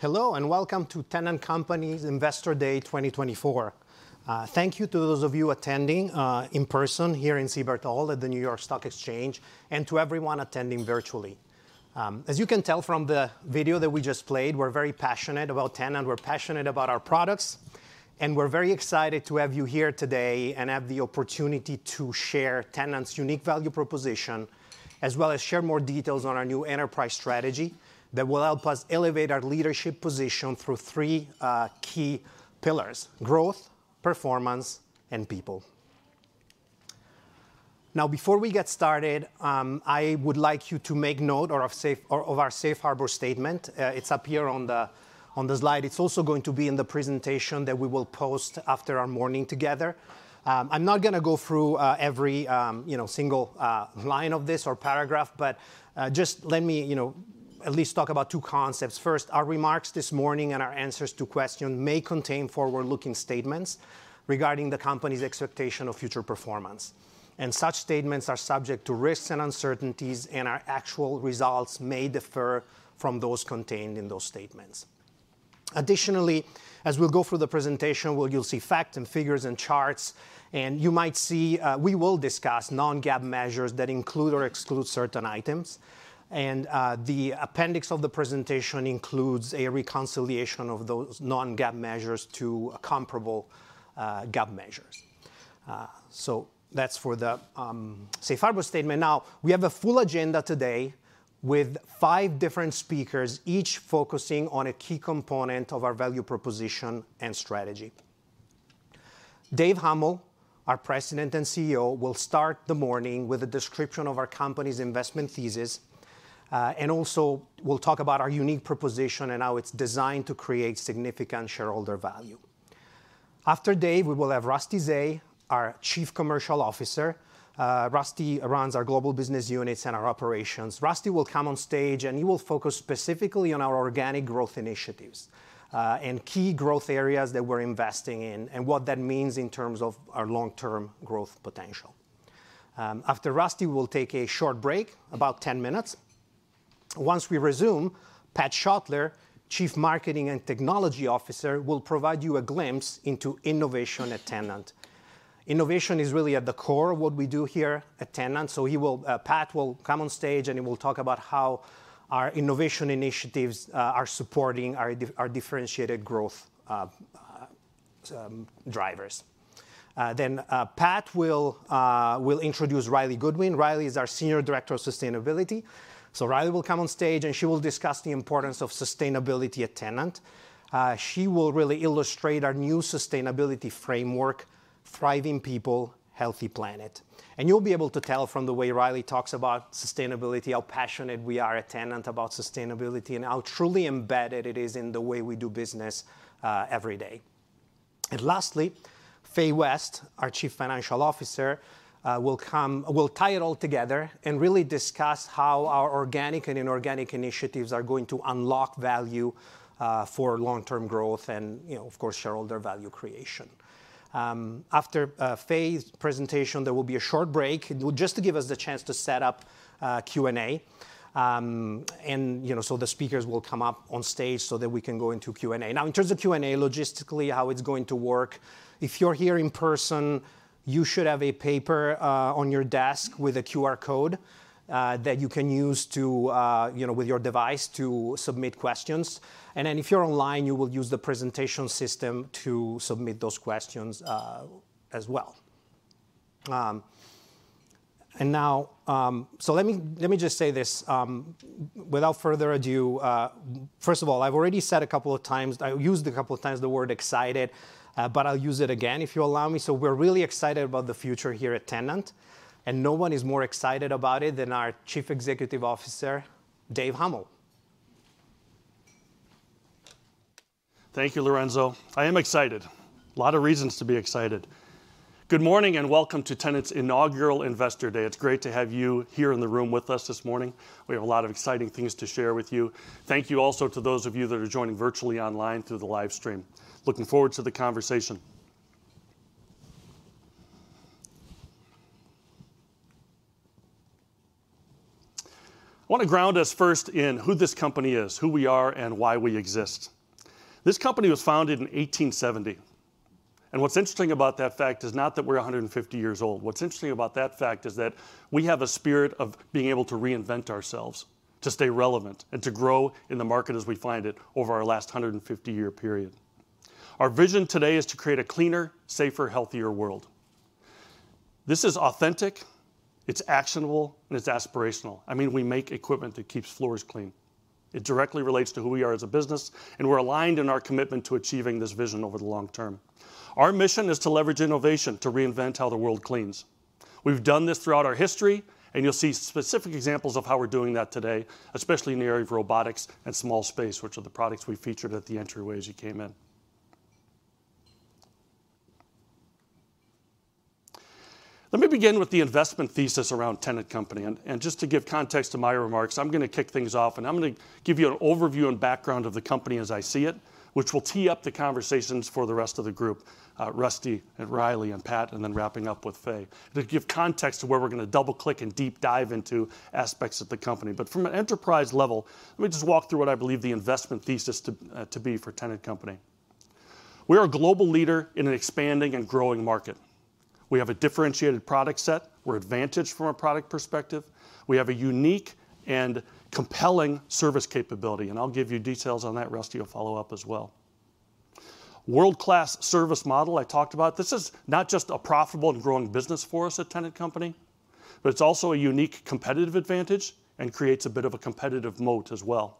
Hello and welcome to Tennant Company's Investor Day 2024. Thank you to those of you attending in person here in Siebert Hall at the New York Stock Exchange and to everyone attending virtually. As you can tell from the video that we just played, we're very passionate about Tennant, we're passionate about our products, and we're very excited to have you here today and have the opportunity to share Tennant's unique value proposition as well as share more details on our new enterprise strategy that will help us elevate our leadership position through three key pillars: growth, performance, and people. Now, before we get started, I would like you to make note of our safe harbor statement. It's up here on the slide. It's also going to be in the presentation that we will post after our morning together. I'm not going to go through every single line of this or paragraph, but just let me at least talk about two concepts. First, our remarks this morning and our answers to questions may contain forward-looking statements regarding the company's expectation of future performance. Such statements are subject to risks and uncertainties, and our actual results may differ from those contained in those statements. Additionally, as we'll go through the presentation, you'll see facts and figures and charts, and you might see we will discuss non-GAAP measures that include or exclude certain items. The appendix of the presentation includes a reconciliation of those non-GAAP measures to comparable GAAP measures. That's for the safe harbor statement. Now, we have a full agenda today with five different speakers, each focusing on a key component of our value proposition and strategy. Dave Huml, our President and CEO, will start the morning with a description of our company's investment thesis, and also we'll talk about our unique proposition and how it's designed to create significant shareholder value. After Dave, we will have Rusty Zay, our Chief Commercial Officer. Rusty runs our global business units and our operations. Rusty will come on stage, and he will focus specifically on our organic growth initiatives and key growth areas that we're investing in and what that means in terms of our long-term growth potential. After Rusty, we'll take a short break, about 10 minutes. Once we resume, Pat Schottler, Chief Marketing and Technology Officer, will provide you a glimpse into innovation at Tennant. Innovation is really at the core of what we do here at Tennant. Pat will come on stage, and he will talk about how our innovation initiatives are supporting our differentiated growth drivers. Pat will introduce Riley Goodwin. Riley is our Senior Director of Sustainability. Riley will come on stage, and she will discuss the importance of sustainability at Tennant. She will really illustrate our new sustainability framework, Thriving People. Healthy Planet. You'll be able to tell from the way Riley talks about sustainability how passionate we are at Tennant about sustainability and how truly embedded it is in the way we do business every day. Lastly, Fay West, our Chief Financial Officer, will tie it all together and really discuss how our organic and inorganic initiatives are going to unlock value for long-term growth and, of course, shareholder value creation. After Fay's presentation, there will be a short break just to give us the chance to set up Q&A. So the speakers will come up on stage so that we can go into Q&A. Now, in terms of Q&A, logistically, how it's going to work, if you're here in person, you should have a paper on your desk with a QR code that you can use with your device to submit questions. And then if you're online, you will use the presentation system to submit those questions as well. Now, so let me just say this without further ado. First of all, I've already said a couple of times I used a couple of times the word excited, but I'll use it again if you allow me. We're really excited about the future here at Tennant, and no one is more excited about it than our Chief Executive Officer, Dave Huml. Thank you, Lorenzo. I am excited. A lot of reasons to be excited. Good morning and welcome to Tennant's inaugural Investor Day. It's great to have you here in the room with us this morning. We have a lot of exciting things to share with you. Thank you also to those of you that are joining virtually online through the live stream. Looking forward to the conversation. I want to ground us first in who this company is, who we are, and why we exist. This company was founded in 1870. What's interesting about that fact is not that we're 150 years old. What's interesting about that fact is that we have a spirit of being able to reinvent ourselves, to stay relevant, and to grow in the market as we find it over our last 150-year period. Our vision today is to create a cleaner, safer, healthier world. This is authentic, it's actionable, and it's aspirational. I mean, we make equipment that keeps floors clean. It directly relates to who we are as a business, and we're aligned in our commitment to achieving this vision over the long term. Our mission is to leverage innovation to reinvent how the world cleans. We've done this throughout our history, and you'll see specific examples of how we're doing that today, especially in the area of robotics and small space, which are the products we featured at the entryway as you came in. Let me begin with the investment thesis around Tennant Company. Just to give context to my remarks, I'm going to kick things off, and I'm going to give you an overview and background of the company as I see it, which will tee up the conversations for the rest of the group, Rusty and Riley and Pat, and then wrapping up with Fay to give context to where we're going to double-click and deep dive into aspects of the company. From an enterprise level, let me just walk through what I believe the investment thesis to be for Tennant Company. We are a global leader in an expanding and growing market. We have a differentiated product set. We're advantaged from a product perspective. We have a unique and compelling service capability. And I'll give you details on that, Rusty. You'll follow up as well. World-class service model I talked about. This is not just a profitable and growing business for us at Tennant Company, but it's also a unique competitive advantage and creates a bit of a competitive moat as well.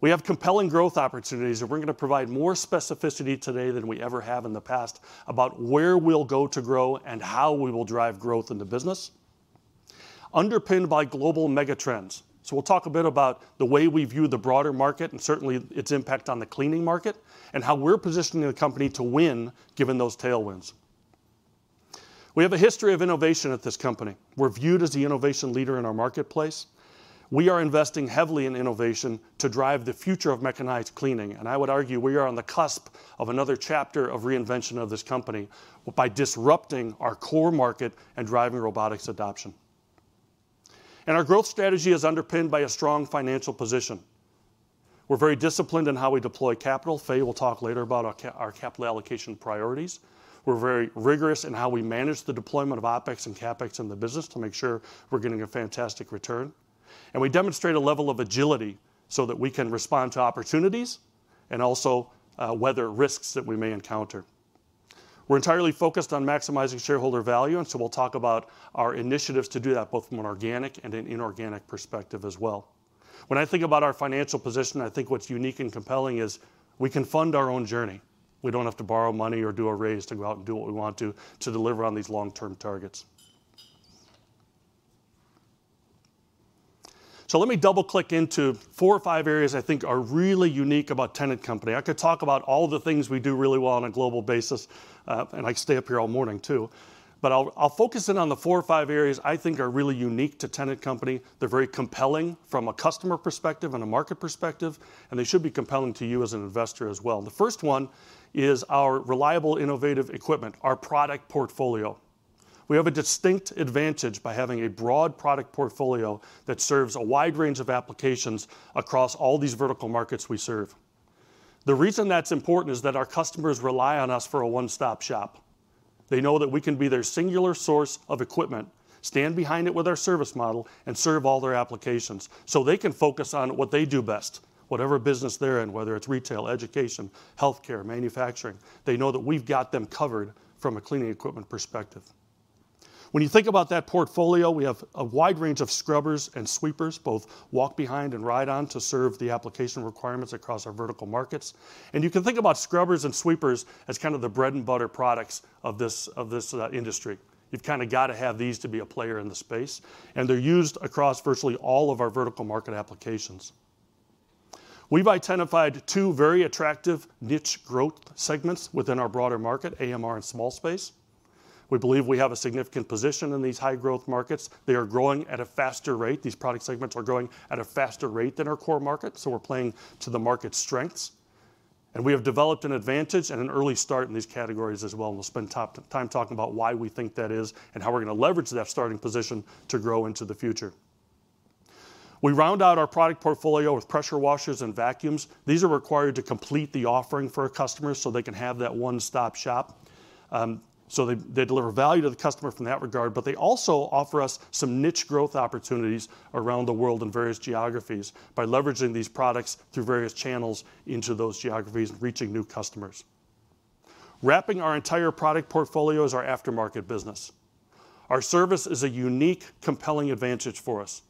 We have compelling growth opportunities, and we're going to provide more specificity today than we ever have in the past about where we'll go to grow and how we will drive growth in the business, underpinned by global megatrends. So we'll talk a bit about the way we view the broader market and certainly its impact on the cleaning market and how we're positioning the company to win given those tailwinds. We have a history of innovation at this company. We're viewed as the innovation leader in our marketplace. We are investing heavily in innovation to drive the future of mechanized cleaning. I would argue we are on the cusp of another chapter of reinvention of this company by disrupting our core market and driving robotics adoption. Our growth strategy is underpinned by a strong financial position. We're very disciplined in how we deploy capital. Fay will talk later about our capital allocation priorities. We're very rigorous in how we manage the deployment of OpEx and CapEx in the business to make sure we're getting a fantastic return. We demonstrate a level of agility so that we can respond to opportunities and also weather risks that we may encounter. We're entirely focused on maximizing shareholder value, and so we'll talk about our initiatives to do that both from an organic and an inorganic perspective as well. When I think about our financial position, I think what's unique and compelling is we can fund our own journey. We don't have to borrow money or do a raise to go out and do what we want to deliver on these long-term targets. So let me double-click into four or five areas I think are really unique about Tennant Company. I could talk about all the things we do really well on a global basis, and I stay up here all morning, too. But I'll focus in on the four or five areas I think are really unique to Tennant Company. They're very compelling from a customer perspective and a market perspective, and they should be compelling to you as an investor as well. The first one is our reliable, innovative equipment, our product portfolio. We have a distinct advantage by having a broad product portfolio that serves a wide range of applications across all these vertical markets we serve. The reason that's important is that our customers rely on us for a one-stop shop. They know that we can be their singular source of equipment, stand behind it with our service model, and serve all their applications so they can focus on what they do best, whatever business they're in, whether it's retail, education, health care, manufacturing. They know that we've got them covered from a cleaning equipment perspective. When you think about that portfolio, we have a wide range of scrubbers and sweepers, both walk-behind and ride-on, to serve the application requirements across our vertical markets. And you can think about scrubbers and sweepers as kind of the bread and butter products of this industry. You've kind of got to have these to be a player in the space. And they're used across virtually all of our vertical market applications. We've identified two very attractive niche growth segments within our broader market, AMR and small space. We believe we have a significant position in these high-growth markets. They are growing at a faster rate. These product segments are growing at a faster rate than our core market. So we're playing to the market's strengths. We have developed an advantage and an early start in these categories as well. We'll spend time talking about why we think that is and how we're going to leverage that starting position to grow into the future. We round out our product portfolio with pressure washers and vacuums. These are required to complete the offering for a customer so they can have that one-stop shop. So they deliver value to the customer from that regard. But they also offer us some niche growth opportunities around the world in various geographies by leveraging these products through various channels into those geographies and reaching new customers. Wrapping our entire product portfolio is our aftermarket business. Our service is a unique, compelling advantage for us.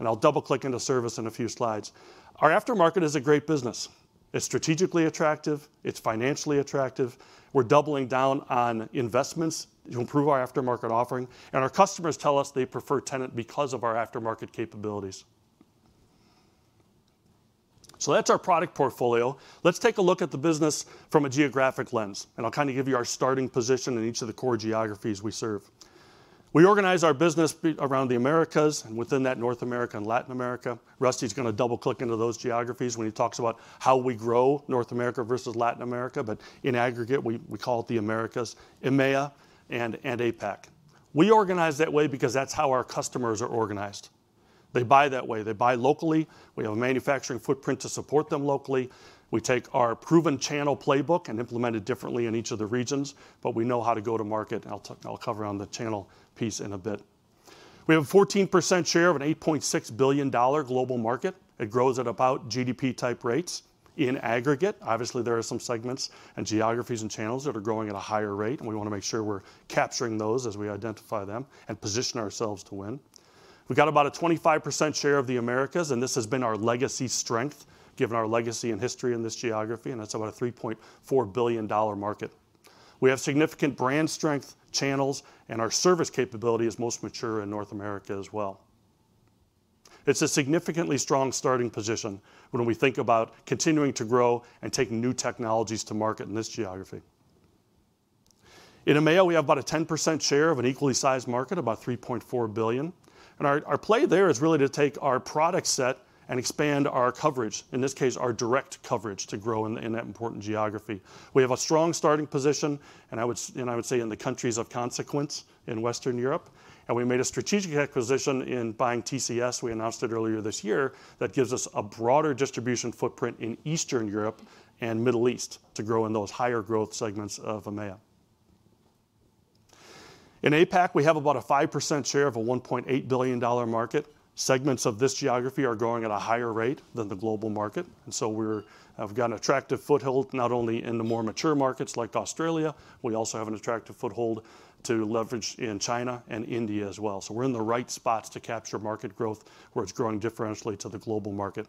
I'll double-click into service in a few slides. Our aftermarket is a great business. It's strategically attractive. It's financially attractive. We're doubling down on investments to improve our aftermarket offering. Our customers tell us they prefer Tennant because of our aftermarket capabilities. That's our product portfolio. Let's take a look at the business from a geographic lens. I'll kind of give you our starting position in each of the core geographies we serve. We organize our business around the Americas and within that, North America and Latin America. Rusty's going to double-click into those geographies when he talks about how we grow North America versus Latin America. But in aggregate, we call it the Americas, EMEA, and APAC. We organize that way because that's how our customers are organized. They buy that way. They buy locally. We have a manufacturing footprint to support them locally. We take our proven channel playbook and implement it differently in each of the regions. But we know how to go to market. And I'll cover on the channel piece in a bit. We have a 14% share of an $8.6 billion global market. It grows at about GDP-type rates in aggregate. Obviously, there are some segments and geographies and channels that are growing at a higher rate. And we want to make sure we're capturing those as we identify them and position ourselves to win. We've got about a 25% share of the Americas. This has been our legacy strength given our legacy and history in this geography. That's about a $3.4 billion market. We have significant brand strength, channels, and our service capability is most mature in North America as well. It's a significantly strong starting position when we think about continuing to grow and taking new technologies to market in this geography. In EMEA, we have about a 10% share of an equally sized market, about $3.4 billion. Our play there is really to take our product set and expand our coverage, in this case, our direct coverage, to grow in that important geography. We have a strong starting position, and I would say in the countries of consequence in Western Europe. We made a strategic acquisition in buying TCS. We announced it earlier this year. That gives us a broader distribution footprint in Eastern Europe and Middle East to grow in those higher growth segments of EMEA. In APAC, we have about a 5% share of a $1.8 billion market. Segments of this geography are growing at a higher rate than the global market. And so we've got an attractive foothold not only in the more mature markets like Australia. We also have an attractive foothold to leverage in China and India as well. So we're in the right spots to capture market growth where it's growing differentially to the global market.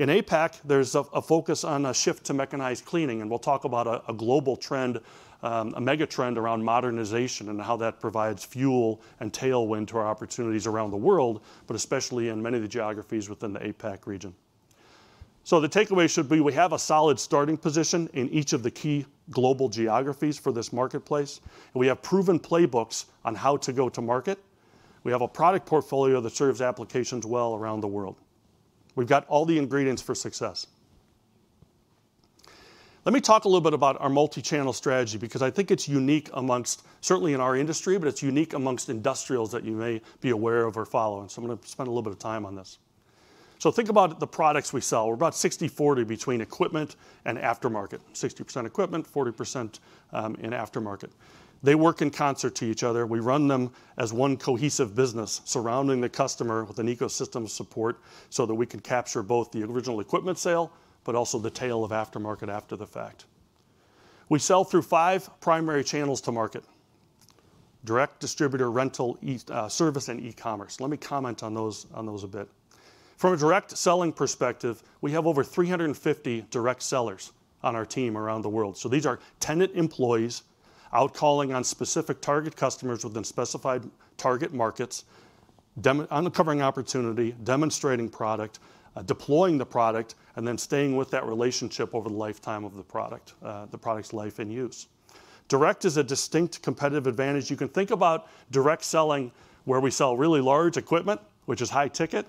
In APAC, there's a focus on a shift to mechanized cleaning. And we'll talk about a global trend, a megatrend around modernization and how that provides fuel and tailwind to our opportunities around the world, but especially in many of the geographies within the APAC region. The takeaway should be we have a solid starting position in each of the key global geographies for this marketplace. We have proven playbooks on how to go to market. We have a product portfolio that serves applications well around the world. We've got all the ingredients for success. Let me talk a little bit about our multi-channel strategy because I think it's unique amongst, certainly in our industry, but it's unique amongst industrials that you may be aware of or follow. So I'm going to spend a little bit of time on this. Think about the products we sell. We're about 60/40 between equipment and aftermarket, 60% equipment, 40% in aftermarket. They work in concert to each other. We run them as one cohesive business surrounding the customer with an ecosystem of support so that we can capture both the original equipment sale but also the tail of aftermarket after the fact. We sell through five primary channels to market: direct, distributor, rental, service, and e-commerce. Let me comment on those a bit. From a direct selling perspective, we have over 350 direct sellers on our team around the world. So these are Tennant employees outcalling on specific target customers within specified target markets, uncovering opportunity, demonstrating product, deploying the product, and then staying with that relationship over the lifetime of the product, the product's life in use. Direct is a distinct competitive advantage. You can think about direct selling where we sell really large equipment, which is high-ticket,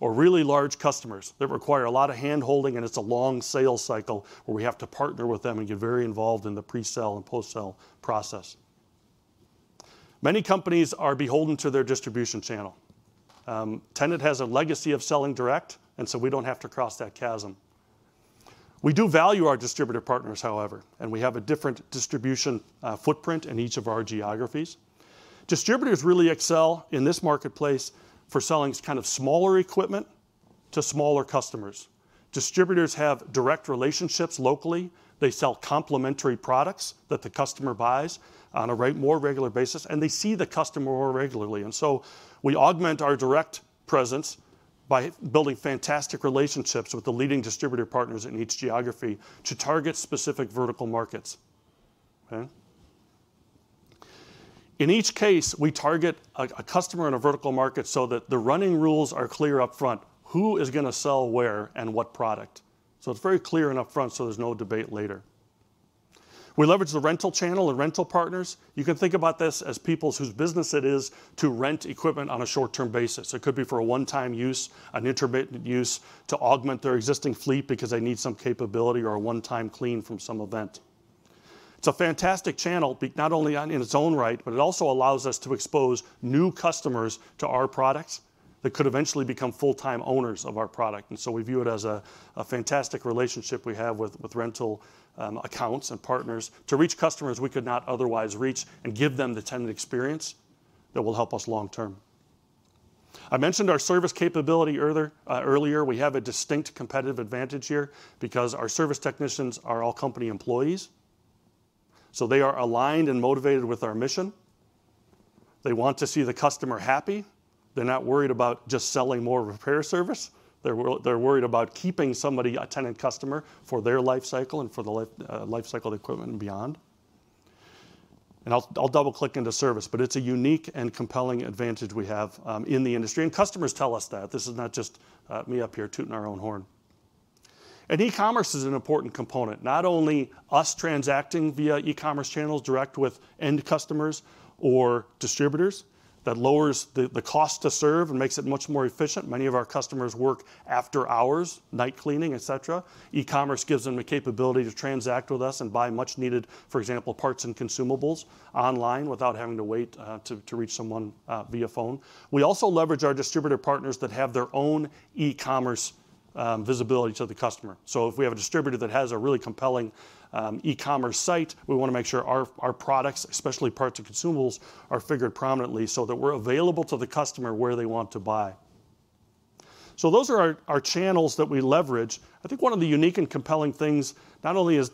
or really large customers that require a lot of hand-holding. It's a long sales cycle where we have to partner with them and get very involved in the presale and post-sale process. Many companies are beholden to their distribution channel. Tennant has a legacy of selling direct, and so we don't have to cross that chasm. We do value our distributor partners, however, and we have a different distribution footprint in each of our geographies. Distributors really excel in this marketplace for selling kind of smaller equipment to smaller customers. Distributors have direct relationships locally. They sell complementary products that the customer buys on a more regular basis, and they see the customer more regularly. And so we augment our direct presence by building fantastic relationships with the leading distributor partners in each geography to target specific vertical markets. In each case, we target a customer in a vertical market so that the running rules are clear up front: who is going to sell where and what product. So it's very clear and up front, so there's no debate later. We leverage the rental channel and rental partners. You can think about this as people whose business it is to rent equipment on a short-term basis. It could be for a one-time use, an intermittent use, to augment their existing fleet because they need some capability or a one-time clean from some event. It's a fantastic channel not only in its own right, but it also allows us to expose new customers to our products that could eventually become full-time owners of our product. And so we view it as a fantastic relationship we have with rental accounts and partners to reach customers we could not otherwise reach and give them the Tennant experience that will help us long term. I mentioned our service capability earlier. We have a distinct competitive advantage here because our service technicians are all company employees. So they are aligned and motivated with our mission. They want to see the customer happy. They're not worried about just selling more repair service. They're worried about keeping somebody, a Tennant customer, for their lifecycle and for the lifecycle of equipment and beyond. And I'll double-click into service. But it's a unique and compelling advantage we have in the industry. And customers tell us that. This is not just me up here tooting our own horn. E-commerce is an important component, not only us transacting via e-commerce channels direct with end customers or distributors. That lowers the cost to serve and makes it much more efficient. Many of our customers work after hours, night cleaning, et cetera. E-commerce gives them the capability to transact with us and buy much-needed, for example, parts and consumables online without having to wait to reach someone via phone. We also leverage our distributor partners that have their own e-commerce visibility to the customer. So if we have a distributor that has a really compelling e-commerce site, we want to make sure our products, especially parts and consumables, are figured prominently so that we're available to the customer where they want to buy. So those are our channels that we leverage. I think one of the unique and compelling things not only is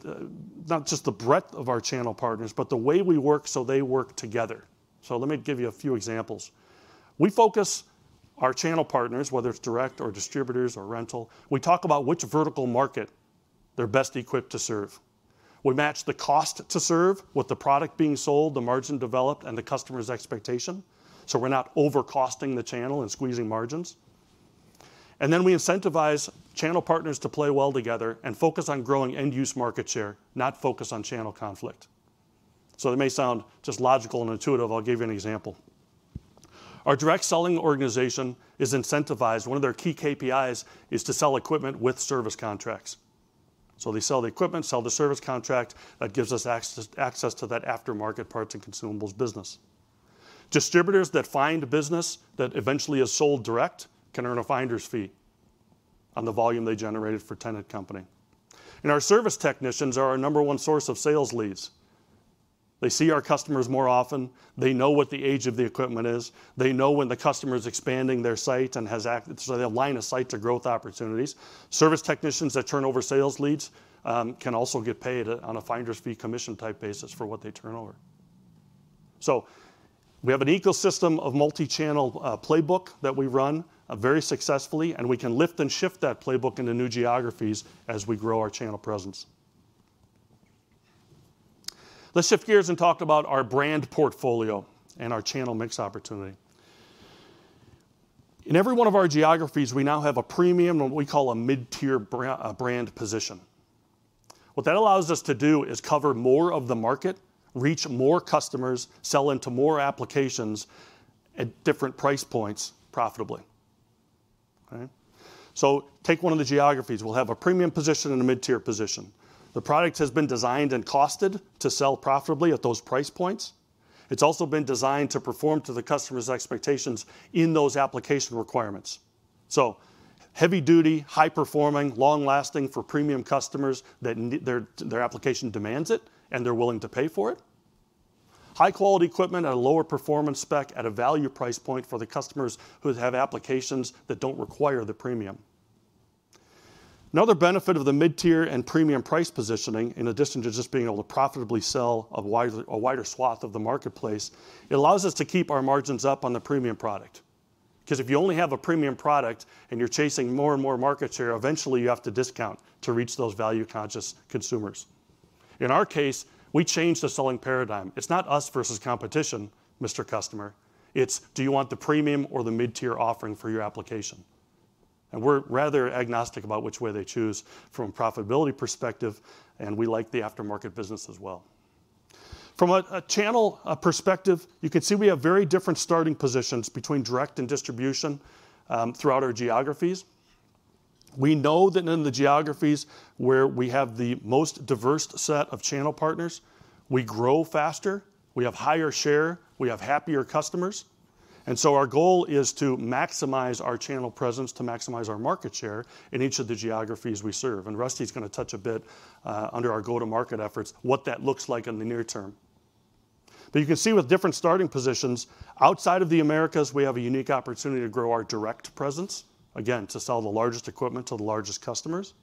not just the breadth of our channel partners, but the way we work so they work together. So let me give you a few examples. We focus our channel partners, whether it's direct or distributors or rental. We talk about which vertical market they're best equipped to serve. We match the cost to serve with the product being sold, the margin developed, and the customer's expectation so we're not overcosting the channel and squeezing margins. Then we incentivize channel partners to play well together and focus on growing end-use market share, not focus on channel conflict. So it may sound just logical and intuitive. I'll give you an example. Our direct selling organization is incentivized. One of their key KPIs is to sell equipment with service contracts. So they sell the equipment, sell the service contract. That gives us access to that aftermarket parts and consumables business. Distributors that find a business that eventually is sold direct can earn a finder's fee on the volume they generated for Tennant Company. Our service technicians are our number one source of sales leads. They see our customers more often. They know what the age of the equipment is. They know when the customer is expanding their site and has, so they align a site to growth opportunities. Service technicians that turn over sales leads can also get paid on a finder's fee commission-type basis for what they turn over. We have an ecosystem of multi-channel playbook that we run very successfully. We can lift and shift that playbook into new geographies as we grow our channel presence. Let's shift gears and talk about our brand portfolio and our channel mix opportunity. In every one of our geographies, we now have a premium, what we call a mid-tier brand position. What that allows us to do is cover more of the market, reach more customers, sell into more applications at different price points profitably. So take one of the geographies. We'll have a premium position and a mid-tier position. The product has been designed and costed to sell profitably at those price points. It's also been designed to perform to the customer's expectations in those application requirements. So heavy-duty, high-performing, long-lasting for premium customers that their application demands it and they're willing to pay for it. High-quality equipment at a lower performance spec at a value price point for the customers who have applications that don't require the premium. Another benefit of the mid-tier and premium price positioning, in addition to just being able to profitably sell a wider swath of the marketplace, it allows us to keep our margins up on the premium product. Because if you only have a premium product and you're chasing more and more market share, eventually, you have to discount to reach those value-conscious consumers. In our case, we changed the selling paradigm. It's not us versus competition, Mr. Customer. It's, do you want the premium or the mid-tier offering for your application? And we're rather agnostic about which way they choose from a profitability perspective. And we like the aftermarket business as well. From a channel perspective, you can see we have very different starting positions between direct and distribution throughout our geographies. We know that in the geographies where we have the most diverse set of channel partners, we grow faster. We have higher share. We have happier customers. So our goal is to maximize our channel presence, to maximize our market share in each of the geographies we serve. Rusty is going to touch a bit under our go-to-market efforts what that looks like in the near term. But you can see with different starting positions, outside of the Americas, we have a unique opportunity to grow our direct presence, again, to sell the largest equipment to the largest customers.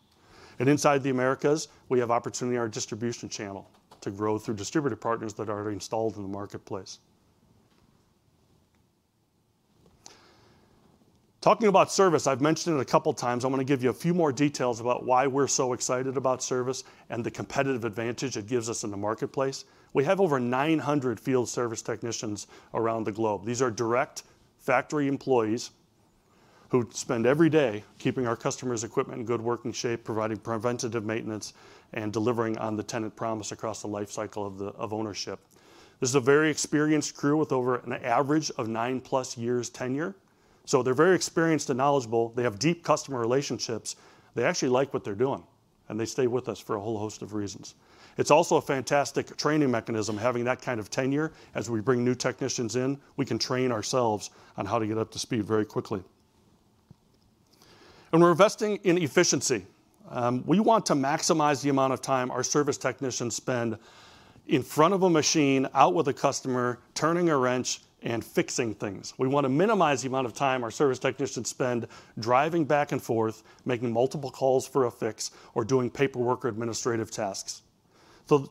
Inside the Americas, we have opportunity in our distribution channel to grow through distributor partners that are installed in the marketplace. Talking about service, I've mentioned it a couple of times. I want to give you a few more details about why we're so excited about service and the competitive advantage it gives us in the marketplace. We have over 900 field service technicians around the globe. These are direct factory employees who spend every day keeping our customers' equipment in good working shape, providing preventative maintenance, and delivering on the Tennant promise across the lifecycle of ownership. This is a very experienced crew with over an average of nine plus years' tenure. So they're very experienced and knowledgeable. They have deep customer relationships. They actually like what they're doing. And they stay with us for a whole host of reasons. It's also a fantastic training mechanism, having that kind of tenure. As we bring new technicians in, we can train ourselves on how to get up to speed very quickly. And we're investing in efficiency. We want to maximize the amount of time our service technicians spend in front of a machine, out with a customer, turning a wrench, and fixing things. We want to minimize the amount of time our service technicians spend driving back and forth, making multiple calls for a fix, or doing paperwork or administrative tasks.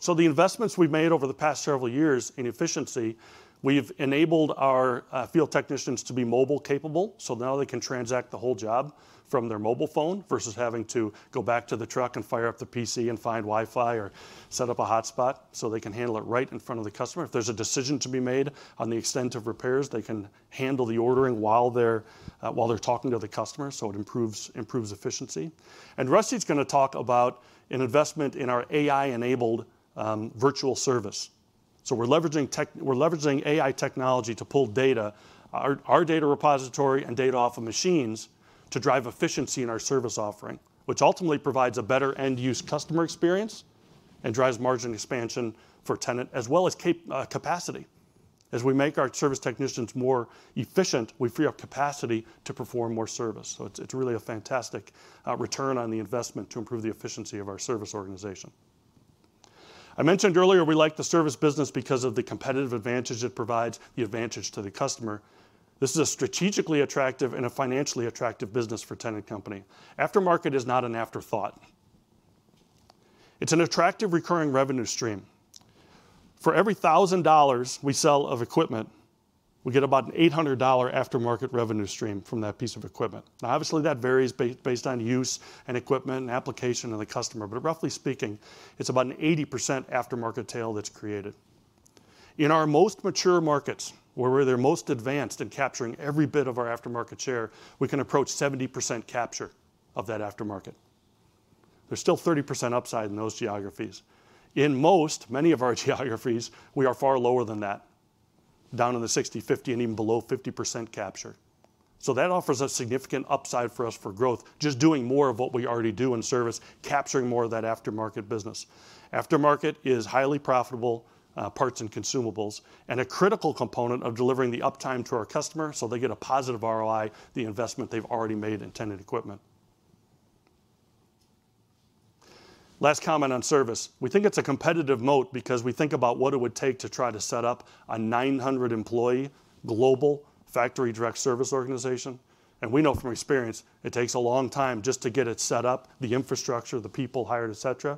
So the investments we've made over the past several years in efficiency, we've enabled our field technicians to be mobile-capable. So now they can transact the whole job from their mobile phone versus having to go back to the truck and fire up the PC and find Wi-Fi or set up a hotspot so they can handle it right in front of the customer. If there's a decision to be made on the extent of repairs, they can handle the ordering while they're talking to the customer. So it improves efficiency. And Rusty is going to talk about an investment in our AI-enabled virtual service. So we're leveraging AI technology to pull data, our data repository, and data off of machines to drive efficiency in our service offering, which ultimately provides a better end-use customer experience and drives margin expansion for Tennant as well as capacity. As we make our service technicians more efficient, we free up capacity to perform more service. So it's really a fantastic return on the investment to improve the efficiency of our service organization. I mentioned earlier we like the service business because of the competitive advantage it provides, the advantage to the customer. This is a strategically attractive and a financially attractive business for Tennant Company. Aftermarket is not an afterthought. It's an attractive recurring revenue stream. For every $1,000 we sell of equipment, we get about an $800 aftermarket revenue stream from that piece of equipment. Now, obviously, that varies based on use and equipment and application and the customer. But roughly speaking, it's about an 80% aftermarket tail that's created. In our most mature markets, where we're the most advanced in capturing every bit of our aftermarket share, we can approach 70% capture of that aftermarket. There's still 30% upside in those geographies. In most, many of our geographies, we are far lower than that, down in the 60%, 50%, and even below 50% capture. So that offers a significant upside for us for growth, just doing more of what we already do in service, capturing more of that aftermarket business. Aftermarket is highly profitable parts and consumables and a critical component of delivering the uptime to our customer so they get a positive ROI, the investment they've already made in Tennant equipment. Last comment on service. We think it's a competitive moat because we think about what it would take to try to set up a 900-employee global factory direct service organization. We know from experience it takes a long time just to get it set up, the infrastructure, the people hired, et cetera.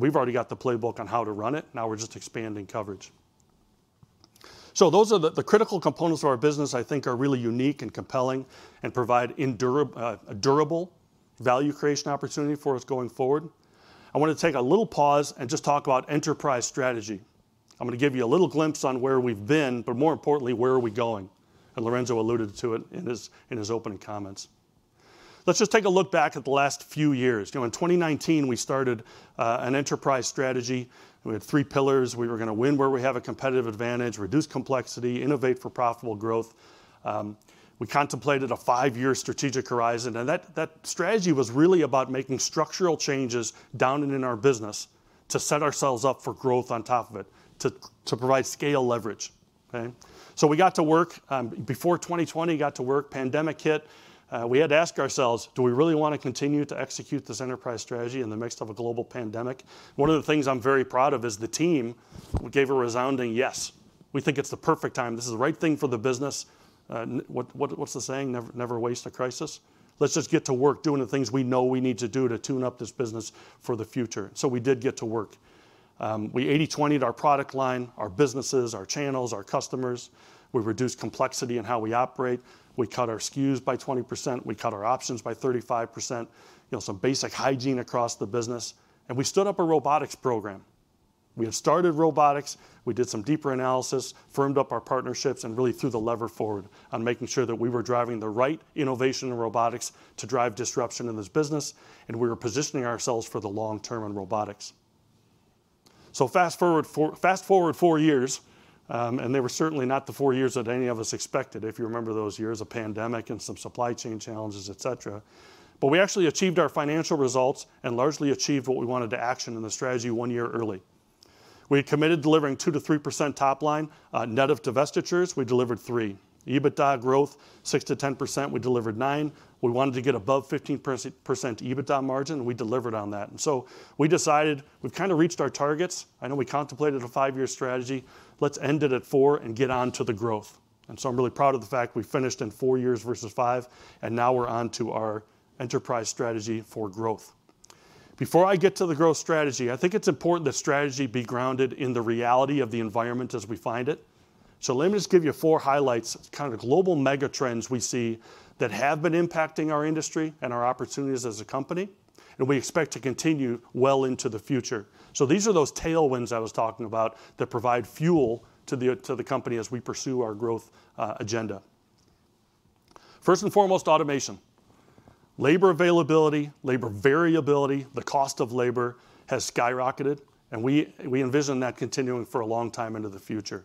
We've already got the playbook on how to run it. Now we're just expanding coverage. So those are the critical components of our business, I think, are really unique and compelling and provide a durable value creation opportunity for us going forward. I want to take a little pause and just talk about enterprise strategy. I'm going to give you a little glimpse on where we've been, but more importantly, where are we going? Lorenzo alluded to it in his opening comments. Let's just take a look back at the last few years. In 2019, we started an enterprise strategy. We had three pillars. We were going to win where we have a competitive advantage, reduce complexity, innovate for profitable growth. We contemplated a five-year strategic horizon. And that strategy was really about making structural changes down and in our business to set ourselves up for growth on top of it, to provide scale leverage. So we got to work. Before 2020, we got to work. Pandemic hit. We had to ask ourselves, do we really want to continue to execute this enterprise strategy in the midst of a global pandemic? One of the things I'm very proud of is the team gave a resounding yes. We think it's the perfect time. This is the right thing for the business. What's the saying? Never waste a crisis. Let's just get to work doing the things we know we need to do to tune up this business for the future. So we did get to work. We 80/20 our product line, our businesses, our channels, our customers. We reduced complexity in how we operate. We cut our SKUs by 20%. We cut our options by 35%, some basic hygiene across the business. And we stood up a robotics program. We had started robotics. We did some deeper analysis, firmed up our partnerships, and really threw the lever forward on making sure that we were driving the right innovation in robotics to drive disruption in this business. And we were positioning ourselves for the long term in robotics. So fast forward four years. And they were certainly not the four years that any of us expected, if you remember those years, a pandemic and some supply chain challenges, et cetera. But we actually achieved our financial results and largely achieved what we wanted to action in the strategy one year early. We had committed delivering 2%-3% topline net of divestitures. We delivered 3%. EBITDA growth, 6%-10%. We delivered 9%. We wanted to get above 15% EBITDA margin. We delivered on that. So we decided we've kind of reached our targets. I know we contemplated a five-year strategy. Let's end it at four and get on to the growth. So I'm really proud of the fact we finished in four years versus five. Now we're on to our enterprise strategy for growth. Before I get to the growth strategy, I think it's important that strategy be grounded in the reality of the environment as we find it. So let me just give you four highlights, kind of global megatrends we see that have been impacting our industry and our opportunities as a company. We expect to continue well into the future. So these are those tailwinds I was talking about that provide fuel to the company as we pursue our growth agenda. First and foremost, automation. Labor availability, labor variability, the cost of labor has skyrocketed. And we envision that continuing for a long time into the future.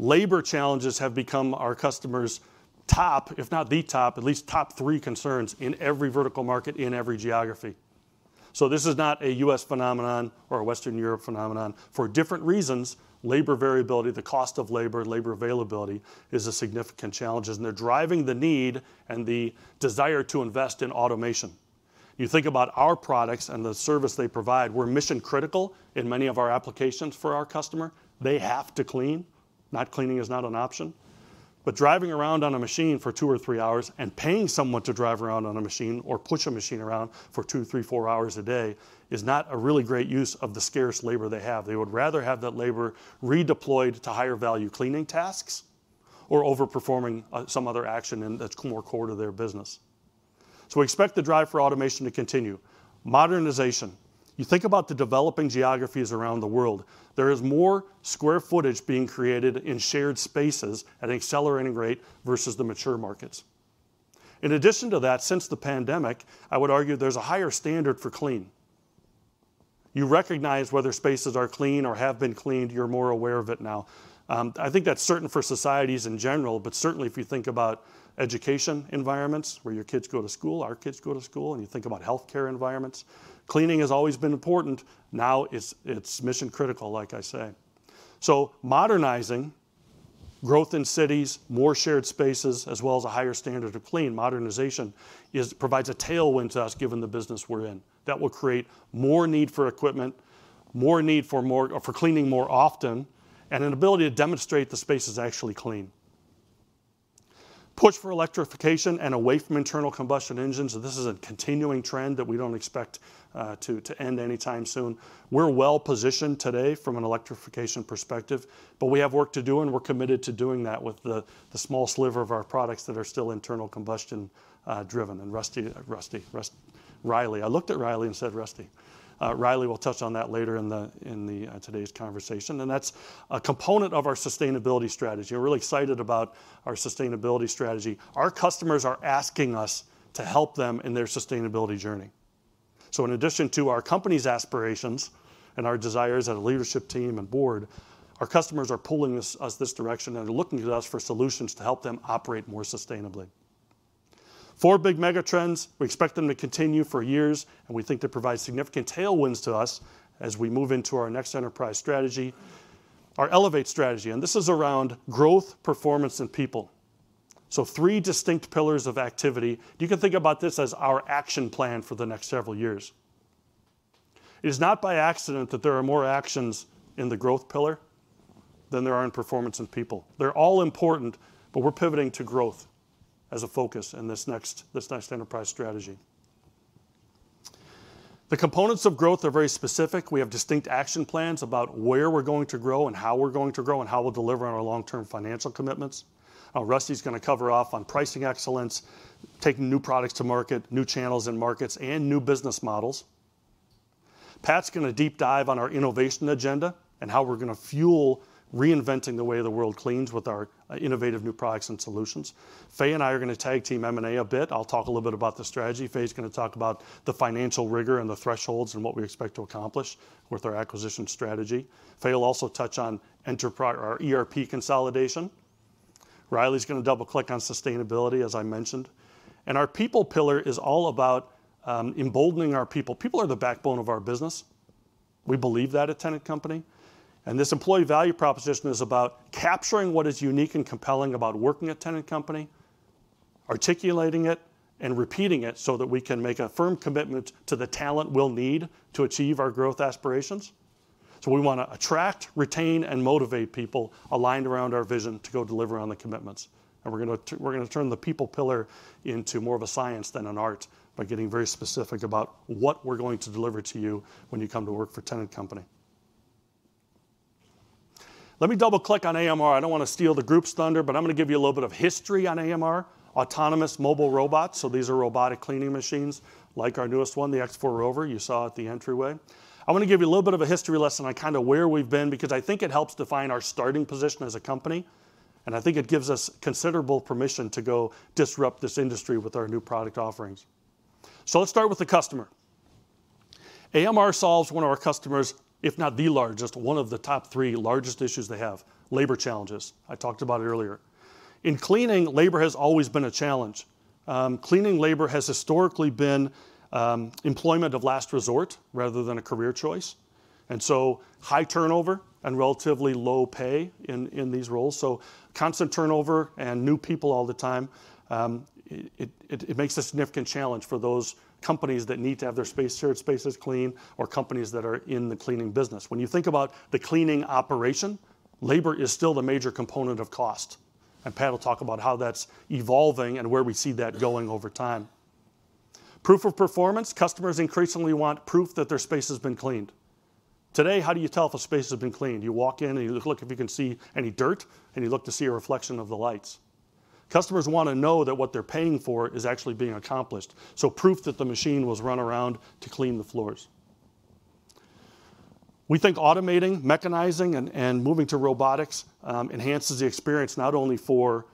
Labor challenges have become our customers' top, if not the top, at least top three concerns in every vertical market in every geography. So this is not a U.S. phenomenon or a Western Europe phenomenon. For different reasons, labor variability, the cost of labor, labor availability is a significant challenge. And they're driving the need and the desire to invest in automation. You think about our products and the service they provide. We're mission-critical in many of our applications for our customer. They have to clean. Not cleaning is not an option. But driving around on a machine for two or three hours and paying someone to drive around on a machine or push a machine around for two, three, four hours a day is not a really great use of the scarce labor they have. They would rather have that labor redeployed to higher-value cleaning tasks or overperforming some other action in the core of their business. So we expect the drive for automation to continue. Modernization. You think about the developing geographies around the world. There is more square footage being created in shared spaces at an accelerating rate versus the mature markets. In addition to that, since the pandemic, I would argue there's a higher standard for clean. You recognize whether spaces are clean or have been cleaned. You're more aware of it now. I think that's certain for societies in general. But certainly, if you think about education environments where your kids go to school, our kids go to school, and you think about health care environments, cleaning has always been important. Now it's mission-critical, like I say. So modernizing, growth in cities, more shared spaces, as well as a higher standard of clean, modernization provides a tailwind to us given the business we're in. That will create more need for equipment, more need for cleaning more often, and an ability to demonstrate the space is actually clean. Push for electrification and away from internal combustion engines. And this is a continuing trend that we don't expect to end anytime soon. We're well positioned today from an electrification perspective. But we have work to do. And we're committed to doing that with the small sliver of our products that are still internal combustion driven. And Rusty, Rusty, Riley. I looked at Riley and said Rusty. Riley will touch on that later in today's conversation. That's a component of our sustainability strategy. We're really excited about our sustainability strategy. Our customers are asking us to help them in their sustainability journey. In addition to our company's aspirations and our desires as a leadership team and board, our customers are pulling us this direction. They're looking to us for solutions to help them operate more sustainably. Four big megatrends. We expect them to continue for years. We think they provide significant tailwinds to us as we move into our next enterprise strategy, our Elevate strategy. This is around growth, performance, and people. Three distinct pillars of activity. You can think about this as our action plan for the next several years. It is not by accident that there are more actions in the growth pillar than there are in performance and people. They're all important. But we're pivoting to growth as a focus in this next enterprise strategy. The components of growth are very specific. We have distinct action plans about where we're going to grow and how we're going to grow and how we'll deliver on our long-term financial commitments. Rusty is going to cover off on pricing excellence, taking new products to market, new channels and markets, and new business models. Pat's going to deep dive on our innovation agenda and how we're going to fuel reinventing the way the world cleans with our innovative new products and solutions. Fay and I are going to tag team M&A a bit. I'll talk a little bit about the strategy. Fay is going to talk about the financial rigor and the thresholds and what we expect to accomplish with our acquisition strategy. Fay will also touch on our ERP consolidation. Riley is going to double-click on sustainability, as I mentioned. Our people pillar is all about emboldening our people. People are the backbone of our business. We believe that at Tennant Company. This employee value proposition is about capturing what is unique and compelling about working at Tennant Company, articulating it, and repeating it so that we can make a firm commitment to the talent we'll need to achieve our growth aspirations. We want to attract, retain, and motivate people aligned around our vision to go deliver on the commitments. And we're going to turn the people pillar into more of a science than an art by getting very specific about what we're going to deliver to you when you come to work for Tennant Company. Let me double-click on AMR. I don't want to steal the group's thunder. But I'm going to give you a little bit of history on AMR, autonomous mobile robots. So these are robotic cleaning machines like our newest one, the X4 ROVR. You saw it at the entryway. I want to give you a little bit of a history lesson on kind of where we've been because I think it helps define our starting position as a company. And I think it gives us considerable permission to go disrupt this industry with our new product offerings. So let's start with the customer. AMR solves one of our customers, if not the largest, one of the top three largest issues they have, labor challenges. I talked about it earlier. In cleaning, labor has always been a challenge. Cleaning labor has historically been employment of last resort rather than a career choice. And so high turnover and relatively low pay in these roles. So constant turnover and new people all the time, it makes a significant challenge for those companies that need to have their shared spaces clean or companies that are in the cleaning business. When you think about the cleaning operation, labor is still the major component of cost. And Pat will talk about how that's evolving and where we see that going over time. Proof of performance. Customers increasingly want proof that their space has been cleaned. Today, how do you tell if a space has been cleaned? You walk in, and you look if you can see any dirt. You look to see a reflection of the lights. Customers want to know that what they're paying for is actually being accomplished. Proof that the machine was run around to clean the floors. We think automating, mechanizing, and moving to robotics enhances the experience not only for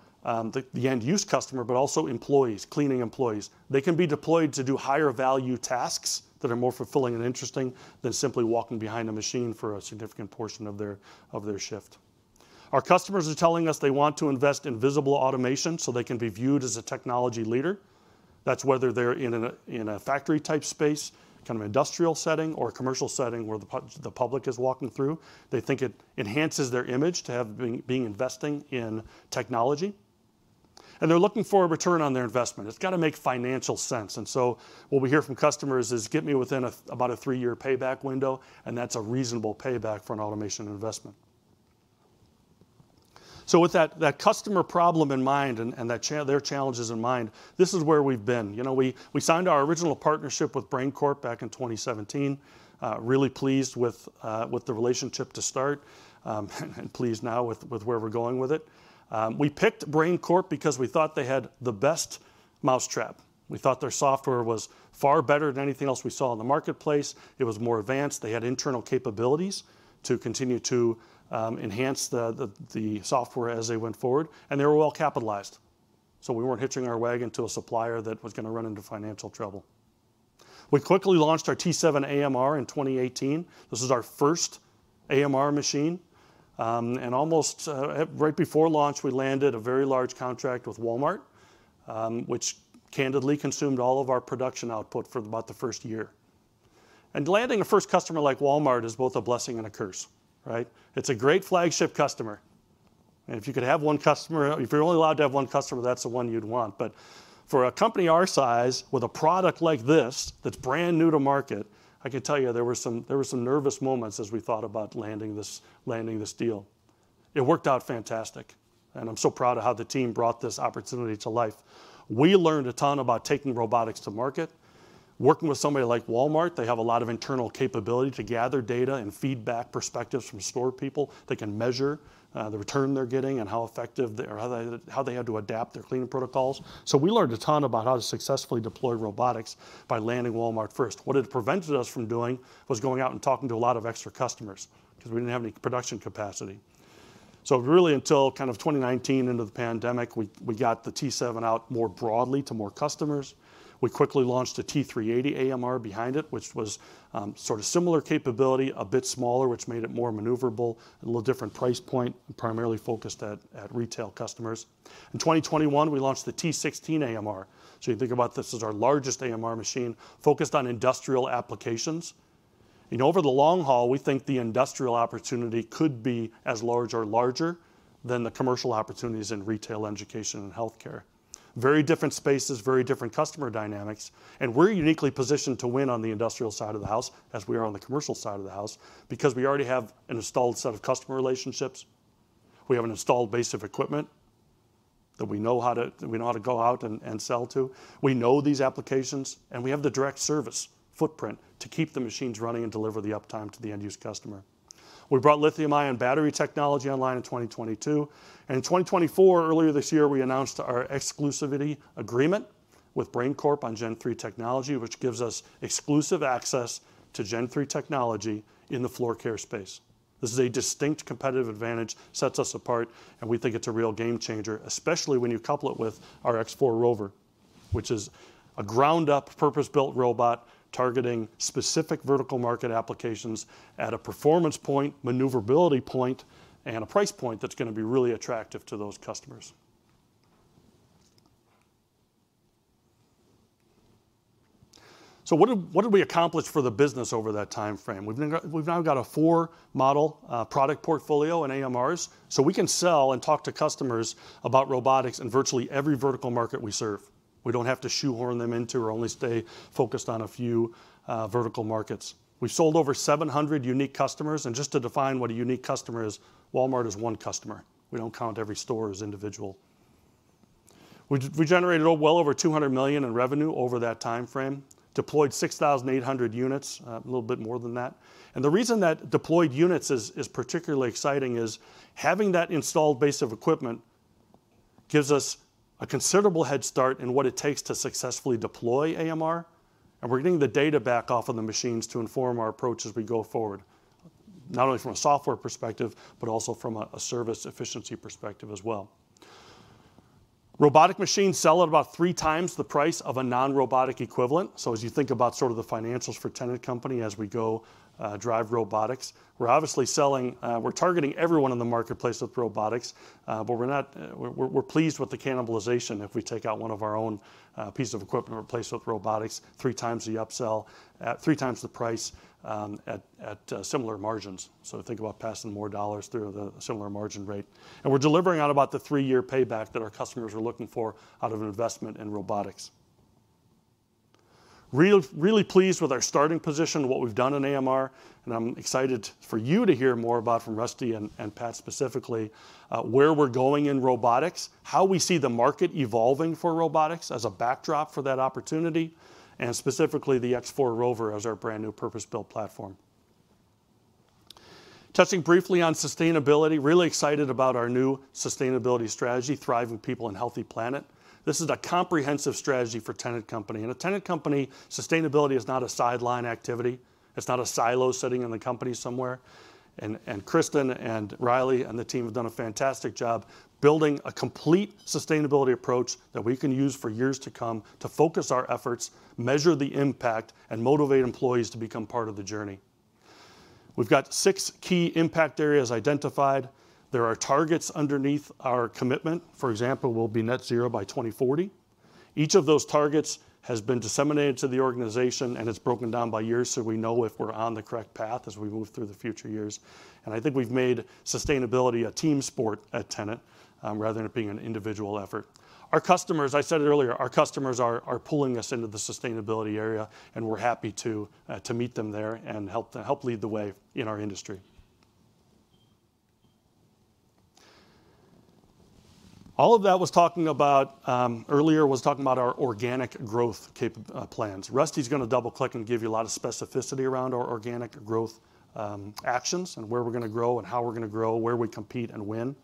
the end-use customer but also employees, cleaning employees. They can be deployed to do higher-value tasks that are more fulfilling and interesting than simply walking behind a machine for a significant portion of their shift. Our customers are telling us they want to invest in visible automation so they can be viewed as a technology leader. That's whether they're in a factory-type space, kind of an industrial setting, or a commercial setting where the public is walking through. They think it enhances their image to have been investing in technology. And they're looking for a return on their investment. It's got to make financial sense. And so what we hear from customers is, get me within about a three-year payback window. And that's a reasonable payback for an automation investment. So with that customer problem in mind and their challenges in mind, this is where we've been. We signed our original partnership with Brain Corp back in 2017, really pleased with the relationship to start and pleased now with where we're going with it. We picked Brain Corp because we thought they had the best mousetrap. We thought their software was far better than anything else we saw in the marketplace. It was more advanced. They had internal capabilities to continue to enhance the software as they went forward. And they were well capitalized. We weren't hitching our wagon to a supplier that was going to run into financial trouble. We quickly launched our T7AMR in 2018. This was our first AMR machine. Almost right before launch, we landed a very large contract with Walmart, which candidly consumed all of our production output for about the first year. Landing a first customer like Walmart is both a blessing and a curse, right? It's a great flagship customer. If you could have one customer if you're only allowed to have one customer, that's the one you'd want. For a company our size with a product like this that's brand new to market, I can tell you there were some nervous moments as we thought about landing this deal. It worked out fantastic. I'm so proud of how the team brought this opportunity to life. We learned a ton about taking robotics to market. Working with somebody like Walmart, they have a lot of internal capability to gather data and feedback perspectives from store people that can measure the return they're getting and how effective they are or how they had to adapt their cleaning protocols. So we learned a ton about how to successfully deploy robotics by landing Walmart first. What it prevented us from doing was going out and talking to a lot of extra customers because we didn't have any production capacity. So really, until kind of 2019, into the pandemic, we got the T7AMR out more broadly to more customers. We quickly launched a T380AMR behind it, which was sort of similar capability, a bit smaller, which made it more maneuverable, a little different price point, and primarily focused at retail customers. In 2021, we launched the T16AMR. You think about this as our largest AMR machine focused on industrial applications. Over the long haul, we think the industrial opportunity could be as large or larger than the commercial opportunities in retail, education, and health care. Very different spaces, very different customer dynamics. We're uniquely positioned to win on the industrial side of the house as we are on the commercial side of the house because we already have an installed set of customer relationships. We have an installed base of equipment that we know how to go out and sell to. We know these applications. We have the direct service footprint to keep the machines running and deliver the uptime to the end-use customer. We brought lithium-ion battery technology online in 2022. In 2024, earlier this year, we announced our exclusivity agreement with Brain Corp on Gen 3 technology, which gives us exclusive access to Gen 3 technology in the floor care space. This is a distinct competitive advantage, sets us apart. And we think it's a real game changer, especially when you couple it with our X4 ROVR, which is a ground-up, purpose-built robot targeting specific vertical market applications at a performance point, maneuverability point, and a price point that's going to be really attractive to those customers. So what did we accomplish for the business over that time frame? We've now got a four-model product portfolio and AMRs. So we can sell and talk to customers about robotics in virtually every vertical market we serve. We don't have to shoehorn them into or only stay focused on a few vertical markets. We've sold over 700 unique customers. Just to define what a unique customer is, Walmart is one customer. We don't count every store as individual. We generated well over $200 million in revenue over that time frame, deployed 6,800 units, a little bit more than that. The reason that deployed units is particularly exciting is having that installed base of equipment gives us a considerable head start in what it takes to successfully deploy AMR. We're getting the data back off of the machines to inform our approach as we go forward, not only from a software perspective but also from a service efficiency perspective as well. Robotic machines sell at about three times the price of a non-robotic equivalent. As you think about sort of the financials for Tennant Company as we go drive robotics, we're obviously selling we're targeting everyone in the marketplace with robotics. We're pleased with the cannibalization if we take out one of our own pieces of equipment and replace it with robotics three times the upsell, three times the price at similar margins. So think about passing more dollars through at a similar margin rate. We're delivering on about the three-year payback that our customers are looking for out of an investment in robotics. Really pleased with our starting position, what we've done in AMR. I'm excited for you to hear more about from Rusty and Pat specifically where we're going in robotics, how we see the market evolving for robotics as a backdrop for that opportunity, and specifically the X4 ROVR as our brand new purpose-built platform. Touching briefly on sustainability, really excited about our new sustainability strategy, Thriving People, Healthy Planet. This is a comprehensive strategy for Tennant Company. At Tennant Company, sustainability is not a sideline activity. It's not a silo sitting in the company somewhere. Kristen and Riley and the team have done a fantastic job building a complete sustainability approach that we can use for years to come to focus our efforts, measure the impact, and motivate employees to become part of the journey. We've got six key impact areas identified. There are targets underneath our commitment. For example, we'll net zero by 2040. Each of those targets has been disseminated to the organization. It's broken down by years so we know if we're on the correct path as we move through the future years. I think we've made sustainability a team sport at Tennant rather than it being an individual effort. Our customers, I said it earlier, our customers are pulling us into the sustainability area. And we're happy to meet them there and help lead the way in our industry. All of that was talking about earlier was talking about our organic growth plans. Rusty is going to double-click and give you a lot of specificity around our organic growth actions and where we're going to grow and how we're going to grow, where we compete, and win.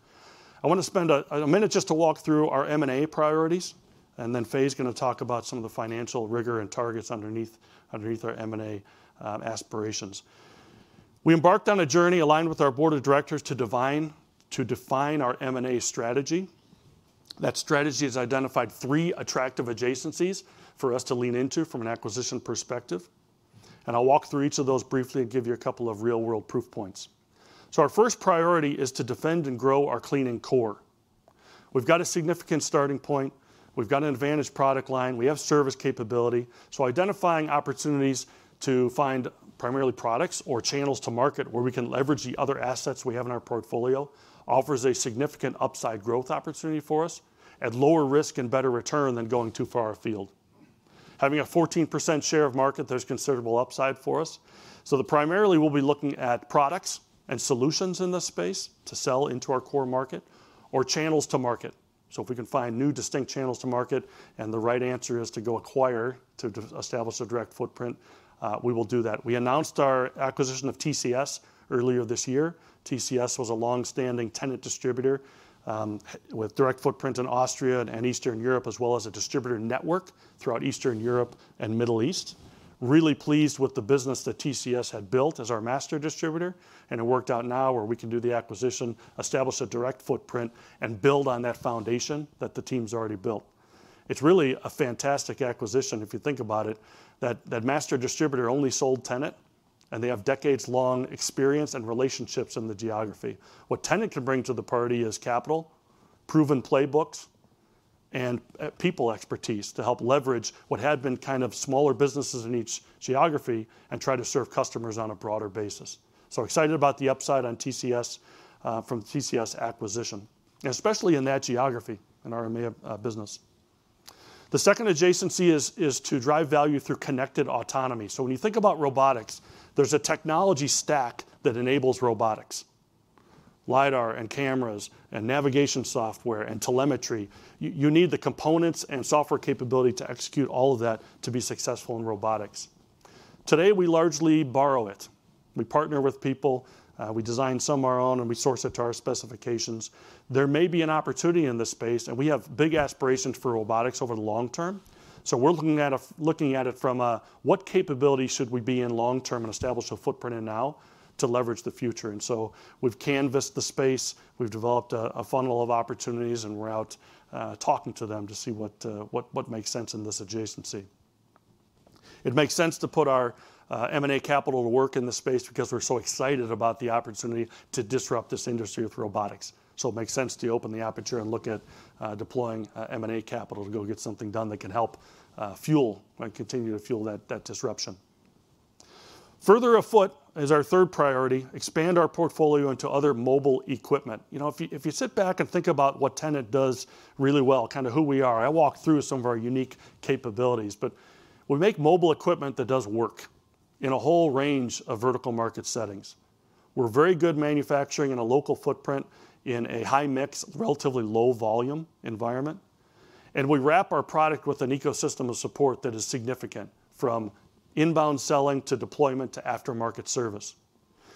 I want to spend a minute just to walk through our M&A priorities. And then Fay is going to talk about some of the financial rigor and targets underneath our M&A aspirations. We embarked on a journey aligned with our board of directors to define our M&A strategy. That strategy has identified three attractive adjacencies for us to lean into from an acquisition perspective. And I'll walk through each of those briefly and give you a couple of real-world proof points. Our first priority is to defend and grow our cleaning core. We've got a significant starting point. We've got an advantaged product line. We have service capability. Identifying opportunities to find primarily products or channels to market where we can leverage the other assets we have in our portfolio offers a significant upside growth opportunity for us at lower risk and better return than going too far afield. Having a 14% share of market, there's considerable upside for us. Primarily, we'll be looking at products and solutions in this space to sell into our core market or channels to market. If we can find new distinct channels to market and the right answer is to go acquire to establish a direct footprint, we will do that. We announced our acquisition of TCS earlier this year. TCS was a longstanding Tennant distributor with direct footprint in Austria and Eastern Europe as well as a distributor network throughout Eastern Europe and Middle East. Really pleased with the business that TCS had built as our master distributor. It worked out now where we can do the acquisition, establish a direct footprint, and build on that foundation that the team's already built. It's really a fantastic acquisition if you think about it. That master distributor only sold Tennant. They have decades-long experience and relationships in the geography. What Tennant can bring to the party is capital, proven playbooks, and people expertise to help leverage what had been kind of smaller businesses in each geography and try to serve customers on a broader basis. Excited about the upside from TCS acquisition, especially in that geography in our M&A business. The second adjacency is to drive value through connected autonomy. So when you think about robotics, there's a technology stack that enables robotics: LiDAR and cameras and navigation software and telemetry. You need the components and software capability to execute all of that to be successful in robotics. Today, we largely borrow it. We partner with people. We design some of our own. And we source it to our specifications. There may be an opportunity in this space. And we have big aspirations for robotics over the long term. So we're looking at it from a, what capability should we be in long term and establish a footprint in now to leverage the future? And so we've canvassed the space. We've developed a funnel of opportunities. And we're out talking to them to see what makes sense in this adjacency. It makes sense to put our M&A capital to work in this space because we're so excited about the opportunity to disrupt this industry with robotics. So it makes sense to open the aperture and look at deploying M&A capital to go get something done that can help fuel and continue to fuel that disruption. Further afoot is our third priority, expand our portfolio into other mobile equipment. If you sit back and think about what Tennant does really well, kind of who we are, I walk through some of our unique capabilities. But we make mobile equipment that does work in a whole range of vertical market settings. We're very good manufacturing in a local footprint in a high-mix, relatively low-volume environment. And we wrap our product with an ecosystem of support that is significant from inbound selling to deployment to aftermarket service.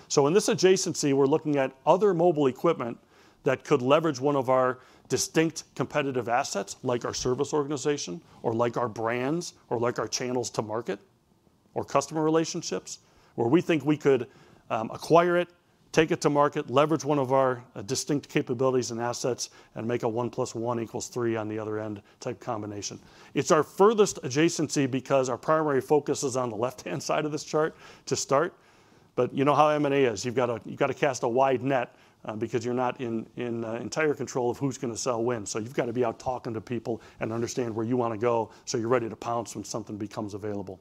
So in this adjacency, we're looking at other mobile equipment that could leverage one of our distinct competitive assets, like our service organization or like our brands or like our channels to market or customer relationships, where we think we could acquire it, take it to market, leverage one of our distinct capabilities and assets, and make a one plus one equals three on the other end type combination. It's our furthest adjacency because our primary focus is on the left-hand side of this chart to start. But you know how M&A is. You've got to cast a wide net because you're not in entire control of who's going to sell, when. So you've got to be out talking to people and understand where you want to go so you're ready to pounce when something becomes available.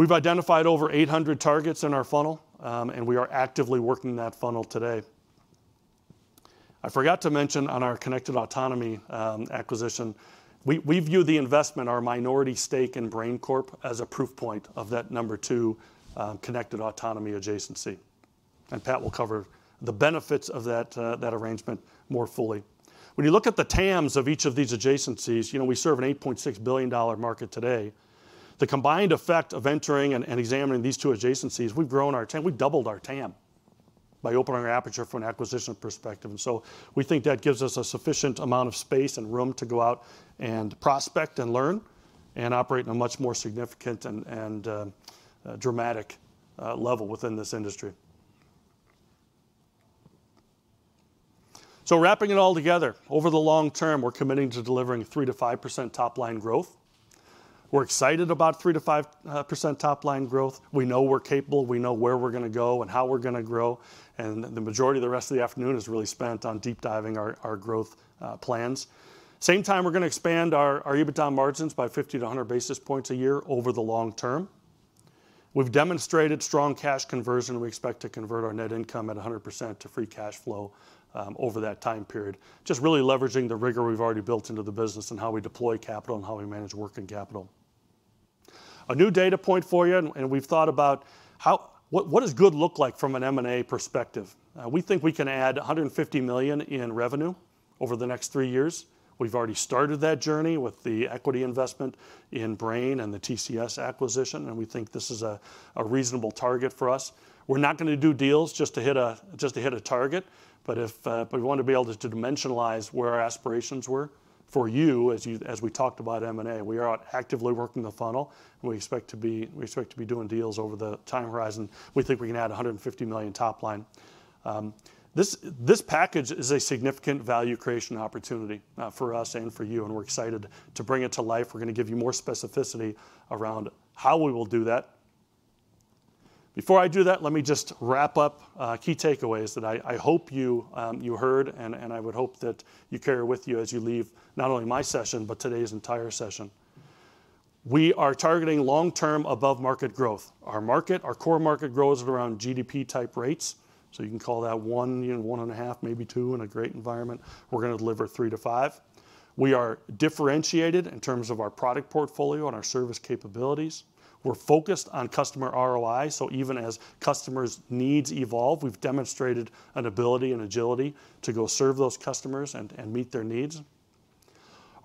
We've identified over 800 targets in our funnel. We are actively working that funnel today. I forgot to mention on our Connected Autonomy acquisition, we view the investment, our minority stake in Brain Corp, as a proof point of that number two Connected Autonomy adjacency. And Pat will cover the benefits of that arrangement more fully. When you look at the TAMs of each of these adjacencies, we serve an $8.6 billion market today. The combined effect of entering and examining these two adjacencies, we've grown our TAM we've doubled our TAM by opening our aperture from an acquisition perspective. And so we think that gives us a sufficient amount of space and room to go out and prospect and learn and operate in a much more significant and dramatic level within this industry. Wrapping it all together, over the long term, we're committing to delivering 3%-5% top-line growth. We're excited about 3%-5% top-line growth. We know we're capable. We know where we're going to go and how we're going to grow. The majority of the rest of the afternoon is really spent on deep-diving our growth plans. Same time, we're going to expand our EBITDA margins by 50-100 basis points a year over the long term. We've demonstrated strong cash conversion. We expect to convert our net income at 100% to free cash flow over that time period, just really leveraging the rigor we've already built into the business and how we deploy capital and how we manage working capital. A new data point for you. We've thought about what does good look like from an M&A perspective. We think we can add $150 million in revenue over the next three years. We've already started that journey with the equity investment in Brain and the TCS acquisition. We think this is a reasonable target for us. We're not going to do deals just to hit a target. But we want to be able to dimensionalize where our aspirations were for you as we talked about M&A. We are actively working the funnel. We expect to be doing deals over the time horizon. We think we can add $150 million top-line. This package is a significant value creation opportunity for us and for you. We're excited to bring it to life. We're going to give you more specificity around how we will do that. Before I do that, let me just wrap up key takeaways that I hope you heard. I would hope that you carry with you as you leave not only my session but today's entire session. We are targeting long-term above-market growth. Our core market grows at around GDP-type rates. So you can call that one, one and a half, maybe two in a great environment. We're going to deliver three to five. We are differentiated in terms of our product portfolio and our service capabilities. We're focused on customer ROI. So even as customers' needs evolve, we've demonstrated an ability and agility to go serve those customers and meet their needs.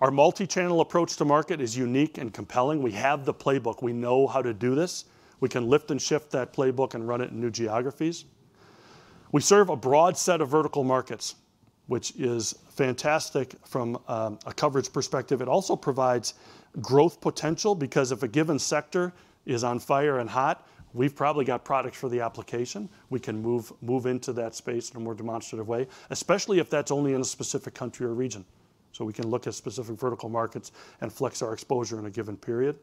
Our multi-channel approach to market is unique and compelling. We have the playbook. We know how to do this. We can lift and shift that playbook and run it in new geographies. We serve a broad set of vertical markets, which is fantastic from a coverage perspective. It also provides growth potential because if a given sector is on fire and hot, we've probably got products for the application. We can move into that space in a more demonstrative way, especially if that's only in a specific country or region. So we can look at specific vertical markets and flex our exposure in a given period.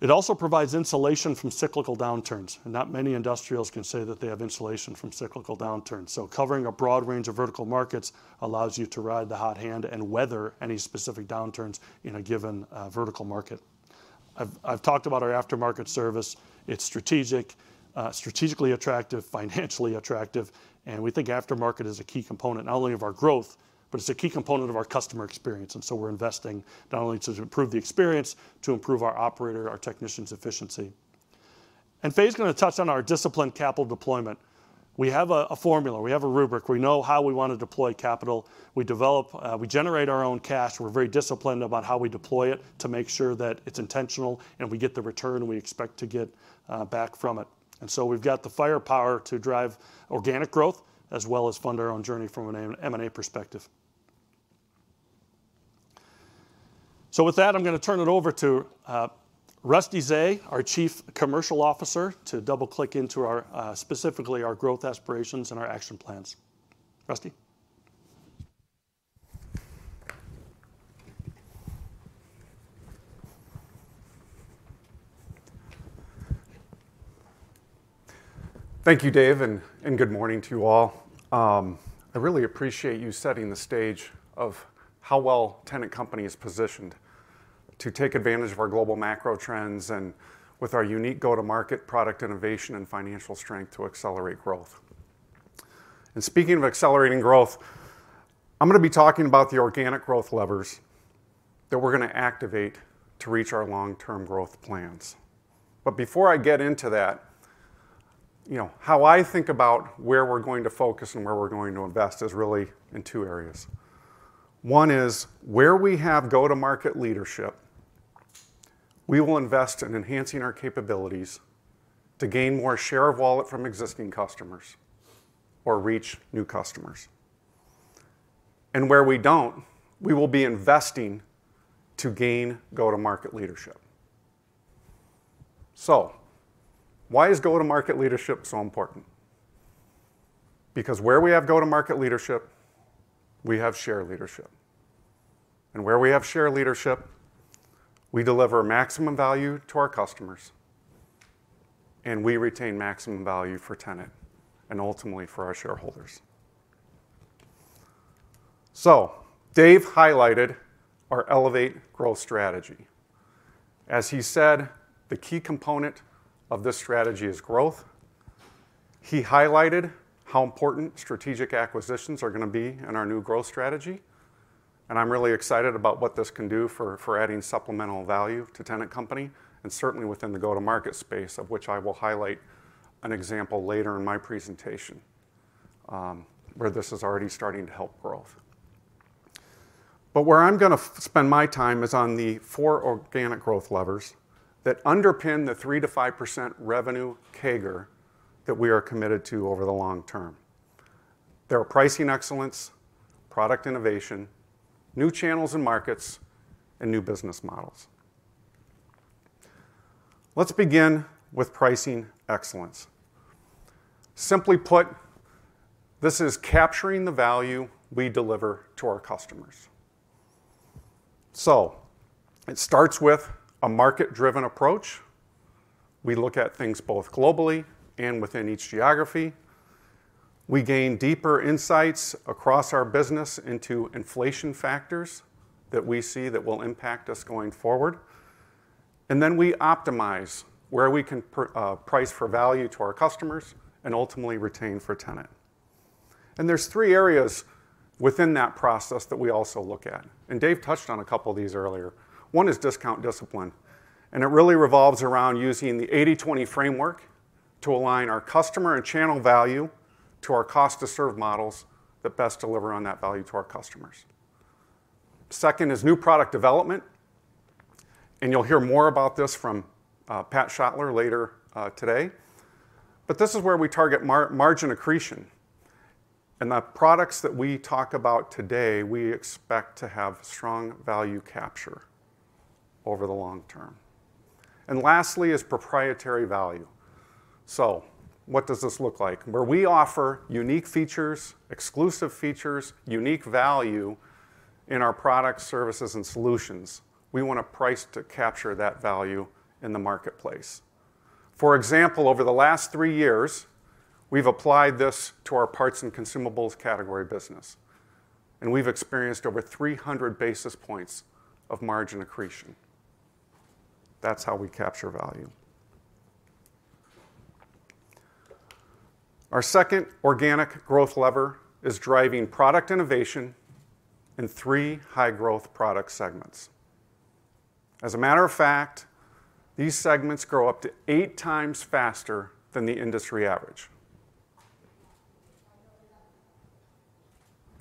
It also provides insulation from cyclical downturns. And not many industrials can say that they have insulation from cyclical downturns. So covering a broad range of vertical markets allows you to ride the hot hand and weather any specific downturns in a given vertical market. I've talked about our aftermarket service. It's strategically attractive, financially attractive. And we think aftermarket is a key component not only of our growth, but it's a key component of our customer experience. And so we're investing not only to improve the experience but to improve our operator, our technician's efficiency. And Fay is going to touch on our disciplined capital deployment. We have a formula. We have a rubric. We know how we want to deploy capital. We generate our own cash. We're very disciplined about how we deploy it to make sure that it's intentional and we get the return we expect to get back from it. And so we've got the firepower to drive organic growth as well as fund our own journey from an M&A perspective. So with that, I'm going to turn it over to Rusty Zay, our Chief Commercial Officer, to double-click into specifically our growth aspirations and our action plans. Rusty? Thank you, Dave. Good morning to you all. I really appreciate you setting the stage of how well Tennant Company is positioned to take advantage of our global macro trends and with our unique go-to-market product innovation and financial strength to accelerate growth. Speaking of accelerating growth, I'm going to be talking about the organic growth levers that we're going to activate to reach our long-term growth plans. Before I get into that, how I think about where we're going to focus and where we're going to invest is really in two areas. One is where we have go-to-market leadership, we will invest in enhancing our capabilities to gain more share of wallet from existing customers or reach new customers. And where we don't, we will be investing to gain go-to-market leadership. So why is go-to-market leadership so important? Because where we have go-to-market leadership, we have share leadership. Where we have share leadership, we deliver maximum value to our customers. We retain maximum value for Tennant and ultimately for our shareholders. Dave highlighted our Elevate Growth strategy. As he said, the key component of this strategy is growth. He highlighted how important strategic acquisitions are going to be in our new growth strategy. I'm really excited about what this can do for adding supplemental value to Tennant Company and certainly within the go-to-market space, of which I will highlight an example later in my presentation where this is already starting to help growth. Where I'm going to spend my time is on the four organic growth levers that underpin the 3%-5% revenue CAGR that we are committed to over the long term. They're pricing excellence, product innovation, new channels and markets, and new business models. Let's begin with pricing excellence. Simply put, this is capturing the value we deliver to our customers. So it starts with a market-driven approach. We look at things both globally and within each geography. We gain deeper insights across our business into inflation factors that we see that will impact us going forward. And then we optimize where we can price for value to our customers and ultimately retain for Tennant. And there's three areas within that process that we also look at. And Dave touched on a couple of these earlier. One is discount discipline. And it really revolves around using the 80/20 framework to align our customer and channel value to our cost-to-serve models that best deliver on that value to our customers. Second is new product development. You'll hear more about this from Pat Schottler later today. This is where we target margin accretion. The products that we talk about today, we expect to have strong value capture over the long term. Lastly is proprietary value. What does this look like? Where we offer unique features, exclusive features, unique value in our products, services, and solutions, we want to price to capture that value in the marketplace. For example, over the last three years, we've applied this to our parts and consumables category business. We've experienced over 300 basis points of margin accretion. That's how we capture value. Our second organic growth lever is driving product innovation in three high-growth product segments. As a matter of fact, these segments grow up to eight times faster than the industry average.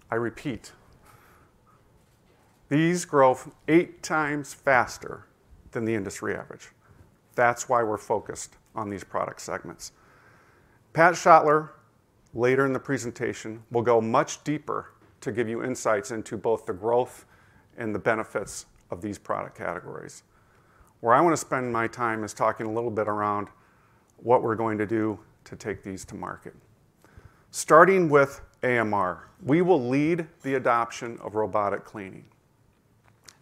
I repeat. These grow eight times faster than the industry average. That's why we're focused on these product segments. Pat Schottler, later in the presentation, will go much deeper to give you insights into both the growth and the benefits of these product categories. Where I want to spend my time is talking a little bit around what we're going to do to take these to market. Starting with AMR, we will lead the adoption of robotic cleaning.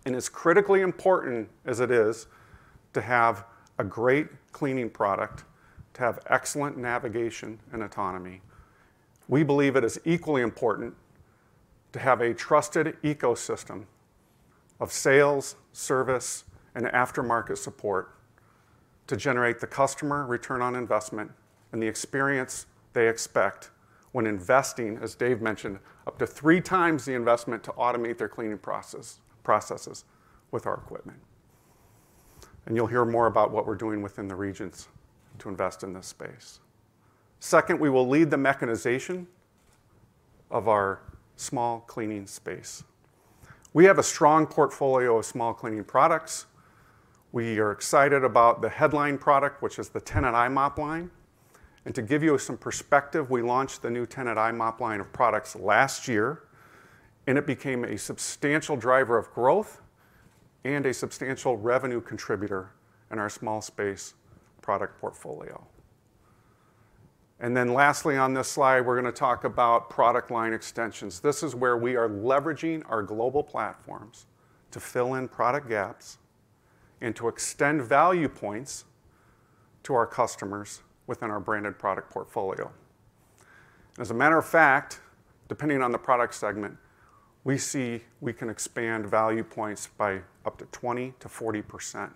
And as critically important as it is to have a great cleaning product, to have excellent navigation and autonomy, we believe it is equally important to have a trusted ecosystem of sales, service, and aftermarket support to generate the customer return on investment and the experience they expect when investing, as Dave mentioned, up to three times the investment to automate their cleaning processes with our equipment. And you'll hear more about what we're doing within the regions to invest in this space. Second, we will lead the mechanization of our small cleaning space. We have a strong portfolio of small cleaning products. We are excited about the headline product, which is the Tennant i-mop line. To give you some perspective, we launched the new Tennant i-mop line of products last year. It became a substantial driver of growth and a substantial revenue contributor in our small space product portfolio. Then lastly, on this slide, we're going to talk about product line extensions. This is where we are leveraging our global platforms to fill in product gaps and to extend value points to our customers within our branded product portfolio. As a matter of fact, depending on the product segment, we see we can expand value points by up to 20%-40%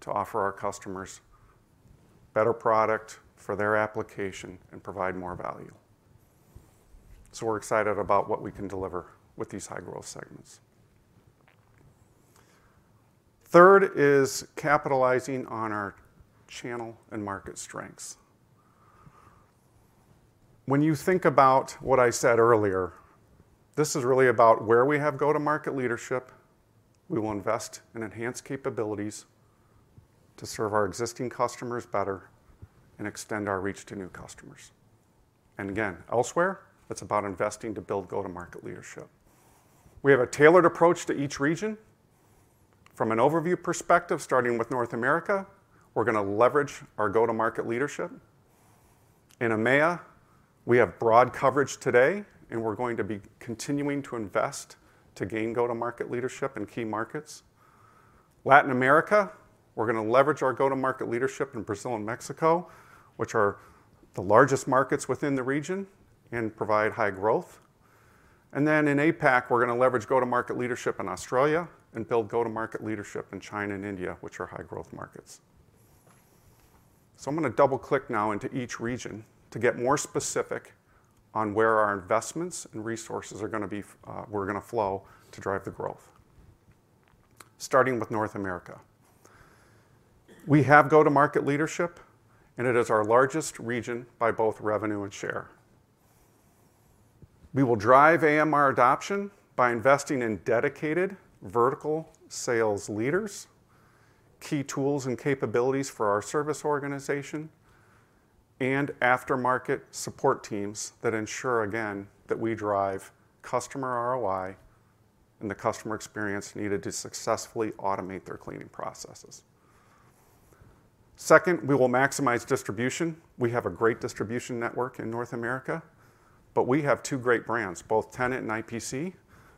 to offer our customers better product for their application and provide more value. So we're excited about what we can deliver with these high-growth segments. Third is capitalizing on our channel and market strengths. When you think about what I said earlier, this is really about where we have go-to-market leadership. We will invest in enhanced capabilities to serve our existing customers better and extend our reach to new customers. And again, elsewhere, it's about investing to build go-to-market leadership. We have a tailored approach to each region. From an overview perspective, starting with North America, we're going to leverage our go-to-market leadership. In EMEA, we have broad coverage today. And we're going to be continuing to invest to gain go-to-market leadership in key markets. Latin America, we're going to leverage our go-to-market leadership in Brazil and Mexico, which are the largest markets within the region and provide high growth. Then in APAC, we're going to leverage go-to-market leadership in Australia and build go-to-market leadership in China and India, which are high-growth markets. I'm going to double-click now into each region to get more specific on where our investments and resources are going to be where we're going to flow to drive the growth. Starting with North America, we have go-to-market leadership. It is our largest region by both revenue and share. We will drive AMR adoption by investing in dedicated vertical sales leaders, key tools and capabilities for our service organization, and aftermarket support teams that ensure, again, that we drive customer ROI and the customer experience needed to successfully automate their cleaning processes. Second, we will maximize distribution. We have a great distribution network in North America. But we have two great brands, both Tennant and IPC,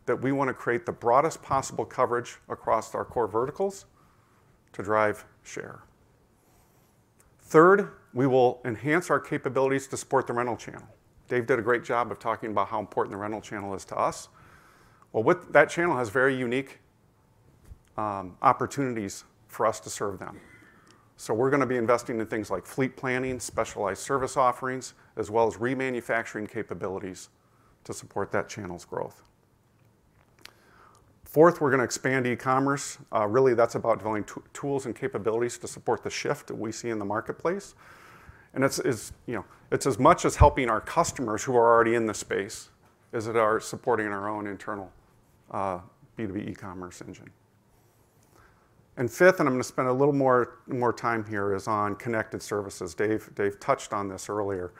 that we want to create the broadest possible coverage across our core verticals to drive share. Third, we will enhance our capabilities to support the rental channel. Dave did a great job of talking about how important the rental channel is to us. Well, that channel has very unique opportunities for us to serve them. So we're going to be investing in things like fleet planning, specialized service offerings, as well as remanufacturing capabilities to support that channel's growth. Fourth, we're going to expand e-commerce. Really, that's about developing tools and capabilities to support the shift that we see in the marketplace. And it's as much as helping our customers who are already in the space as it is supporting our own internal B2B e-commerce engine. And fifth, and I'm going to spend a little more time here, is on connected services. Dave touched on this earlier.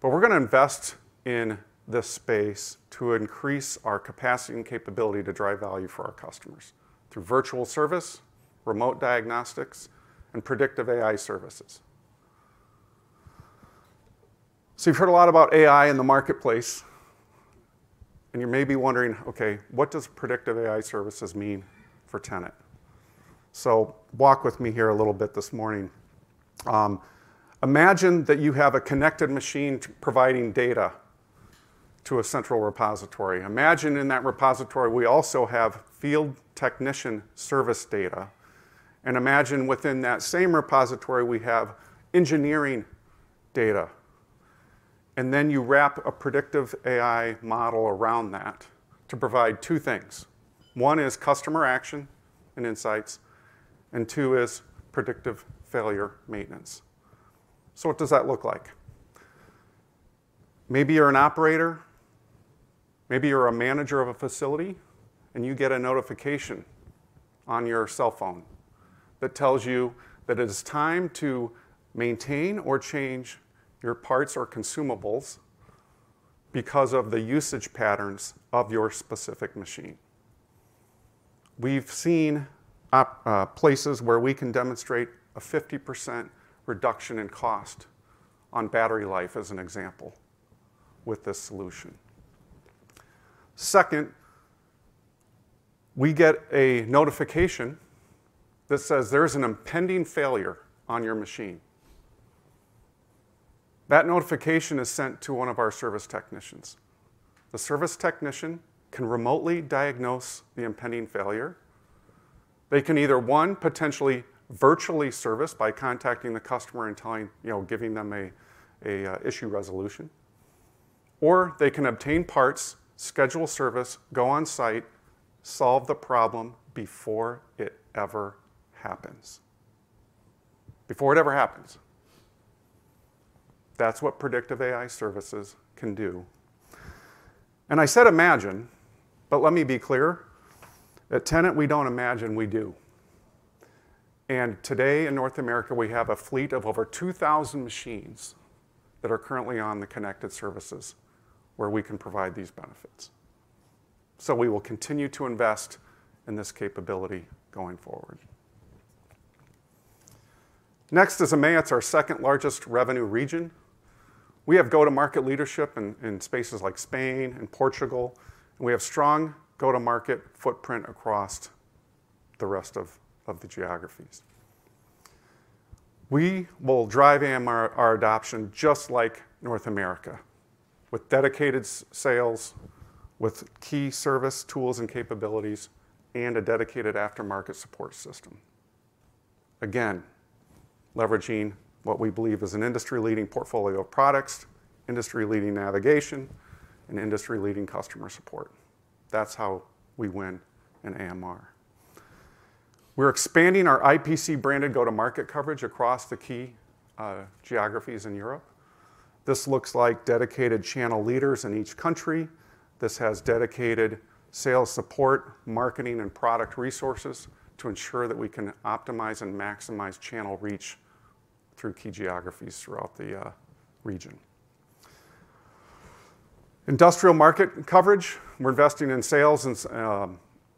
But we're going to invest in this space to increase our capacity and capability to drive value for our customers through virtual service, remote diagnostics, and predictive AI services. So you've heard a lot about AI in the marketplace. And you may be wondering, "OK, what does predictive AI services mean for Tennant?" So walk with me here a little bit this morning. Imagine that you have a connected machine providing data to a central repository. Imagine in that repository, we also have field technician service data. And imagine within that same repository, we have engineering data. And then you wrap a predictive AI model around that to provide two things. One is customer action and insights. And two is predictive failure maintenance. So what does that look like? Maybe you're an operator. Maybe you're a manager of a facility. You get a notification on your cell phone that tells you that it is time to maintain or change your parts or consumables because of the usage patterns of your specific machine. We've seen places where we can demonstrate a 50% reduction in cost on battery life, as an example, with this solution. Second, we get a notification that says, "There is an impending failure on your machine." That notification is sent to one of our service technicians. The service technician can remotely diagnose the impending failure. They can either, one, potentially virtually service by contacting the customer and giving them an issue resolution. Or they can obtain parts, schedule service, go on site, solve the problem before it ever happens. Before it ever happens. That's what predictive AI services can do. I said imagine. But let me be clear. At Tennant, we don't imagine. We do. And today in North America, we have a fleet of over 2,000 machines that are currently on the connected services where we can provide these benefits. So we will continue to invest in this capability going forward. Next, as EMEA is our second largest revenue region, we have go-to-market leadership in spaces like Spain and Portugal. And we have strong go-to-market footprint across the rest of the geographies. We will drive AMR adoption, just like North America, with dedicated sales, with key service tools and capabilities, and a dedicated aftermarket support system. Again, leveraging what we believe is an industry-leading portfolio of products, industry-leading navigation, and industry-leading customer support. That's how we win in AMR. We're expanding our IPC-branded go-to-market coverage across the key geographies in Europe. This looks like dedicated channel leaders in each country. This has dedicated sales support, marketing, and product resources to ensure that we can optimize and maximize channel reach through key geographies throughout the region. Industrial market coverage, we're investing in sales and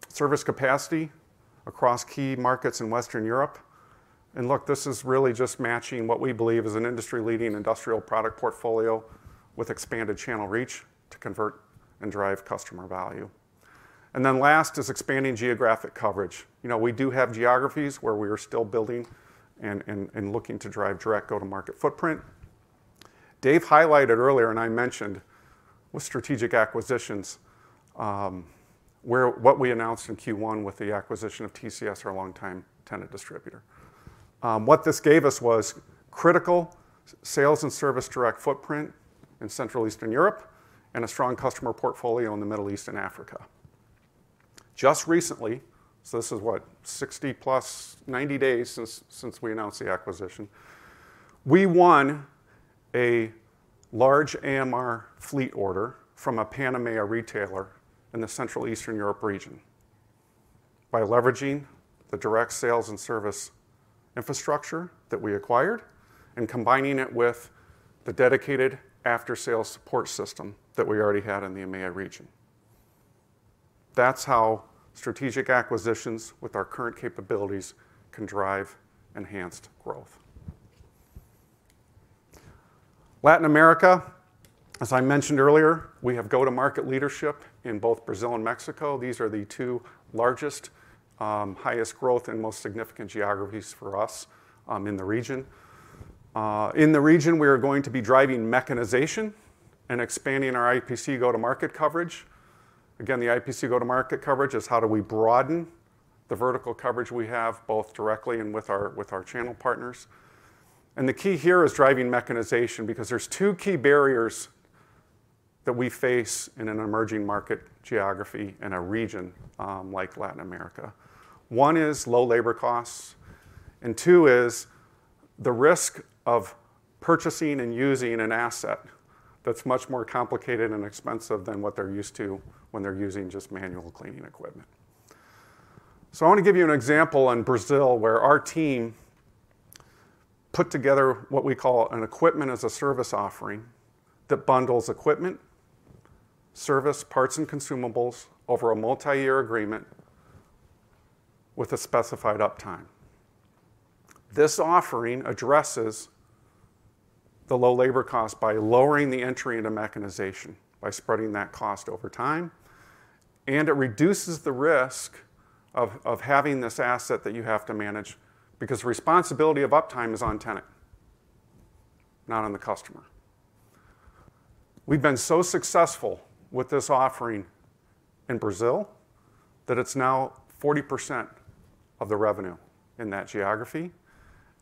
service capacity across key markets in Western Europe. And look, this is really just matching what we believe is an industry-leading industrial product portfolio with expanded channel reach to convert and drive customer value. And then last is expanding geographic coverage. We do have geographies where we are still building and looking to drive direct go-to-market footprint. Dave highlighted earlier, and I mentioned with strategic acquisitions, what we announced in Q1 with the acquisition of TCS, our longtime Tennant distributor. What this gave us was critical sales and service direct footprint in Central Eastern Europe and a strong customer portfolio in the Middle East and Africa. Just recently, so this is, what, 60 + 90 days since we announced the acquisition, we won a large AMR fleet order from a Pan-EMEA retailer in the Central Eastern Europe region by leveraging the direct sales and service infrastructure that we acquired and combining it with the dedicated after-sales support system that we already had in the EMEA region. That's how strategic acquisitions with our current capabilities can drive enhanced growth. Latin America, as I mentioned earlier, we have go-to-market leadership in both Brazil and Mexico. These are the two largest, highest growth, and most significant geographies for us in the region. In the region, we are going to be driving mechanization and expanding our IPC go-to-market coverage. Again, the IPC go-to-market coverage is how do we broaden the vertical coverage we have both directly and with our channel partners. The key here is driving mechanization because there's two key barriers that we face in an emerging market geography in a region like Latin America. One is low labor costs. Two is the risk of purchasing and using an asset that's much more complicated and expensive than what they're used to when they're using just manual cleaning equipment. I want to give you an example in Brazil where our team put together what we call an Equipment as a Service offering that bundles equipment, service, parts, and consumables over a multi-year agreement with a specified uptime. This offering addresses the low labor costs by lowering the entry into mechanization, by spreading that cost over time. It reduces the risk of having this asset that you have to manage because responsibility of uptime is on Tennant, not on the customer. We've been so successful with this offering in Brazil that it's now 40% of the revenue in that geography.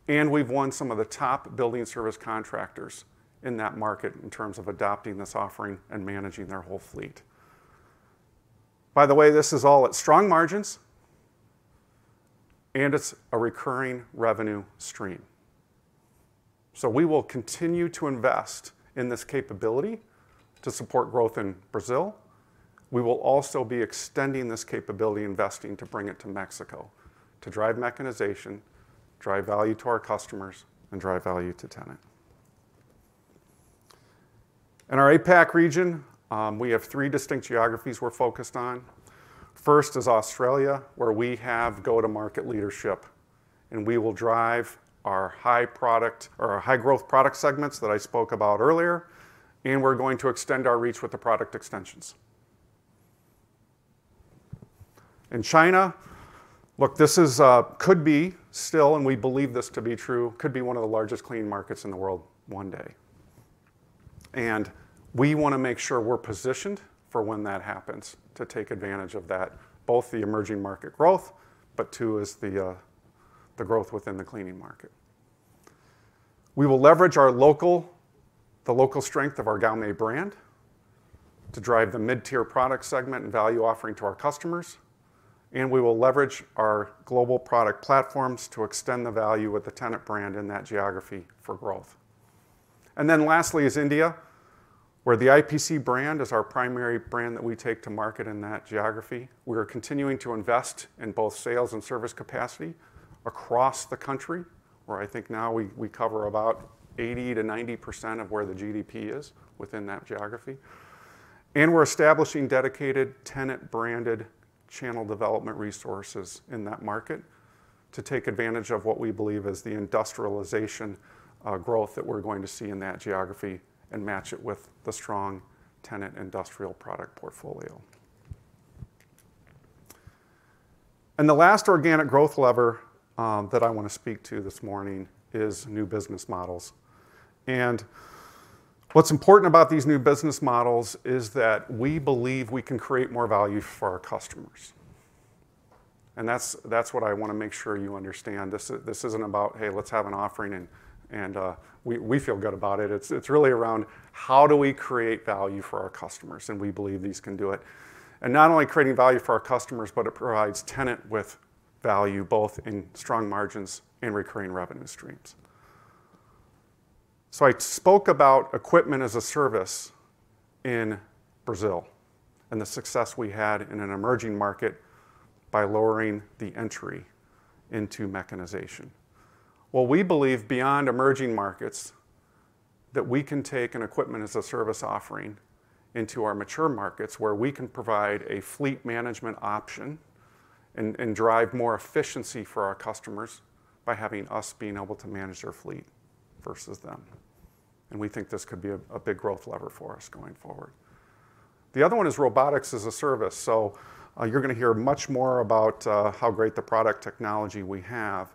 We've won some of the top building service contractors in that market in terms of adopting this offering and managing their whole fleet. By the way, this is all at strong margins. It's a recurring revenue stream. We will continue to invest in this capability to support growth in Brazil. We will also be extending this capability investing to bring it to Mexico to drive mechanization, drive value to our customers, and drive value to Tennant. In our APAC region, we have three distinct geographies we're focused on. First is Australia, where we have go-to-market leadership. We will drive our high product or our high-growth product segments that I spoke about earlier. We're going to extend our reach with the product extensions. In China, look, this could be still, and we believe this to be true, could be one of the largest cleaning markets in the world one day. We want to make sure we're positioned for when that happens to take advantage of that, both the emerging market growth, but too is the growth within the cleaning market. We will leverage the local strength of our GAOMEI brand to drive the mid-tier product segment and value offering to our customers. We will leverage our global product platforms to extend the value with the Tennant brand in that geography for growth. Then lastly is India, where the IPC brand is our primary brand that we take to market in that geography. We are continuing to invest in both sales and service capacity across the country, where I think now we cover about 80%-90% of where the GDP is within that geography. We're establishing dedicated Tennant-branded channel development resources in that market to take advantage of what we believe is the industrialization growth that we're going to see in that geography and match it with the strong Tennant industrial product portfolio. The last organic growth lever that I want to speak to this morning is new business models. What's important about these new business models is that we believe we can create more value for our customers. That's what I want to make sure you understand. This isn't about, "Hey, let's have an offering." We feel good about it. It's really around, "How do we create value for our customers?" And we believe these can do it. And not only creating value for our customers, but it provides Tennant with value both in strong margins and recurring revenue streams. So I spoke about Equipment as a Service in Brazil and the success we had in an emerging market by lowering the entry into mechanization. Well, we believe, beyond emerging markets, that we can take an Equipment as a Service offering into our mature markets where we can provide a fleet management option and drive more efficiency for our customers by having us being able to manage their fleet versus them. And we think this could be a big growth lever for us going forward. The other one is Robotics as a Service. So you're going to hear much more about how great the product technology we have.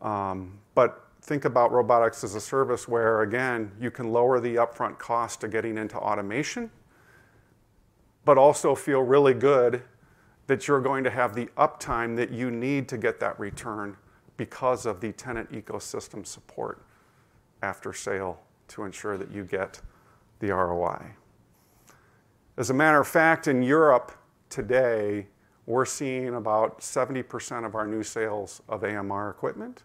But think about robotics as a service where, again, you can lower the upfront cost of getting into automation but also feel really good that you're going to have the uptime that you need to get that return because of the Tennant ecosystem support after sale to ensure that you get the ROI. As a matter of fact, in Europe today, we're seeing about 70% of our new sales of AMR equipment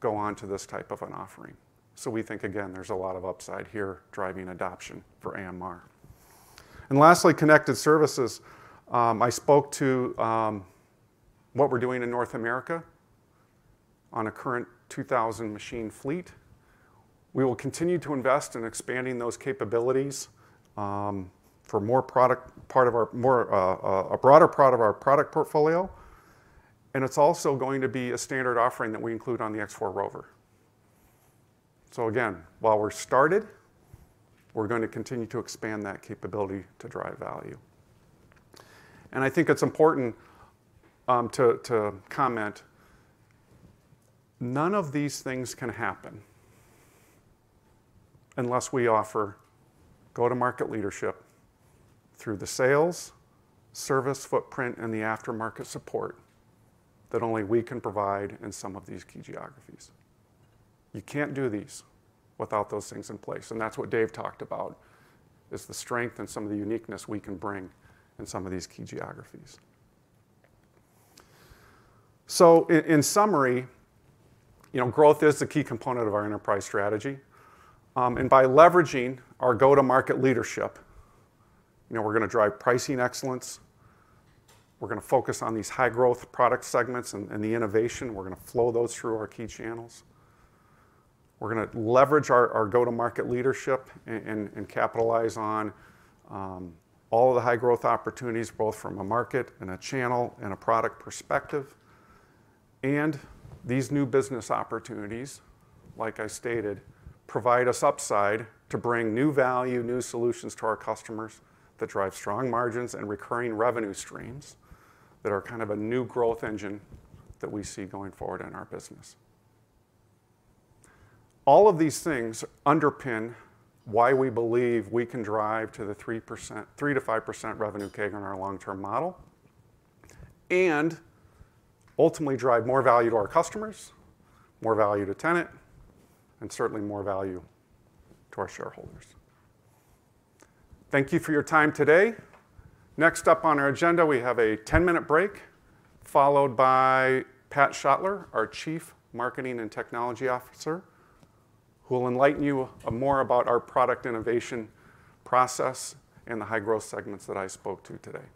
go on to this type of an offering. So we think, again, there's a lot of upside here driving adoption for AMR. And lastly, connected services. I spoke to what we're doing in North America on a current 2,000 machine fleet. We will continue to invest in expanding those capabilities for a broader part of our product portfolio. And it's also going to be a standard offering that we include on the X4 ROVR. So again, while we've started, we're going to continue to expand that capability to drive value. And I think it's important to comment, none of these things can happen unless we offer go-to-market leadership through the sales, service footprint, and the aftermarket support that only we can provide in some of these key geographies. You can't do these without those things in place. And that's what Dave talked about, is the strength and some of the uniqueness we can bring in some of these key geographies. So in summary, growth is the key component of our enterprise strategy. And by leveraging our go-to-market leadership, we're going to drive pricing excellence. We're going to focus on these high-growth product segments and the innovation. We're going to flow those through our key channels. We're going to leverage our go-to-market leadership and capitalize on all of the high-growth opportunities both from a market and a channel and a product perspective. These new business opportunities, like I stated, provide us upside to bring new value, new solutions to our customers that drive strong margins and recurring revenue streams that are kind of a new growth engine that we see going forward in our business. All of these things underpin why we believe we can drive to the 3%, 3%-5% revenue CAGR in our long-term model and ultimately drive more value to our customers, more value to Tennant, and certainly more value to our shareholders. Thank you for your time today. Next up on our agenda, we have a 10-minute break followed by Pat Schottler, our Chief Marketing and Technology Officer, who will enlighten you more about our product innovation process and the high-growth segments that I spoke to today.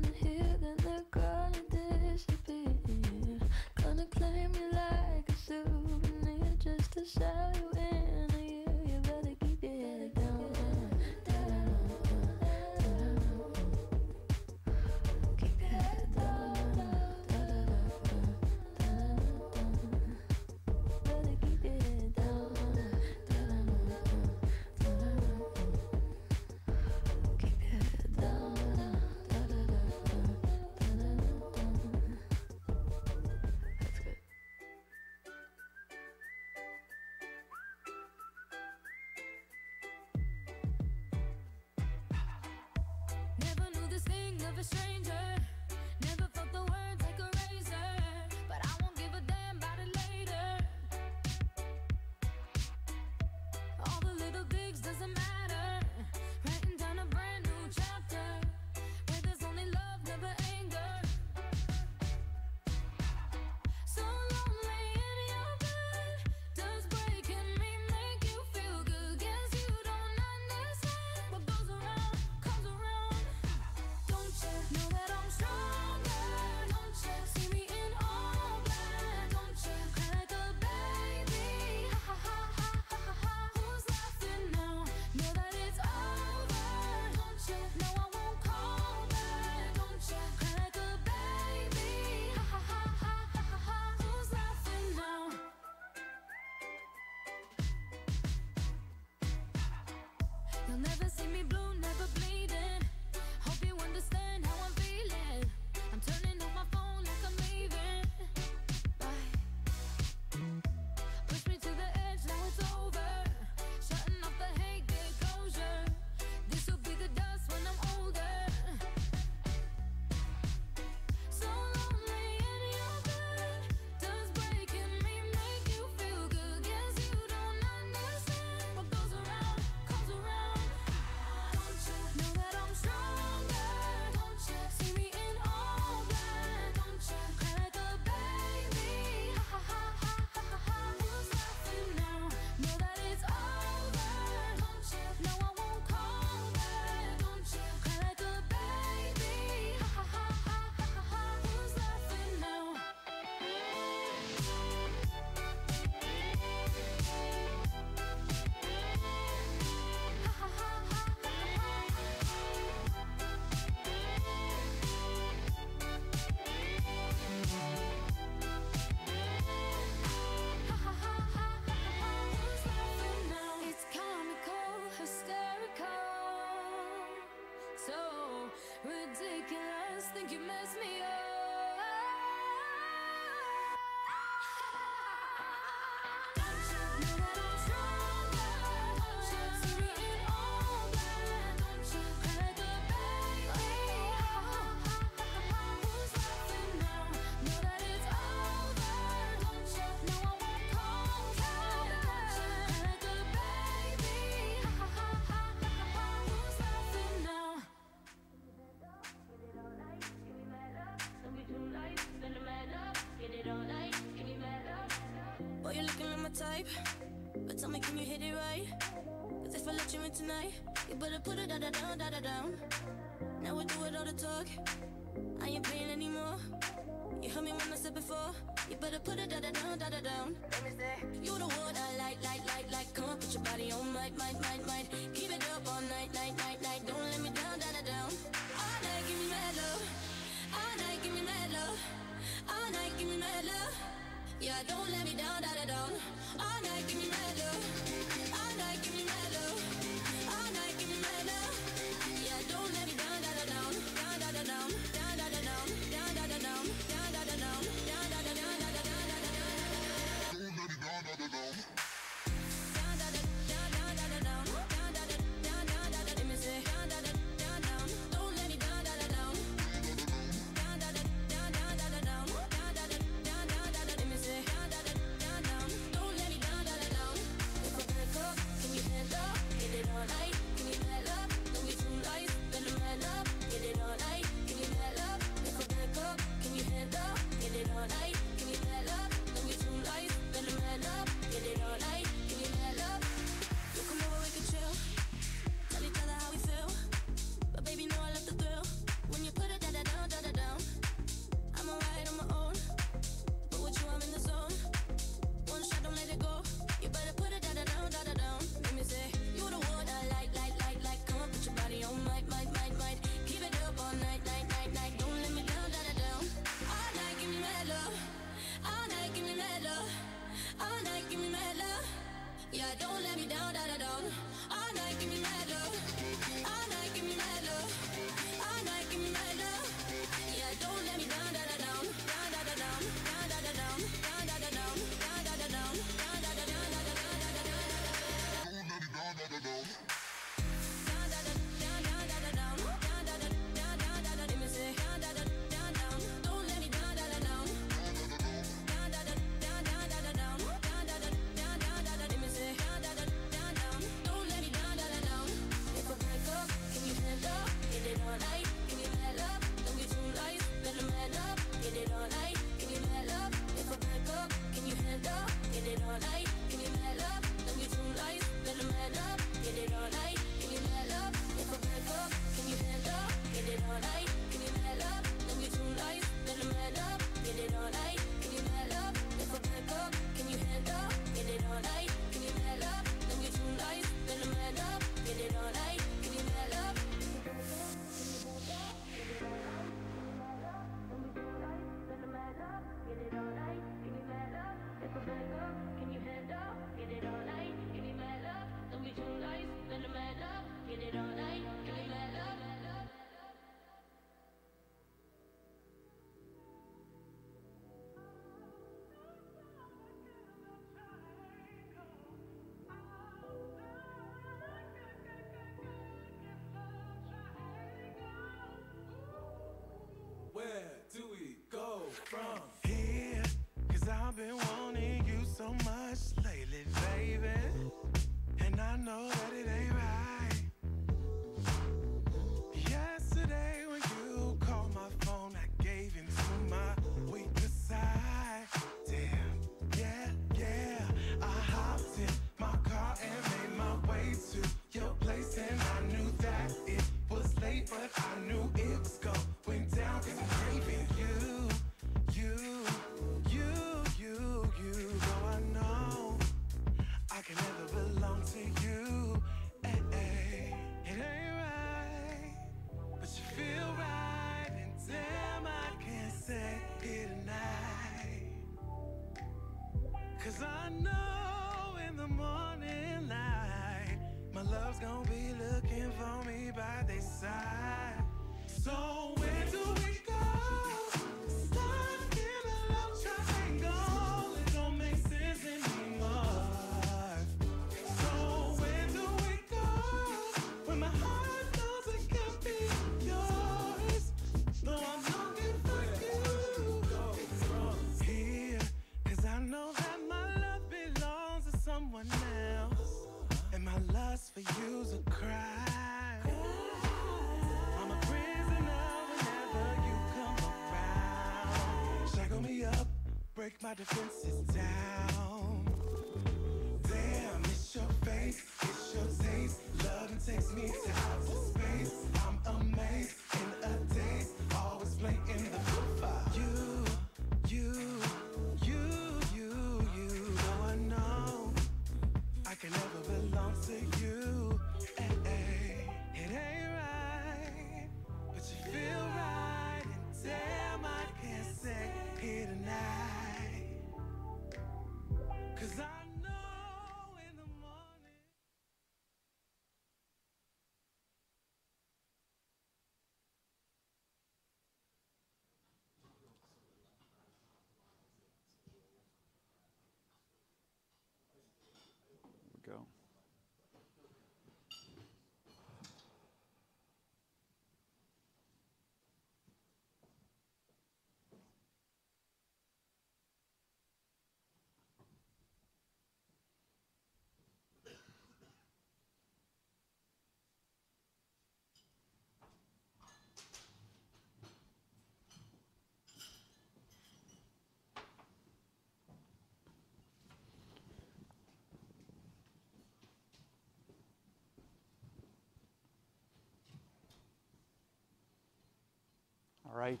All right.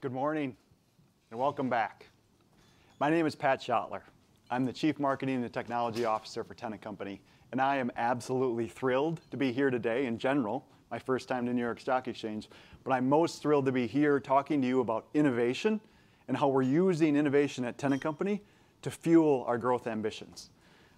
Good morning and welcome back. My name is Pat Schottler. I'm the Chief Marketing and Technology Officer for Tennant Company, and I am absolutely thrilled to be here today in general. My first time to New York Stock Exchange, but I'm most thrilled to be here talking to you about innovation and how we're using innovation at Tennant Company to fuel our growth ambitions.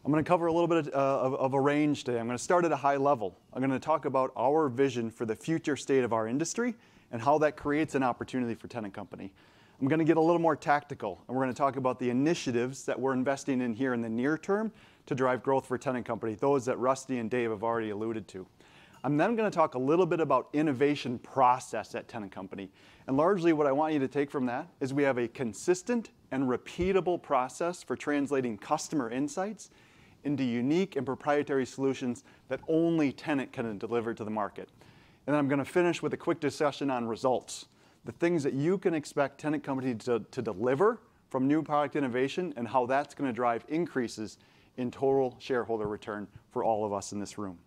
I'm going to cover a little bit of a range today. I'm going to start at a high level. I'm going to talk about our vision for the future state of our industry and how that creates an opportunity for Tennant Company. I'm going to get a little more tactical, and we're going to talk about the initiatives that we're investing in here in the near term to drive growth for Tennant Company, those that Rusty and Dave have already alluded to. I'm then going to talk a little bit about the innovation process at Tennant Company. Largely, what I want you to take from that is we have a consistent and repeatable process for translating customer insights into unique and proprietary solutions that only Tennant can deliver to the market. Then I'm going to finish with a quick discussion on results, the things that you can expect Tennant Company to deliver from new product innovation and how that's going to drive increases in total shareholder return for all of us in this room.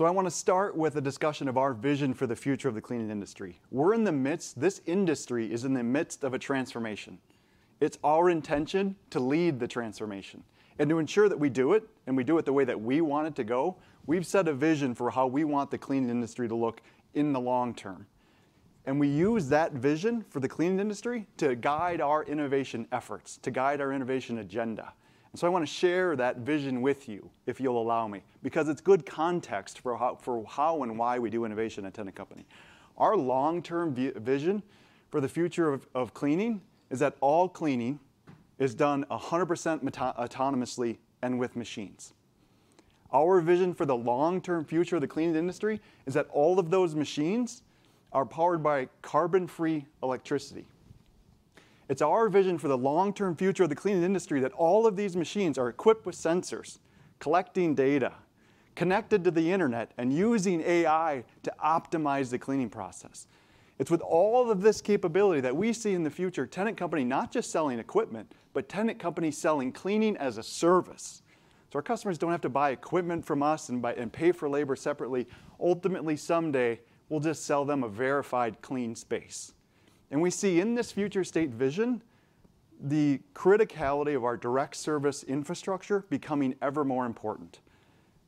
I want to start with a discussion of our vision for the future of the cleaning industry. We're in the midst. This industry is in the midst of a transformation. It's our intention to lead the transformation. To ensure that we do it and we do it the way that we want it to go, we've set a vision for how we want the cleaning industry to look in the long term. We use that vision for the cleaning industry to guide our innovation efforts, to guide our innovation agenda. So I want to share that vision with you, if you'll allow me, because it's good context for how and why we do innovation at Tennant Company. Our long-term vision for the future of cleaning is that all cleaning is done 100% autonomously and with machines. Our vision for the long-term future of the cleaning industry is that all of those machines are powered by carbon-free electricity. It's our vision for the long-term future of the cleaning industry that all of these machines are equipped with sensors, collecting data, connected to the internet, and using AI to optimize the cleaning process. It's with all of this capability that we see in the future Tennant Company not just selling equipment, but Tennant Company selling cleaning as a service. So our customers don't have to buy equipment from us and pay for labor separately. Ultimately, someday, we'll just sell them a verified clean space. And we see in this future state vision the criticality of our direct service infrastructure becoming ever more important.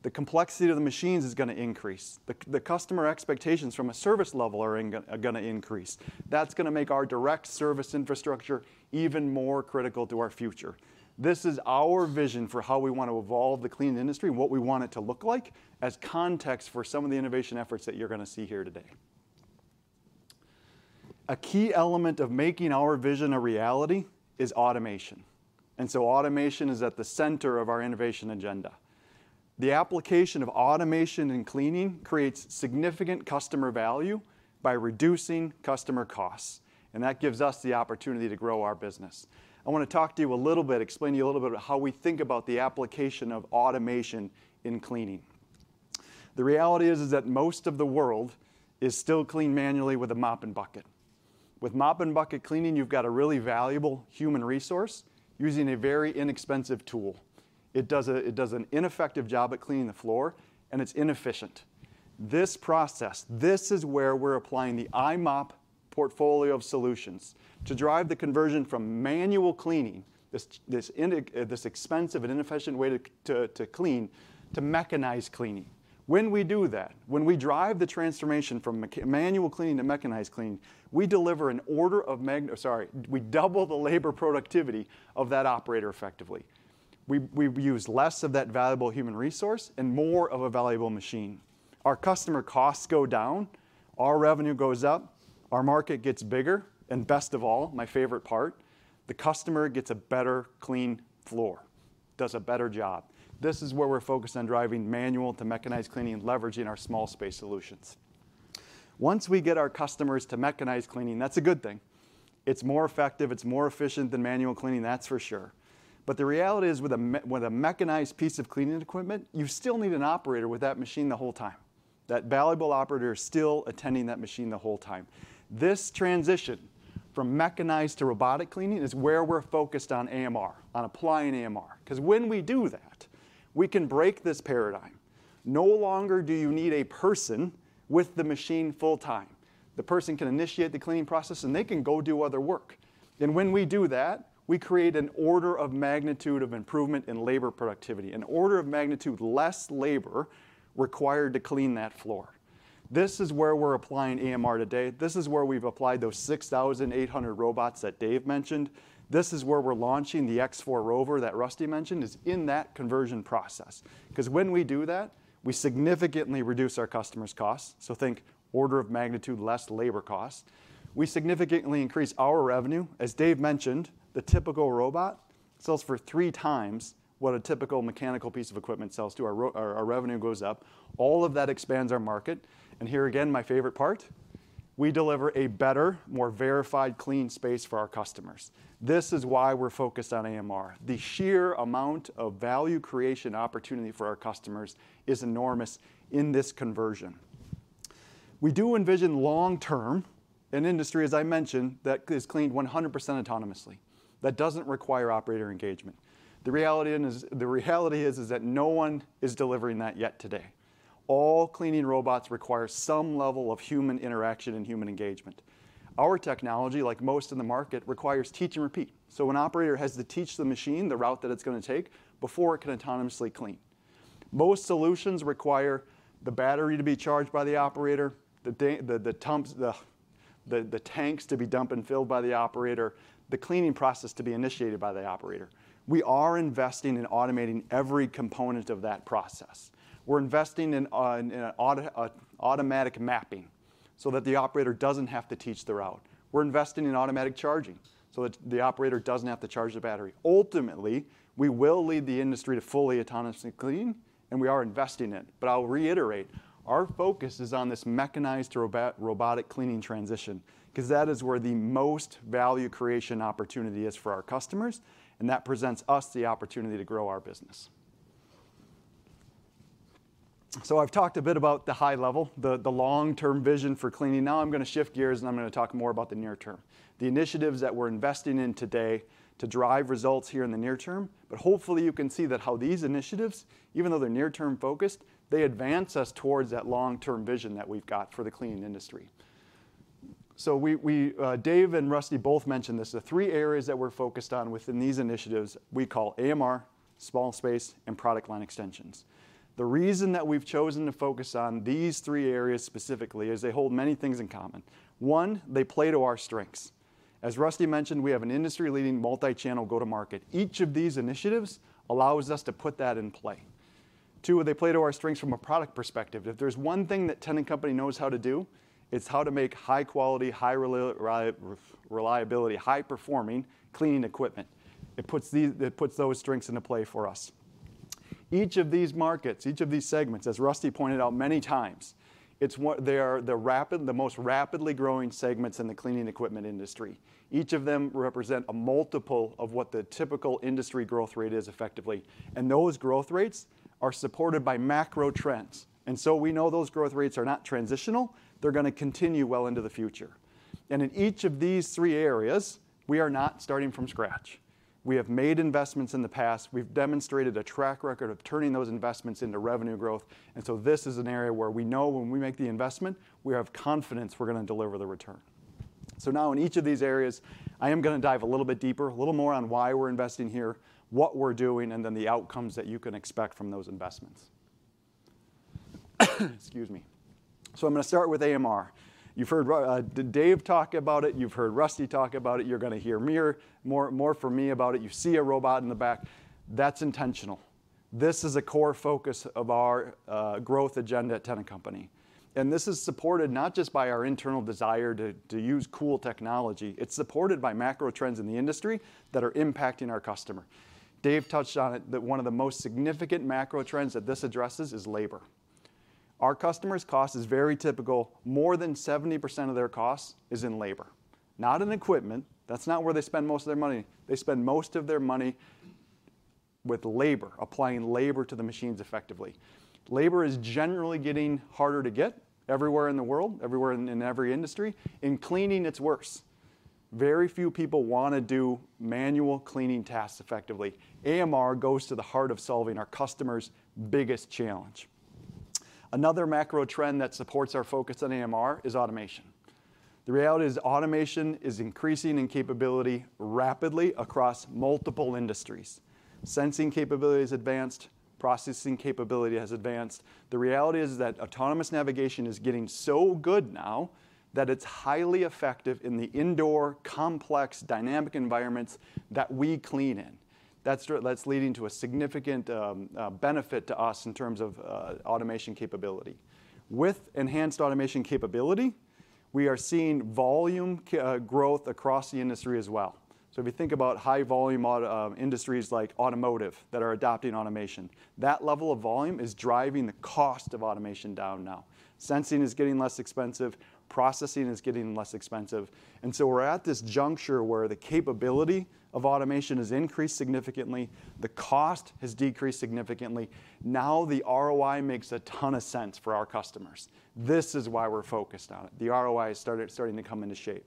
The complexity of the machines is going to increase. The customer expectations from a service level are going to increase. That's going to make our direct service infrastructure even more critical to our future. This is our vision for how we want to evolve the cleaning industry and what we want it to look like as context for some of the innovation efforts that you're going to see here today. A key element of making our vision a reality is automation. So automation is at the center of our innovation agenda. The application of automation in cleaning creates significant customer value by reducing customer costs. That gives us the opportunity to grow our business. I want to talk to you a little bit, explain to you a little bit about how we think about the application of automation in cleaning. The reality is that most of the world is still cleaned manually with a mop and bucket. With mop and bucket cleaning, you've got a really valuable human resource using a very inexpensive tool. It does an ineffective job at cleaning the floor, and it's inefficient. This process, this is where we're applying the i-mop portfolio of solutions to drive the conversion from manual cleaning, this expensive and inefficient way to clean, to mechanized cleaning. When we do that, when we drive the transformation from manual cleaning to mechanized cleaning, we deliver an order of magnitude sorry, we double the labor productivity of that operator effectively. We use less of that valuable human resource and more of a valuable machine. Our customer costs go down, our revenue goes up, our market gets bigger. And best of all, my favorite part, the customer gets a better clean floor, does a better job. This is where we're focused on driving manual to mechanized cleaning and leveraging our small space solutions. Once we get our customers to mechanized cleaning, that's a good thing. It's more effective. It's more efficient than manual cleaning, that's for sure. But the reality is, with a mechanized piece of cleaning equipment, you still need an operator with that machine the whole time. That valuable operator is still attending that machine the whole time. This transition from mechanized to robotic cleaning is where we're focused on AMR, on applying AMR. Because when we do that, we can break this paradigm. No longer do you need a person with the machine full time. The person can initiate the cleaning process, and they can go do other work. And when we do that, we create an order of magnitude of improvement in labor productivity, an order of magnitude less labor required to clean that floor. This is where we're applying AMR today. This is where we've applied those 6,800 robots that Dave mentioned. This is where we're launching the X4 ROVR that Rusty mentioned is in that conversion process. Because when we do that, we significantly reduce our customers' costs. So think order of magnitude less labor costs. We significantly increase our revenue. As Dave mentioned, the typical robot sells for three times what a typical mechanical piece of equipment sells to. Our revenue goes up. All of that expands our market. And here again, my favorite part, we deliver a better, more verified clean space for our customers. This is why we're focused on AMR. The sheer amount of value creation opportunity for our customers is enormous in this conversion. We do envision long-term an industry, as I mentioned, that is cleaned 100% autonomously, that doesn't require operator engagement. The reality is that no one is delivering that yet today. All cleaning robots require some level of human interaction and human engagement. Our technology, like most in the market, requires teach and repeat. So an operator has to teach the machine the route that it's going to take before it can autonomously clean. Most solutions require the battery to be charged by the operator, the tanks to be dumped and filled by the operator, the cleaning process to be initiated by the operator. We are investing in automating every component of that process. We're investing in automatic mapping so that the operator doesn't have to teach the route. We're investing in automatic charging so that the operator doesn't have to charge the battery. Ultimately, we will lead the industry to fully autonomously clean, and we are investing in it. But I'll reiterate, our focus is on this mechanized to robotic cleaning transition because that is where the most value creation opportunity is for our customers. That presents us the opportunity to grow our business. So I've talked a bit about the high level, the long-term vision for cleaning. Now I'm going to shift gears, and I'm going to talk more about the near term, the initiatives that we're investing in today to drive results here in the near term. But hopefully, you can see that how these initiatives, even though they're near-term focused, they advance us towards that long-term vision that we've got for the cleaning industry. So Dave and Rusty both mentioned this. The three areas that we're focused on within these initiatives we call AMR, small space, and product line extensions. The reason that we've chosen to focus on these three areas specifically is they hold many things in common. One, they play to our strengths. As Rusty mentioned, we have an industry-leading multi-channel go-to-market. Each of these initiatives allows us to put that in play. Two, they play to our strengths from a product perspective. If there's one thing that Tennant Company knows how to do, it's how to make high-quality, high-reliability, high-performing cleaning equipment. It puts those strengths into play for us. Each of these markets, each of these segments, as Rusty pointed out many times, they're the most rapidly growing segments in the cleaning equipment industry. Each of them represents a multiple of what the typical industry growth rate is effectively. And those growth rates are supported by macro trends. And so we know those growth rates are not transitional. They're going to continue well into the future. And in each of these three areas, we are not starting from scratch. We have made investments in the past. We've demonstrated a track record of turning those investments into revenue growth. So this is an area where we know when we make the investment, we have confidence we're going to deliver the return. Now in each of these areas, I am going to dive a little bit deeper, a little more on why we're investing here, what we're doing, and then the outcomes that you can expect from those investments. Excuse me. So I'm going to start with AMR. You've heard Dave talk about it. You've heard Rusty talk about it. You're going to hear more from me about it. You see a robot in the back. That's intentional. This is a core focus of our growth agenda at Tennant Company. And this is supported not just by our internal desire to use cool technology. It's supported by macro trends in the industry that are impacting our customer. Dave touched on it, that one of the most significant macro trends that this addresses is labor. Our customers' cost is very typical. More than 70% of their costs is in labor, not in equipment. That's not where they spend most of their money. They spend most of their money with labor, applying labor to the machines effectively. Labor is generally getting harder to get everywhere in the world, everywhere in every industry. In cleaning, it's worse. Very few people want to do manual cleaning tasks effectively. AMR goes to the heart of solving our customers' biggest challenge. Another macro trend that supports our focus on AMR is automation. The reality is automation is increasing in capability rapidly across multiple industries. Sensing capability has advanced. Processing capability has advanced. The reality is that autonomous navigation is getting so good now that it's highly effective in the indoor, complex, dynamic environments that we clean in. That's leading to a significant benefit to us in terms of automation capability. With enhanced automation capability, we are seeing volume growth across the industry as well. So if you think about high-volume industries like automotive that are adopting automation, that level of volume is driving the cost of automation down now. Sensing is getting less expensive. Processing is getting less expensive. And so we're at this juncture where the capability of automation has increased significantly. The cost has decreased significantly. Now the ROI makes a ton of sense for our customers. This is why we're focused on it. The ROI is starting to come into shape.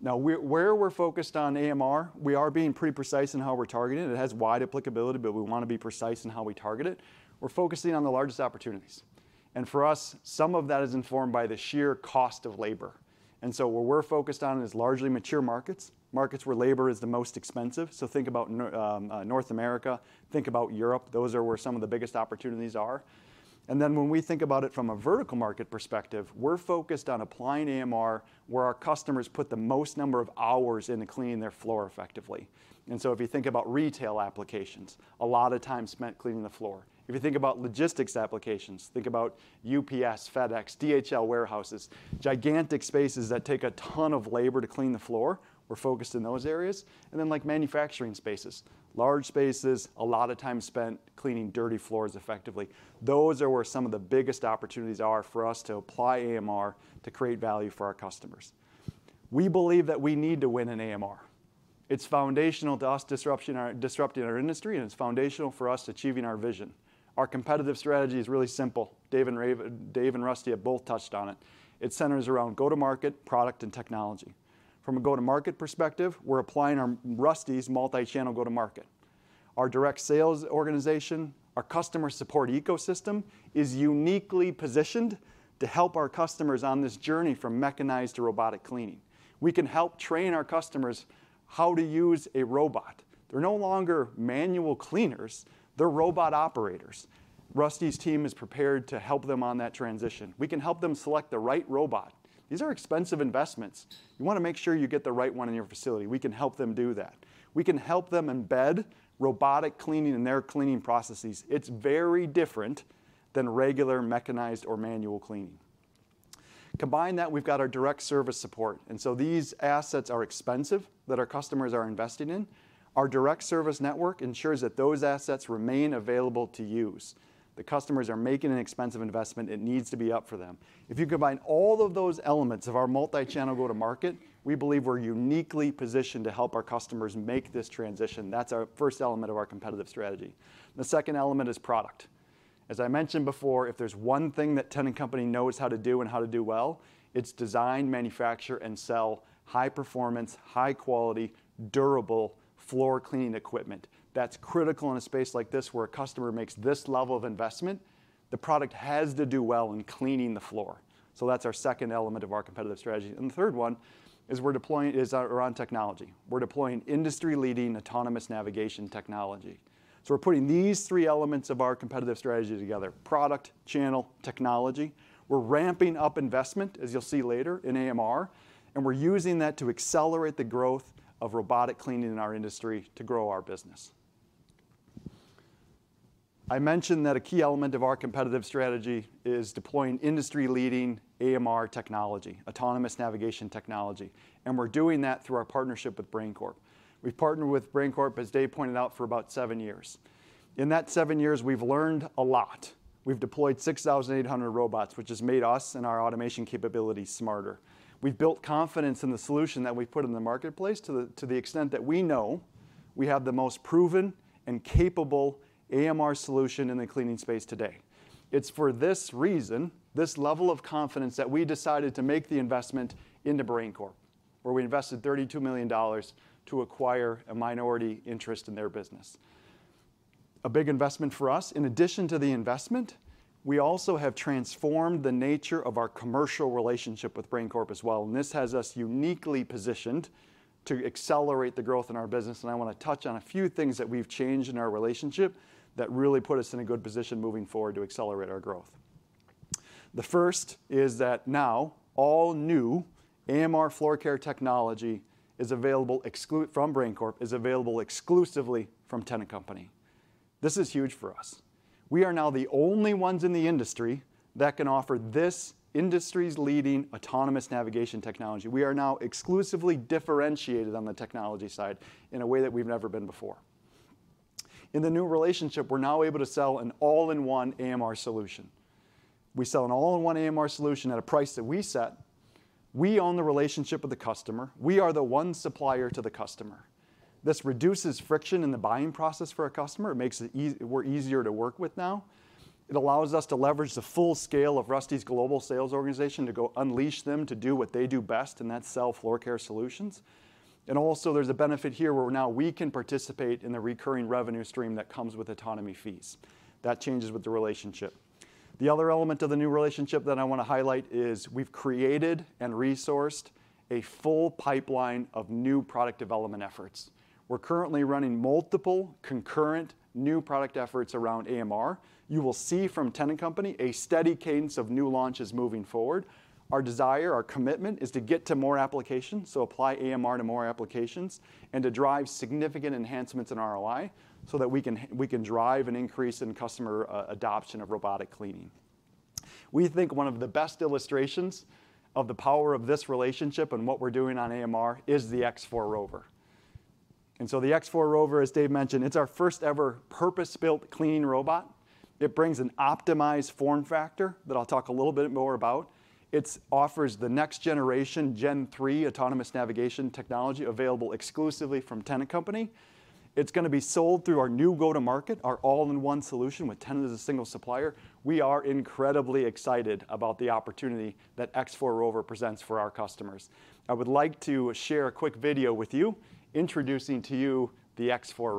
Now, where we're focused on AMR, we are being pretty precise in how we're targeting. It has wide applicability, but we want to be precise in how we target it. We're focusing on the largest opportunities. And for us, some of that is informed by the sheer cost of labor. And so where we're focused on is largely mature markets, markets where labor is the most expensive. So think about North America. Think about Europe. Those are where some of the biggest opportunities are. And then when we think about it from a vertical market perspective, we're focused on applying AMR where our customers put the most number of hours into cleaning their floor effectively. And so if you think about retail applications, a lot of time spent cleaning the floor. If you think about logistics applications, think about UPS, FedEx, DHL warehouses, gigantic spaces that take a ton of labor to clean the floor. We're focused in those areas. And then, like, manufacturing spaces, large spaces, a lot of time spent cleaning dirty floors effectively. Those are where some of the biggest opportunities are for us to apply AMR to create value for our customers. We believe that we need to win in AMR. It's foundational to us disrupting our industry, and it's foundational for us achieving our vision. Our competitive strategy is really simple. Dave and Rusty have both touched on it. It centers around go-to-market, product, and technology. From a go-to-market perspective, we're applying our Rusty's multi-channel go-to-market. Our direct sales organization, our customer support ecosystem is uniquely positioned to help our customers on this journey from mechanized to robotic cleaning. We can help train our customers how to use a robot. They're no longer manual cleaners. They're robot operators. Rusty's team is prepared to help them on that transition. We can help them select the right robot. These are expensive investments. You want to make sure you get the right one in your facility. We can help them do that. We can help them embed robotic cleaning in their cleaning processes. It's very different than regular mechanized or manual cleaning. Combine that, we've got our direct service support. And so these assets are expensive that our customers are investing in. Our direct service network ensures that those assets remain available to use. The customers are making an expensive investment. It needs to be up for them. If you combine all of those elements of our multi-channel go-to-market, we believe we're uniquely positioned to help our customers make this transition. That's our first element of our competitive strategy. The second element is product. As I mentioned before, if there's one thing that Tennant Company knows how to do and how to do well, it's design, manufacture, and sell high-performance, high-quality, durable floor cleaning equipment. That's critical in a space like this where a customer makes this level of investment. The product has to do well in cleaning the floor. So that's our second element of our competitive strategy. And the third one is we're deploying around technology. We're deploying industry-leading autonomous navigation technology. So we're putting these three elements of our competitive strategy together, product, channel, technology. We're ramping up investment, as you'll see later, in AMR. And we're using that to accelerate the growth of robotic cleaning in our industry to grow our business. I mentioned that a key element of our competitive strategy is deploying industry-leading AMR technology, autonomous navigation technology. We're doing that through our partnership with Brain Corp. We've partnered with Brain Corp, as Dave pointed out, for about seven years. In that seven years, we've learned a lot. We've deployed 6,800 robots, which has made us and our automation capabilities smarter. We've built confidence in the solution that we've put in the marketplace to the extent that we know we have the most proven and capable AMR solution in the cleaning space today. It's for this reason, this level of confidence, that we decided to make the investment into Brain Corp, where we invested $32 million to acquire a minority interest in their business. A big investment for us. In addition to the investment, we also have transformed the nature of our commercial relationship with Brain Corp as well. This has us uniquely positioned to accelerate the growth in our business. I want to touch on a few things that we've changed in our relationship that really put us in a good position moving forward to accelerate our growth. The first is that now all new AMR floor care technology from Brain Corp is available exclusively from Tennant Company. This is huge for us. We are now the only ones in the industry that can offer this industry-leading autonomous navigation technology. We are now exclusively differentiated on the technology side in a way that we've never been before. In the new relationship, we're now able to sell an all-in-one AMR solution. We sell an all-in-one AMR solution at a price that we set. We own the relationship with the customer. We are the one supplier to the customer. This reduces friction in the buying process for a customer. We're easier to work with now. It allows us to leverage the full scale of Rusty's global sales organization to go unleash them, to do what they do best, and that's sell floor care solutions. Also, there's a benefit here where now we can participate in the recurring revenue stream that comes with autonomy fees. That changes with the relationship. The other element of the new relationship that I want to highlight is we've created and resourced a full pipeline of new product development efforts. We're currently running multiple concurrent new product efforts around AMR. You will see from Tennant Company a steady cadence of new launches moving forward. Our desire, our commitment, is to get to more applications, so apply AMR to more applications, and to drive significant enhancements in ROI so that we can drive an increase in customer adoption of robotic cleaning. We think one of the best illustrations of the power of this relationship and what we're doing on AMR is the X4 ROVR. And so the X4 ROVR, as Dave mentioned, it's our first-ever purpose-built cleaning robot. It brings an optimized form factor that I'll talk a little bit more about. It offers the next generation, Gen 3 autonomous navigation technology available exclusively from Tennant Company. It's going to be sold through our new go-to-market, our all-in-one solution with Tennant as a single supplier. We are incredibly excited about the opportunity that X4 ROVR presents for our customers. I would like to share a quick video with you introducing to you the X4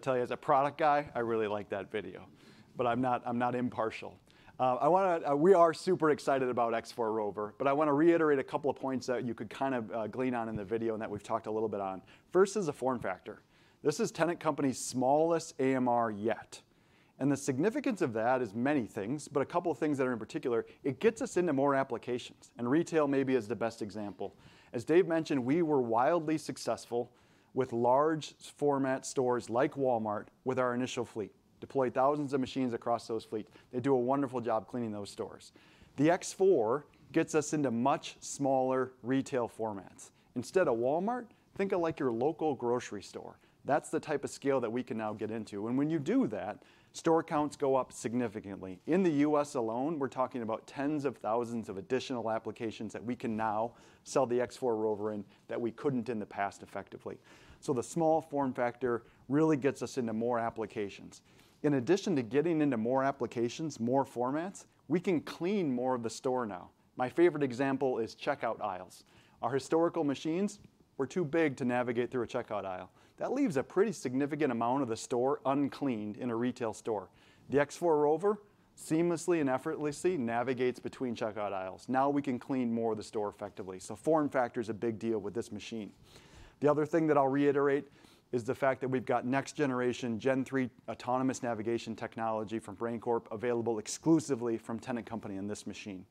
ROVR. I got to tell you, as a product guy, I really like that video, but I'm not impartial. We are super excited about X4 ROVR, but I want to reiterate a couple of points that you could kind of glean on in the video and that we've talked a little bit on. First is the form factor. This is Tennant Company's smallest AMR yet. The significance of that is many things, but a couple of things that are in particular, it gets us into more applications. Retail maybe is the best example. As Dave mentioned, we were wildly successful with large format stores like Walmart with our initial fleet, deployed thousands of machines across those fleets. They do a wonderful job cleaning those stores. The X4 gets us into much smaller retail formats. Instead of Walmart, think of it like your local grocery store. That's the type of scale that we can now get into. When you do that, store counts go up significantly. In the U.S. alone, we're talking about tens of thousands of additional applications that we can now sell the X4 ROVR in that we couldn't in the past effectively. So the small form factor really gets us into more applications. In addition to getting into more applications, more formats, we can clean more of the store now. My favorite example is checkout aisles. Our historical machines were too big to navigate through a checkout aisle. That leaves a pretty significant amount of the store uncleaned in a retail store. The X4 ROVR seamlessly and effortlessly navigates between checkout aisles. Now we can clean more of the store effectively. So form factor is a big deal with this machine. The other thing that I'll reiterate is the fact that we've got next generation, Gen 3 autonomous navigation technology from Brain Corp available exclusively from Tennant Company in this machine.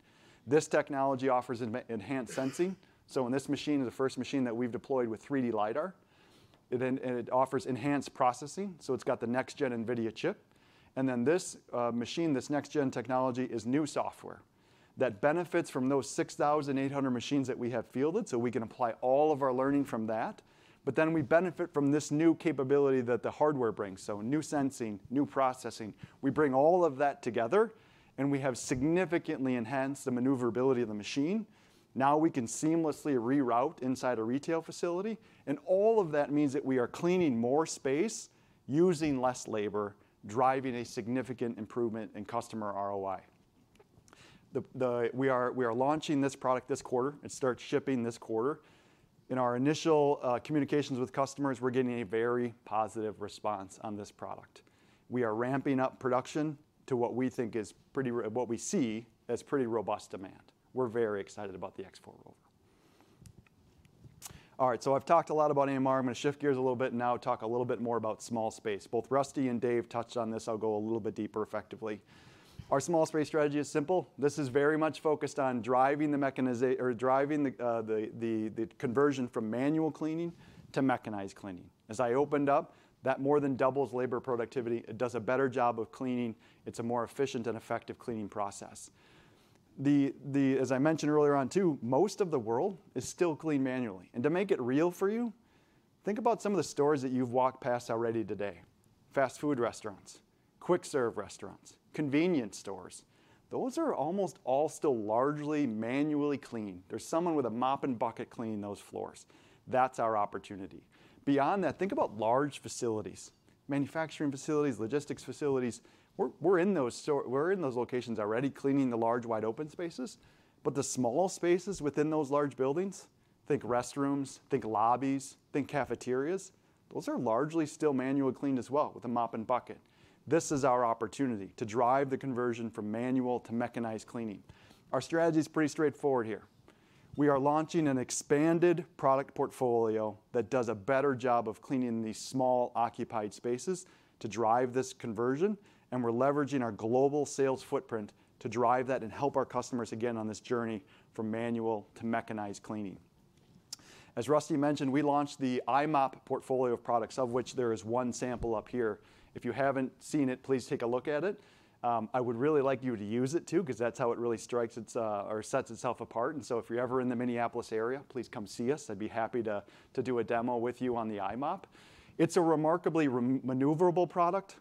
This technology offers enhanced sensing. This machine is the first machine that we've deployed with 3D LiDAR. It offers enhanced processing. It's got the next-gen NVIDIA chip. Then this machine, this next-gen technology, is new software that benefits from those 6,800 machines that we have fielded. We can apply all of our learning from that. But then we benefit from this new capability that the hardware brings, so new sensing, new processing. We bring all of that together, and we have significantly enhanced the maneuverability of the machine. Now we can seamlessly reroute inside a retail facility. All of that means that we are cleaning more space, using less labor, driving a significant improvement in customer ROI. We are launching this product this quarter. It starts shipping this quarter. In our initial communications with customers, we're getting a very positive response on this product. We are ramping up production to what we think is pretty what we see as pretty robust demand. We're very excited about the X4 ROVR. All right, so I've talked a lot about AMR. I'm going to shift gears a little bit and now talk a little bit more about small space. Both Rusty and Dave touched on this. I'll go a little bit deeper effectively. Our small space strategy is simple. This is very much focused on driving the conversion from manual cleaning to mechanized cleaning. As I opened up, that more than doubles labor productivity. It does a better job of cleaning. It's a more efficient and effective cleaning process. As I mentioned earlier on too, most of the world is still cleaned manually. And to make it real for you, think about some of the stores that you've walked past already today: fast food restaurants, quick serve restaurants, convenience stores. Those are almost all still largely manually cleaned. There's someone with a mop and bucket cleaning those floors. That's our opportunity. Beyond that, think about large facilities, manufacturing facilities, logistics facilities. We're in those locations already cleaning the large wide open spaces. But the small spaces within those large buildings, think restrooms, think lobbies, think cafeterias, those are largely still manually cleaned as well with a mop and bucket. This is our opportunity to drive the conversion from manual to mechanized cleaning. Our strategy is pretty straightforward here. We are launching an expanded product portfolio that does a better job of cleaning these small occupied spaces to drive this conversion. We're leveraging our global sales footprint to drive that and help our customers again on this journey from manual to mechanized cleaning. As Rusty mentioned, we launched the i-mop portfolio of products, of which there is one sample up here. If you haven't seen it, please take a look at it. I would really like you to use it too because that's how it really strikes its or sets itself apart. And so if you're ever in the Minneapolis area, please come see us. I'd be happy to do a demo with you on the i-mop. It's a remarkably maneuverable product.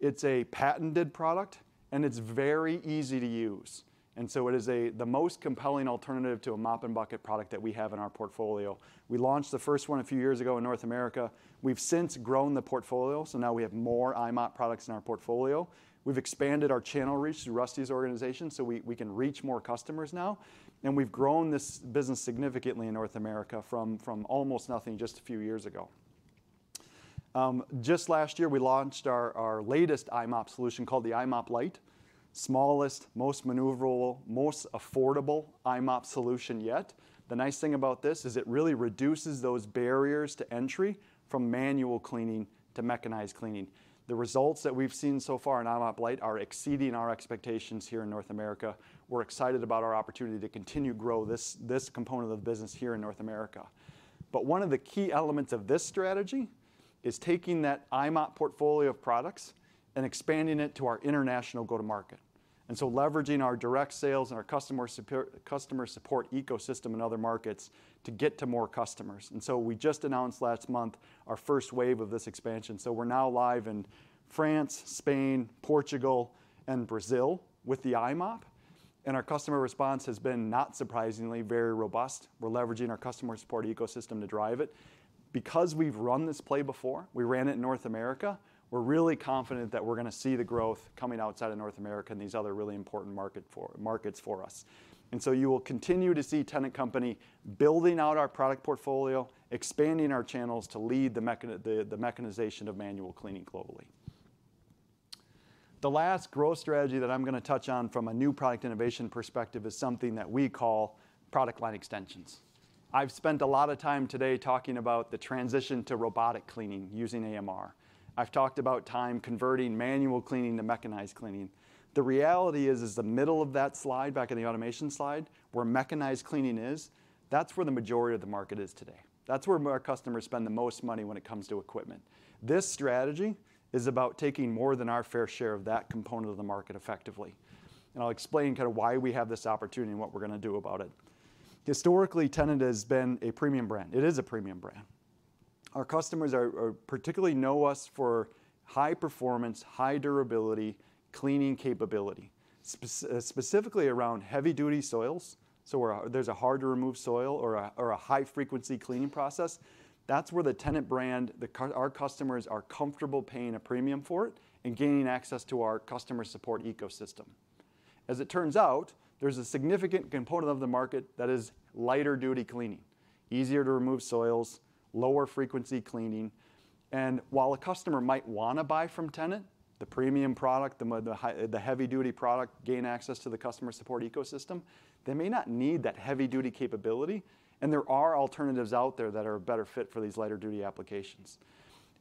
It's a patented product, and it's very easy to use. And so it is the most compelling alternative to a mop and bucket product that we have in our portfolio. We launched the first one a few years ago in North America. We've since grown the portfolio. Now we have more i-mop products in our portfolio. We've expanded our channel reach through Rusty's organization so we can reach more customers now. We've grown this business significantly in North America from almost nothing just a few years ago. Just last year, we launched our latest i-mop solution called the i-mop Lite, smallest, most maneuverable, most affordable i-mop solution yet. The nice thing about this is it really reduces those barriers to entry from manual cleaning to mechanized cleaning. The results that we've seen so far in i-mop Lite are exceeding our expectations here in North America. We're excited about our opportunity to continue to grow this component of the business here in North America. One of the key elements of this strategy is taking that i-mop portfolio of products and expanding it to our international go-to-market, and so leveraging our direct sales and our customer support ecosystem in other markets to get to more customers. We just announced last month our first wave of this expansion. We're now live in France, Spain, Portugal, and Brazil with the i-mop. Our customer response has been, not surprisingly, very robust. We're leveraging our customer support ecosystem to drive it. Because we've run this play before, we ran it in North America, we're really confident that we're going to see the growth coming outside of North America and these other really important markets for us. You will continue to see Tennant Company building out our product portfolio, expanding our channels to lead the mechanization of manual cleaning globally. The last growth strategy that I'm going to touch on from a new product innovation perspective is something that we call product line extensions. I've spent a lot of time today talking about the transition to robotic cleaning using AMR. I've talked about time converting manual cleaning to mechanized cleaning. The reality is, the middle of that slide back in the automation slide, where mechanized cleaning is, that's where the majority of the market is today. That's where our customers spend the most money when it comes to equipment. This strategy is about taking more than our fair share of that component of the market effectively. I'll explain kind of why we have this opportunity and what we're going to do about it. Historically, Tennant has been a premium brand. It is a premium brand. Our customers particularly know us for high performance, high durability, cleaning capability, specifically around heavy-duty soils. So there's a hard-to-remove soil or a high-frequency cleaning process. That's where the Tennant brand, our customers are comfortable paying a premium for it and gaining access to our customer support ecosystem. As it turns out, there's a significant component of the market that is lighter-duty cleaning, easier-to-remove soils, lower-frequency cleaning. And while a customer might want to buy from Tennant, the premium product, the heavy-duty product, gain access to the customer support ecosystem, they may not need that heavy-duty capability. And there are alternatives out there that are a better fit for these lighter-duty applications.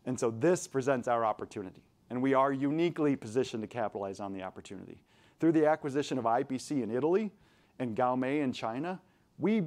And so this presents our opportunity. And we are uniquely positioned to capitalize on the opportunity. Through the acquisition of IPC in Italy and GAOMEI in China, we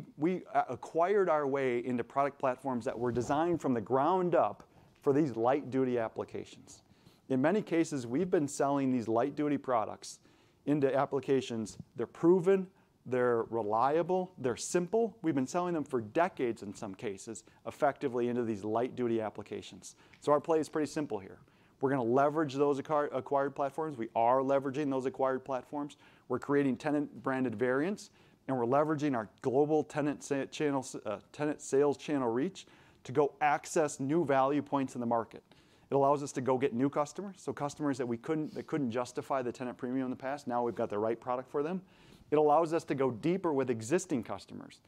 acquired our way into product platforms that were designed from the ground up for these light-duty applications. In many cases, we've been selling these light-duty products into applications. They're proven. They're reliable. They're simple. We've been selling them for decades in some cases effectively into these light-duty applications. So our play is pretty simple here. We're going to leverage those acquired platforms. We are leveraging those acquired platforms. We're creating Tennant-branded variants, and we're leveraging our global Tennant sales channel reach to go access new value points in the market. It allows us to go get new customers, so customers that couldn't justify the Tennant premium in the past. Now we've got the right product for them. It allows us to go deeper with existing customers.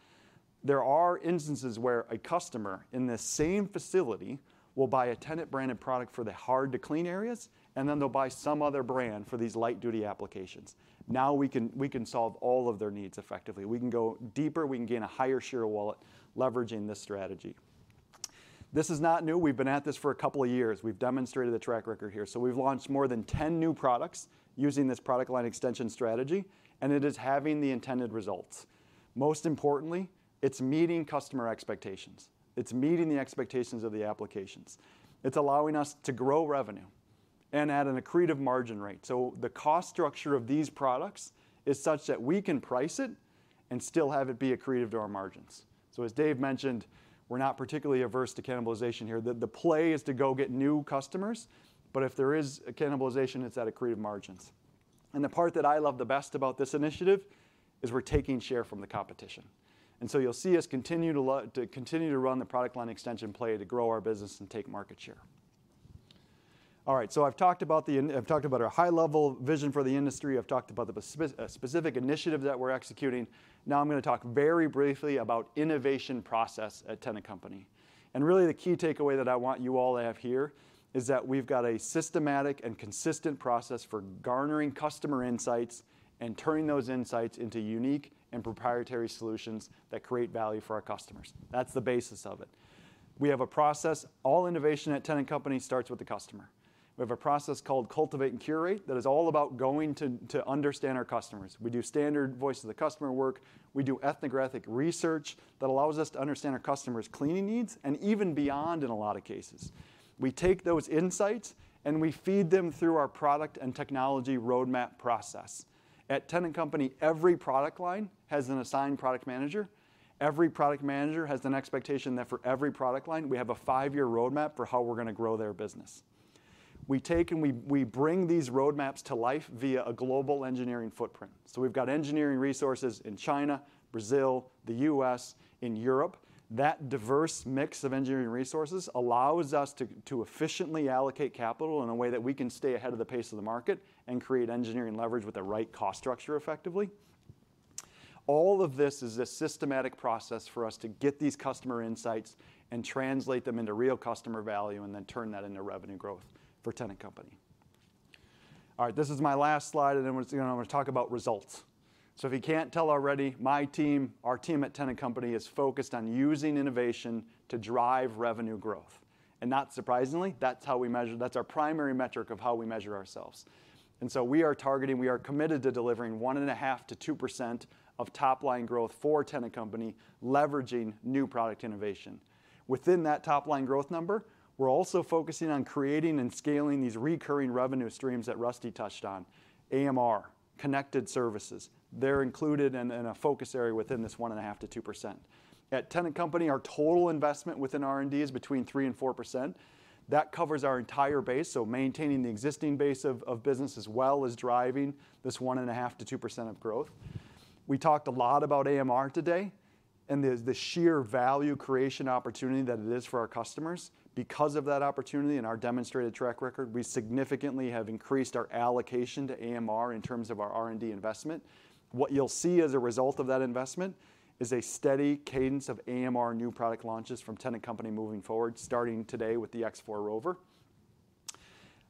There are instances where a customer in the same facility will buy a Tennant-branded product for the hard-to-clean areas, and then they'll buy some other brand for these light-duty applications. Now we can solve all of their needs effectively. We can go deeper. We can gain a higher share of wallet leveraging this strategy. This is not new. We've been at this for a couple of years. We've demonstrated the track record here. So we've launched more than 10 new products using this product line extension strategy, and it is having the intended results. Most importantly, it's meeting customer expectations. It's meeting the expectations of the applications. It's allowing us to grow revenue and add an accretive margin rate. So the cost structure of these products is such that we can price it and still have it be accretive to our margins. As Dave mentioned, we're not particularly averse to cannibalization here. The play is to go get new customers, but if there is cannibalization, it's at accretive margins. The part that I love the best about this initiative is we're taking share from the competition. You'll see us continue to run the product line extension play to grow our business and take market share. All right, I've talked about our high-level vision for the industry. I've talked about the specific initiative that we're executing. Now I'm going to talk very briefly about innovation process at Tennant Company. Really, the key takeaway that I want you all to have here is that we've got a systematic and consistent process for garnering customer insights and turning those insights into unique and proprietary solutions that create value for our customers. That's the basis of it. We have a process. All innovation at Tennant Company starts with the customer. We have a process called Cultivate and Curate that is all about going to understand our customers. We do standard voice of the customer work. We do ethnographic research that allows us to understand our customers' cleaning needs and even beyond in a lot of cases. We take those insights, and we feed them through our product and technology roadmap process. At Tennant Company, every product line has an assigned product manager. Every product manager has an expectation that for every product line, we have a five-year roadmap for how we're going to grow their business. We take and we bring these roadmaps to life via a global engineering footprint. So we've got engineering resources in China, Brazil, the U.S., in Europe. That diverse mix of engineering resources allows us to efficiently allocate capital in a way that we can stay ahead of the pace of the market and create engineering leverage with the right cost structure effectively. All of this is a systematic process for us to get these customer insights and translate them into real customer value and then turn that into revenue growth for Tennant Company. All right, this is my last slide, and then I'm going to talk about results. So if you can't tell already, my team, our team at Tennant Company is focused on using innovation to drive revenue growth. And not surprisingly, that's how we measure. That's our primary metric of how we measure ourselves. And so we are targeting. We are committed to delivering 1.5%-2% of top-line growth for Tennant Company, leveraging new product innovation. Within that top-line growth number, we're also focusing on creating and scaling these recurring revenue streams that Rusty touched on, AMR, connected services. They're included in a focus area within this 1.5%-2%. At Tennant Company, our total investment within R&D is between 3% and 4%. That covers our entire base, so maintaining the existing base of business as well as driving this 1.5%-2% of growth. We talked a lot about AMR today and the sheer value creation opportunity that it is for our customers. Because of that opportunity and our demonstrated track record, we significantly have increased our allocation to AMR in terms of our R&D investment. What you'll see as a result of that investment is a steady cadence of AMR new product launches from Tennant Company moving forward, starting today with the X4 ROVR.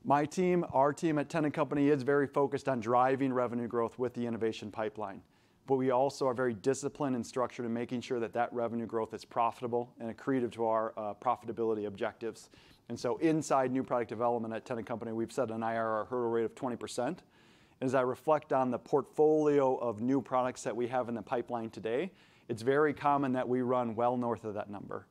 My team, our team at Tennant Company, is very focused on driving revenue growth with the innovation pipeline. But we also are very disciplined and structured in making sure that that revenue growth is profitable and accretive to our profitability objectives. And so inside new product development at Tennant Company, we've set an IRR hurdle rate of 20%. And as I reflect on the portfolio of new products that we have in the pipeline today, it's very common that we run well north of that number.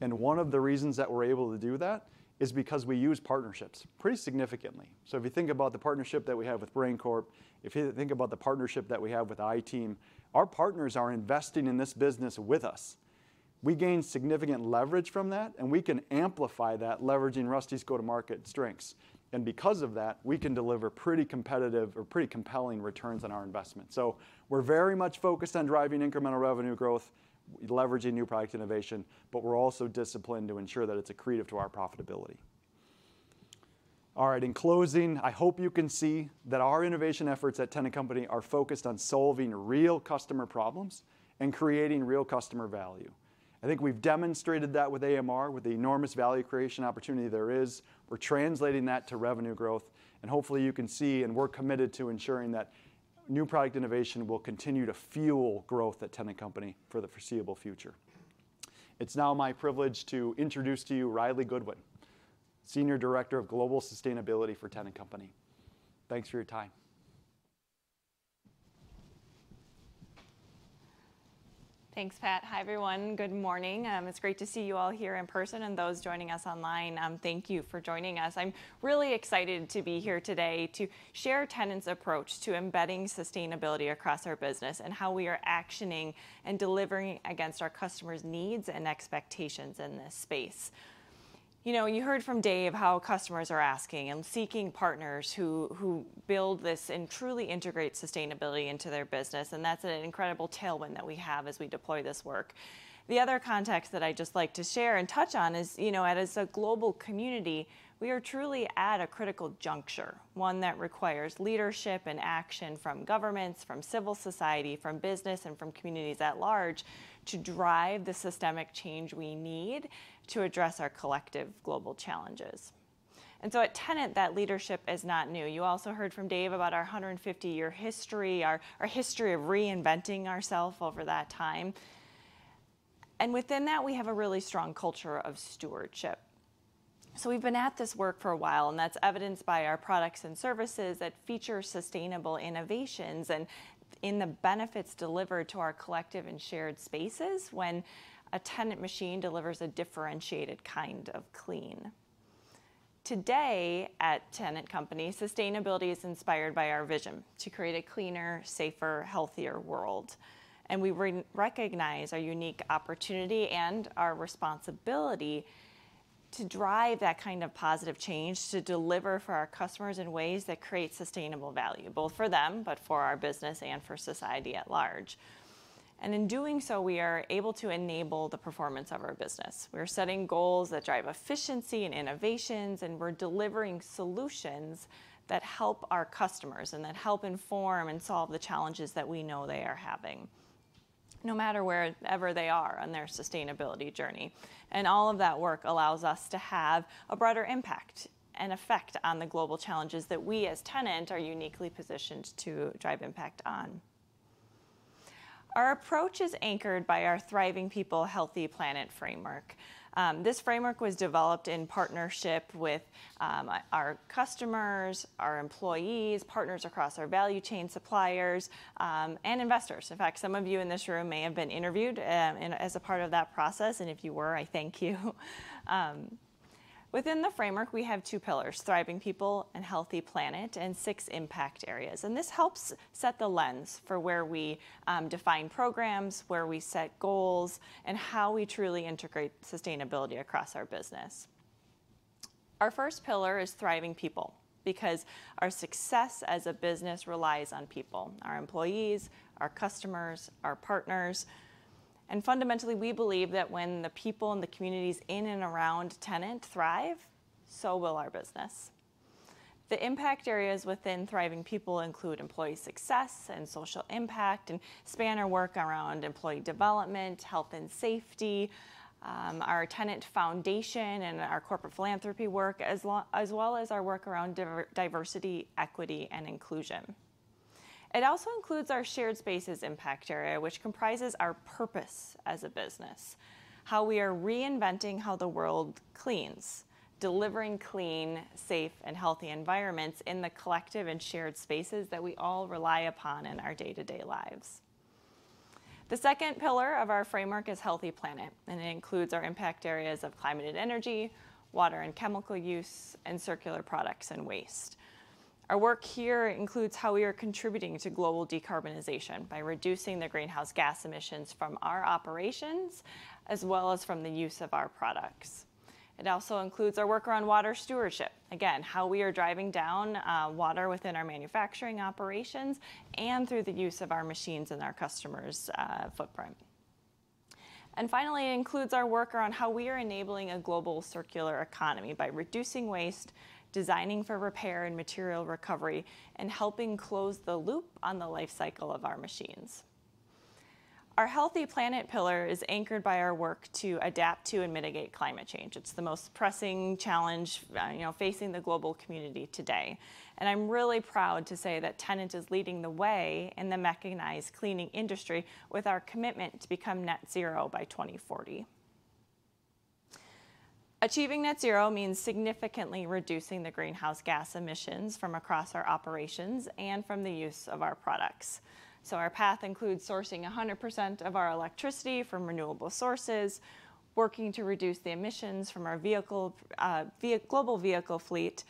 And one of the reasons that we're able to do that is because we use partnerships pretty significantly. So if you think about the partnership that we have with Brain Corp, if you think about the partnership that we have with i-team, our partners are investing in this business with us. We gain significant leverage from that, and we can amplify that leveraging Rusty's go-to-market strengths. And because of that, we can deliver pretty competitive or pretty compelling returns on our investment. So we're very much focused on driving incremental revenue growth, leveraging new product innovation, but we're also disciplined to ensure that it's accretive to our profitability. All right, in closing, I hope you can see that our innovation efforts at Tennant Company are focused on solving real customer problems and creating real customer value. I think we've demonstrated that with AMR, with the enormous value creation opportunity there is. We're translating that to revenue growth. And hopefully, you can see, and we're committed to ensuring that new product innovation will continue to fuel growth at Tennant Company for the foreseeable future. It's now my privilege to introduce to you Riley Goodwin, Senior Director of Global Sustainability for Tennant Company. Thanks for your time. Thanks, Pat. Hi, everyone. Good morning. It's great to see you all here in person and those joining us online. Thank you for joining us. I'm really excited to be here today to share Tennant's approach to embedding sustainability across our business and how we are actioning and delivering against our customers' needs and expectations in this space. You heard from Dave how customers are asking and seeking partners who build this and truly integrate sustainability into their business. That's an incredible tailwind that we have as we deploy this work. The other context that I just like to share and touch on is, as a global community, we are truly at a critical juncture, one that requires leadership and action from governments, from civil society, from business, and from communities at large to drive the systemic change we need to address our collective global challenges. So at Tennant, that leadership is not new. You also heard from Dave about our 150-year history, our history of reinventing ourselves over that time. Within that, we have a really strong culture of stewardship. So we've been at this work for a while, and that's evidenced by our products and services that feature sustainable innovations and in the benefits delivered to our collective and shared spaces when a Tennant machine delivers a differentiated kind of clean. Today at Tennant Company, sustainability is inspired by our vision to create a cleaner, safer, healthier world. We recognize our unique opportunity and our responsibility to drive that kind of positive change, to deliver for our customers in ways that create sustainable value, both for them but for our business and for society at large. In doing so, we are able to enable the performance of our business. We're setting goals that drive efficiency and innovations, and we're delivering solutions that help our customers and that help inform and solve the challenges that we know they are having, no matter wherever they are on their sustainability journey. All of that work allows us to have a broader impact and effect on the global challenges that we, as Tennant, are uniquely positioned to drive impact on. Our approach is anchored by our Thriving People, Healthy Planet framework. This framework was developed in partnership with our customers, our employees, partners across our value chain, suppliers, and investors. In fact, some of you in this room may have been interviewed as a part of that process. And if you were, I thank you. Within the framework, we have two pillars, Thriving People and Healthy Planet, and six impact areas. This helps set the lens for where we define programs, where we set goals, and how we truly integrate sustainability across our business. Our first pillar is Thriving People because our success as a business relies on people, our employees, our customers, our partners. Fundamentally, we believe that when the people and the communities in and around Tennant thrive, so will our business. The impact areas within Thriving People include employee success and social impact and span our work around employee development, health and safety, our Tennant Foundation and our corporate philanthropy work, as well as our work around diversity, equity, and inclusion. It also includes our shared spaces impact area, which comprises our purpose as a business, how we are reinventing how the world cleans, delivering clean, safe, and healthy environments in the collective and shared spaces that we all rely upon in our day-to-day lives. The second pillar of our framework is Healthy Planet, and it includes our impact areas of climate and energy, water and chemical use, and circular products and waste. Our work here includes how we are contributing to global decarbonization by reducing the greenhouse gas emissions from our operations as well as from the use of our products. It also includes our work around water stewardship, again, how we are driving down water within our manufacturing operations and through the use of our machines and our customers' footprint. And finally, it includes our work around how we are enabling a global circular economy by reducing waste, designing for repair and material recovery, and helping close the loop on the life cycle of our machines. Our Healthy Planet pillar is anchored by our work to adapt to and mitigate climate change. It's the most pressing challenge facing the global community today. I'm really proud to say that Tennant is leading the way in the mechanized cleaning industry with our commitment to become net zero by 2040. Achieving net zero means significantly reducing the greenhouse gas emissions from across our operations and from the use of our products. So our path includes sourcing 100% of our electricity from renewable sources, working to reduce the emissions from our global vehicle fleet.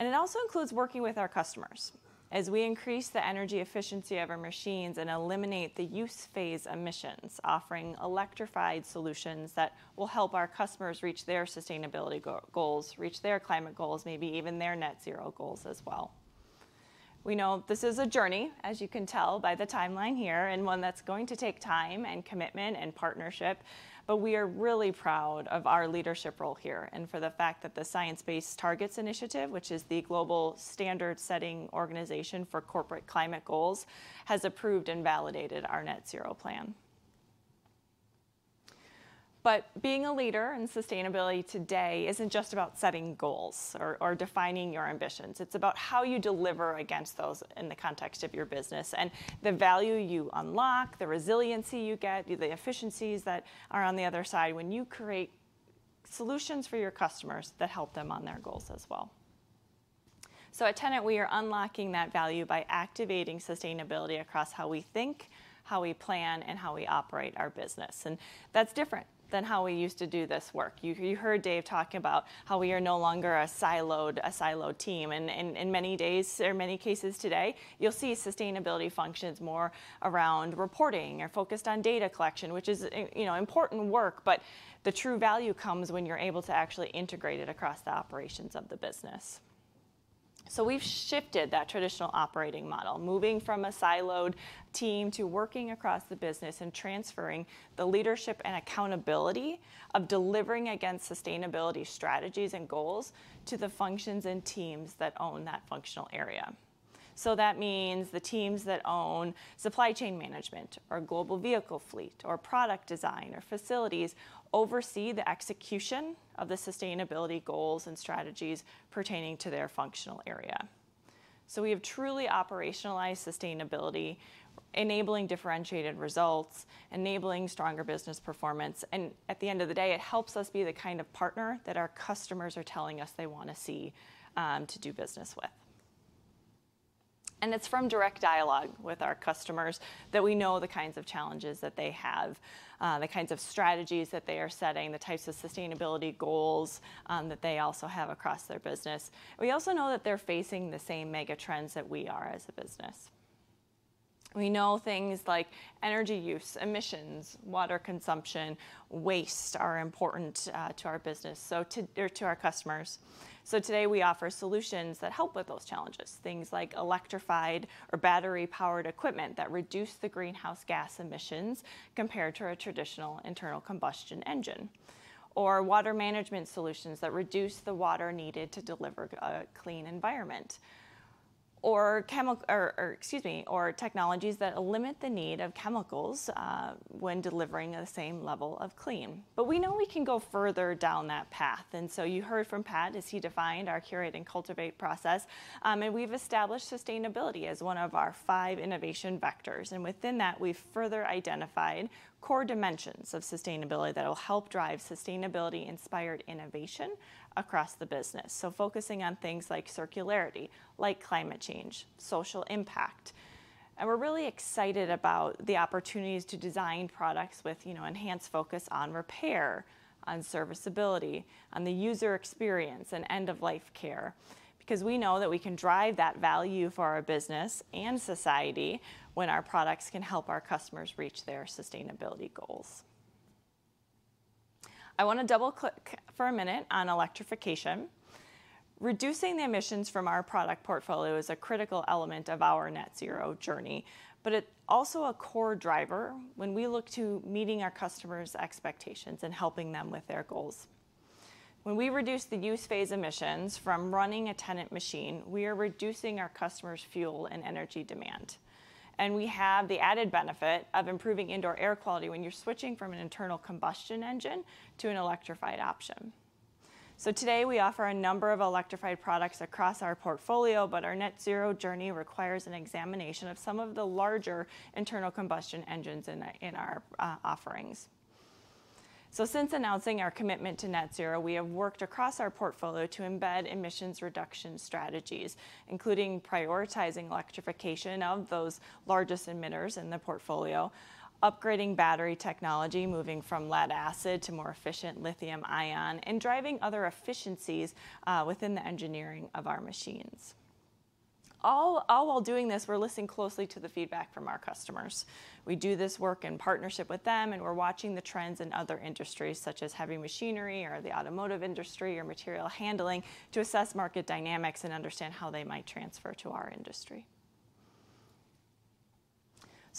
And it also includes working with our customers as we increase the energy efficiency of our machines and eliminate the use phase emissions, offering electrified solutions that will help our customers reach their sustainability goals, reach their climate goals, maybe even their net zero goals as well. We know this is a journey, as you can tell by the timeline here, and one that's going to take time and commitment and partnership. But we are really proud of our leadership role here and for the fact that the Science Based Targets initiative, which is the global standard-setting organization for corporate climate goals, has approved and validated our net zero plan. Being a leader in sustainability today isn't just about setting goals or defining your ambitions. It's about how you deliver against those in the context of your business and the value you unlock, the resiliency you get, the efficiencies that are on the other side when you create solutions for your customers that help them on their goals as well. At Tennant, we are unlocking that value by activating sustainability across how we think, how we plan, and how we operate our business. That's different than how we used to do this work. You heard Dave talking about how we are no longer a siloed team. In many ways or many cases today, you'll see sustainability functions more around reporting or focused on data collection, which is important work. The true value comes when you're able to actually integrate it across the operations of the business. We've shifted that traditional operating model, moving from a siloed team to working across the business and transferring the leadership and accountability of delivering against sustainability strategies and goals to the functions and teams that own that functional area. That means the teams that own supply chain management or global vehicle fleet or product design or facilities oversee the execution of the sustainability goals and strategies pertaining to their functional area. We have truly operationalized sustainability, enabling differentiated results, enabling stronger business performance. At the end of the day, it helps us be the kind of partner that our customers are telling us they want to see to do business with. It's from direct dialogue with our customers that we know the kinds of challenges that they have, the kinds of strategies that they are setting, the types of sustainability goals that they also have across their business. We also know that they're facing the same megatrends that we are as a business. We know things like energy use, emissions, water consumption, waste are important to our business or to our customers. So today, we offer solutions that help with those challenges, things like electrified or battery-powered equipment that reduce the greenhouse gas emissions compared to a traditional internal combustion engine, or water management solutions that reduce the water needed to deliver a clean environment, or technologies that limit the need of chemicals when delivering the same level of clean. But we know we can go further down that path. And so you heard from Pat as he defined our curate and cultivate process. And we've established sustainability as one of our five innovation vectors. And within that, we've further identified core dimensions of sustainability that will help drive sustainability-inspired innovation across the business, so focusing on things like circularity, like climate change, social impact. We're really excited about the opportunities to design products with enhanced focus on repair, on serviceability, on the user experience, and end-of-life care because we know that we can drive that value for our business and society when our products can help our customers reach their sustainability goals. I want to double-click for a minute on electrification. Reducing the emissions from our product portfolio is a critical element of our net zero journey, but it's also a core driver when we look to meeting our customers' expectations and helping them with their goals. When we reduce the use phase emissions from running a Tennant machine, we are reducing our customers' fuel and energy demand. We have the added benefit of improving indoor air quality when you're switching from an internal combustion engine to an electrified option. So today, we offer a number of electrified products across our portfolio, but our net zero journey requires an examination of some of the larger internal combustion engines in our offerings. Since announcing our commitment to net zero, we have worked across our portfolio to embed emissions reduction strategies, including prioritizing electrification of those largest emitters in the portfolio, upgrading battery technology, moving from lead acid to more efficient lithium-ion, and driving other efficiencies within the engineering of our machines. All while doing this, we're listening closely to the feedback from our customers. We do this work in partnership with them, and we're watching the trends in other industries such as heavy machinery or the automotive industry or material handling to assess market dynamics and understand how they might transfer to our industry.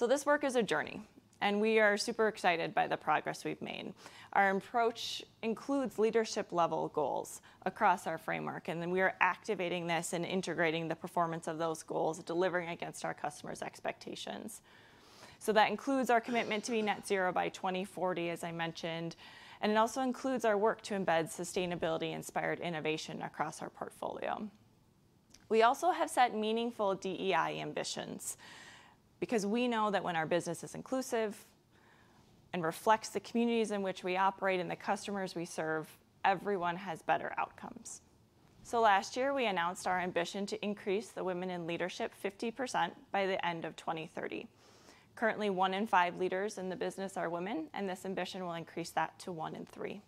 This work is a journey, and we are super excited by the progress we've made. Our approach includes leadership-level goals across our framework, and then we are activating this and integrating the performance of those goals delivering against our customers' expectations. So that includes our commitment to be net zero by 2040, as I mentioned. And it also includes our work to embed sustainability-inspired innovation across our portfolio. We also have set meaningful DEI ambitions because we know that when our business is inclusive and reflects the communities in which we operate and the customers we serve, everyone has better outcomes. So last year, we announced our ambition to increase the women in leadership 50% by the end of 2030. Currently, one in five leaders in the business are women, and this ambition will increase that to one in three.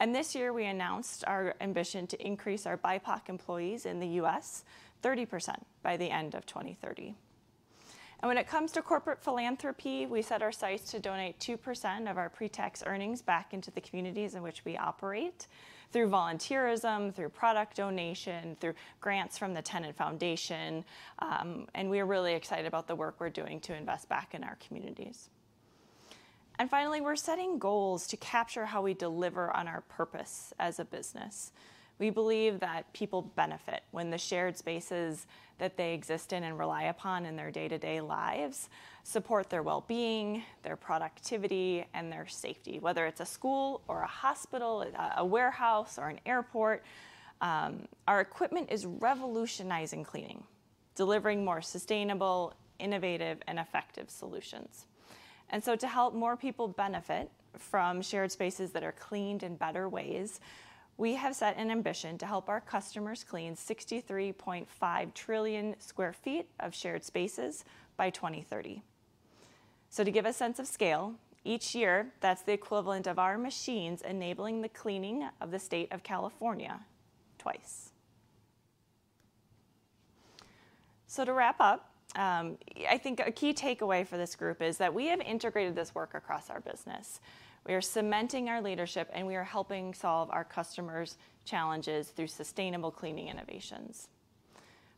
And this year, we announced our ambition to increase our BIPOC employees in the U.S. 30% by the end of 2030. When it comes to corporate philanthropy, we set our sights to donate 2% of our pretax earnings back into the communities in which we operate through volunteerism, through product donation, through grants from the Tennant Foundation. We are really excited about the work we're doing to invest back in our communities. Finally, we're setting goals to capture how we deliver on our purpose as a business. We believe that people benefit when the shared spaces that they exist in and rely upon in their day-to-day lives support their well-being, their productivity, and their safety, whether it's a school or a hospital, a warehouse, or an airport. Our equipment is revolutionizing cleaning, delivering more sustainable, innovative, and effective solutions. To help more people benefit from shared spaces that are cleaned in better ways, we have set an ambition to help our customers clean 63.5 trillion sq ft of shared spaces by 2030. To give a sense of scale, each year, that's the equivalent of our machines enabling the cleaning of the state of California twice. To wrap up, I think a key takeaway for this group is that we have integrated this work across our business. We are cementing our leadership, and we are helping solve our customers' challenges through sustainable cleaning innovations.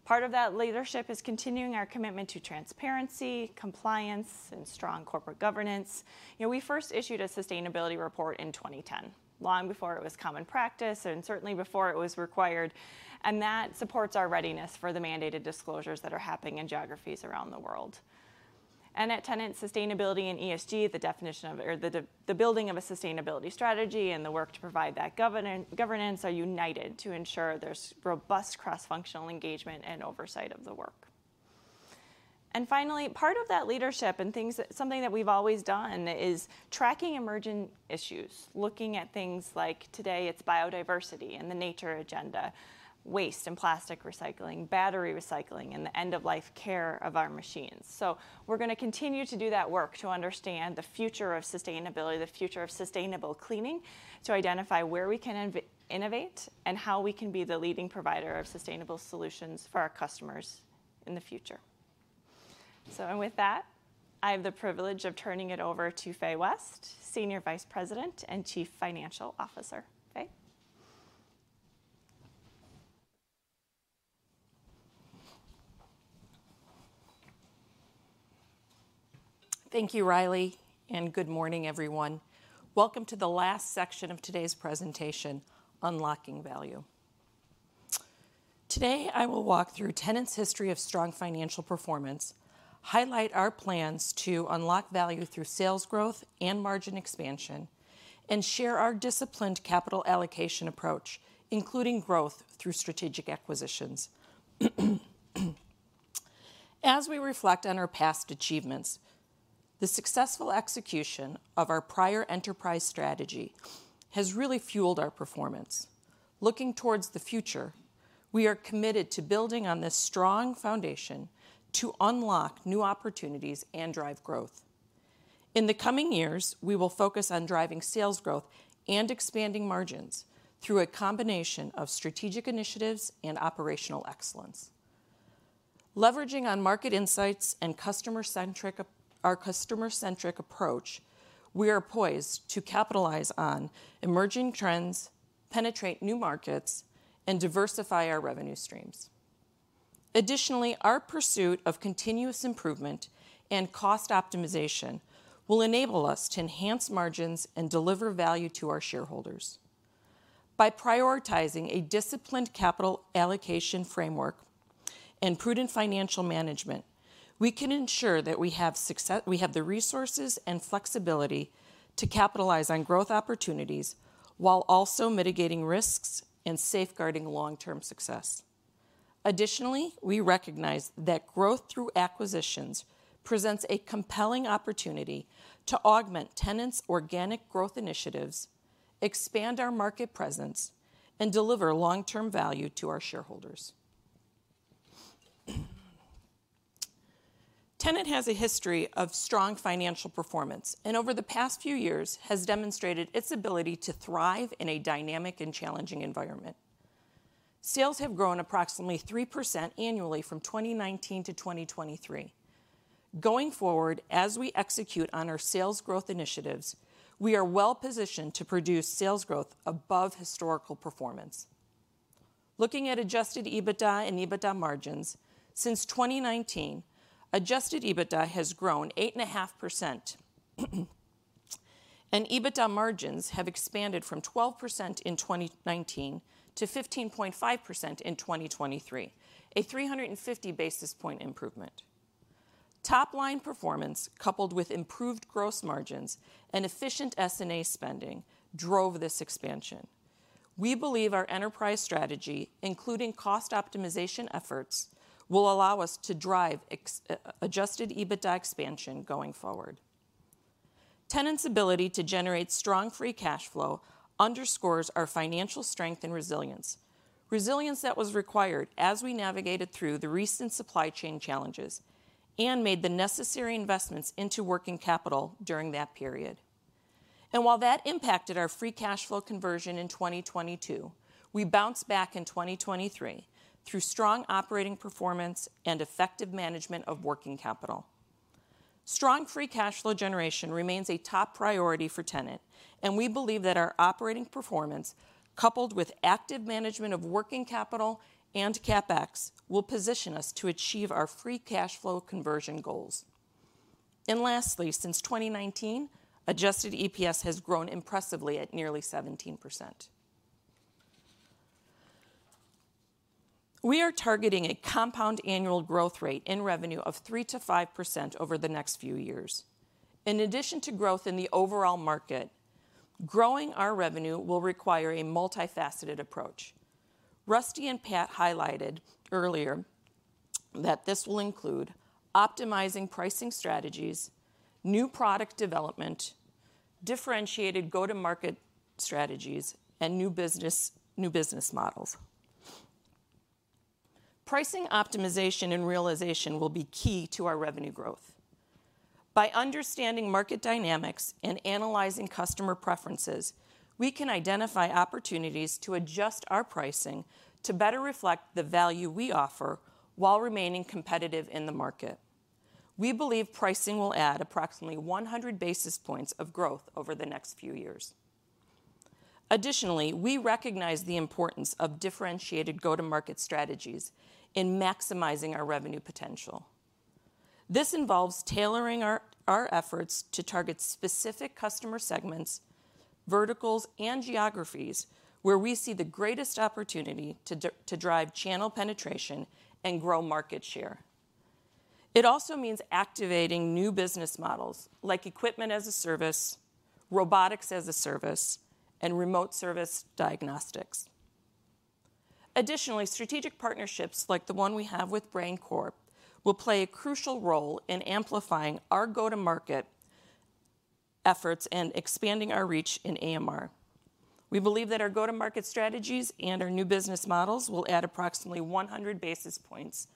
Part of that leadership is continuing our commitment to transparency, compliance, and strong corporate governance. We first issued a sustainability report in 2010, long before it was common practice and certainly before it was required. That supports our readiness for the mandated disclosures that are happening in geographies around the world. At Tennant, sustainability and ESG, the definition of or the building of a sustainability strategy and the work to provide that governance are united to ensure there's robust cross-functional engagement and oversight of the work. Finally, part of that leadership and something that we've always done is tracking emergent issues, looking at things like today, it's biodiversity and the nature agenda, waste and plastic recycling, battery recycling, and the end-of-life care of our machines. We're going to continue to do that work to understand the future of sustainability, the future of sustainable cleaning, to identify where we can innovate and how we can be the leading provider of sustainable solutions for our customers in the future. With that, I have the privilege of turning it over to Fay West, Senior Vice President and Chief Financial Officer. Fay? Thank you, Riley, and good morning, everyone. Welcome to the last section of today's presentation, Unlocking Value. Today, I will walk through Tennant's history of strong financial performance, highlight our plans to unlock value through sales growth and margin expansion, and share our disciplined capital allocation approach, including growth through strategic acquisitions. As we reflect on our past achievements, the successful execution of our prior enterprise strategy has really fueled our performance. Looking toward the future, we are committed to building on this strong foundation to unlock new opportunities and drive growth. In the coming years, we will focus on driving sales growth and expanding margins through a combination of strategic initiatives and operational excellence. Leveraging on market insights and our customer-centric approach, we are poised to capitalize on emerging trends, penetrate new markets, and diversify our revenue streams. Additionally, our pursuit of continuous improvement and cost optimization will enable us to enhance margins and deliver value to our shareholders. By prioritizing a disciplined capital allocation framework and prudent financial management, we can ensure that we have the resources and flexibility to capitalize on growth opportunities while also mitigating risks and safeguarding long-term success. Additionally, we recognize that growth through acquisitions presents a compelling opportunity to augment Tennant's organic growth initiatives, expand our market presence, and deliver long-term value to our shareholders. Tennant has a history of strong financial performance and over the past few years has demonstrated its ability to thrive in a dynamic and challenging environment. Sales have grown approximately 3% annually from 2019 to 2023. Going forward, as we execute on our sales growth initiatives, we are well-positioned to produce sales growth above historical performance. Looking at adjusted EBITDA and EBITDA margins, since 2019, adjusted EBITDA has grown 8.5%. EBITDA margins have expanded from 12% in 2019 to 15.5% in 2023, a 350 basis point improvement. Top-line performance coupled with improved gross margins and efficient SG&A spending drove this expansion. We believe our enterprise strategy, including cost optimization efforts, will allow us to drive adjusted EBITDA expansion going forward. Tennant's ability to generate strong free cash flow underscores our financial strength and resilience, resilience that was required as we navigated through the recent supply chain challenges and made the necessary investments into working capital during that period. And while that impacted our free cash flow conversion in 2022, we bounced back in 2023 through strong operating performance and effective management of working capital. Strong free cash flow generation remains a top priority for Tennant, and we believe that our operating performance, coupled with active management of working capital and CapEx, will position us to achieve our free cash flow conversion goals. Lastly, since 2019, adjusted EPS has grown impressively at nearly 17%. We are targeting a compound annual growth rate in revenue of 3%-5% over the next few years. In addition to growth in the overall market, growing our revenue will require a multifaceted approach. Rusty and Pat highlighted earlier that this will include optimizing pricing strategies, new product development, differentiated go-to-market strategies, and new business models. Pricing optimization and realization will be key to our revenue growth. By understanding market dynamics and analyzing customer preferences, we can identify opportunities to adjust our pricing to better reflect the value we offer while remaining competitive in the market. We believe pricing will add approximately 100 basis points of growth over the next few years. Additionally, we recognize the importance of differentiated go-to-market strategies in maximizing our revenue potential. This involves tailoring our efforts to target specific customer segments, verticals, and geographies where we see the greatest opportunity to drive channel penetration and grow market share. It also means activating new business models like equipment as a service, robotics as a service, and remote service diagnostics. Additionally, strategic partnerships like the one we have with Brain Corp will play a crucial role in amplifying our go-to-market efforts and expanding our reach in AMR. We believe that our go-to-market strategies and our new business models will add approximately 100 basis points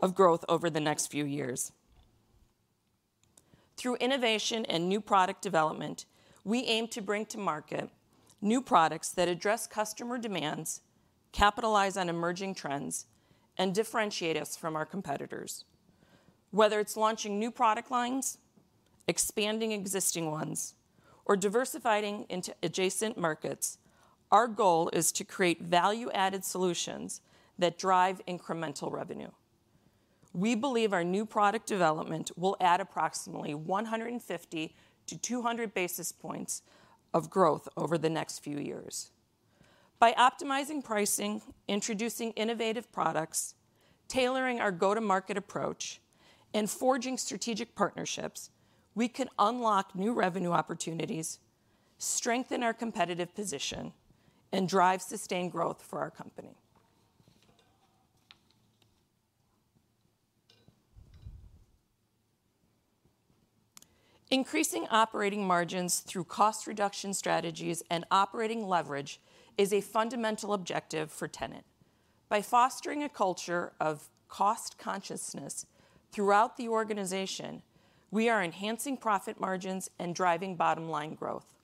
of growth over the next few years. Through innovation and new product development, we aim to bring to market new products that address customer demands, capitalize on emerging trends, and differentiate us from our competitors. Whether it's launching new product lines, expanding existing ones, or diversifying into adjacent markets, our goal is to create value-added solutions that drive incremental revenue. We believe our new product development will add approximately 150-200 basis points of growth over the next few years. By optimizing pricing, introducing innovative products, tailoring our go-to-market approach, and forging strategic partnerships, we can unlock new revenue opportunities, strengthen our competitive position, and drive sustained growth for our company. Increasing operating margins through cost reduction strategies and operating leverage is a fundamental objective for Tennant. By fostering a culture of cost consciousness throughout the organization, we are enhancing profit margins and driving bottom-line growth.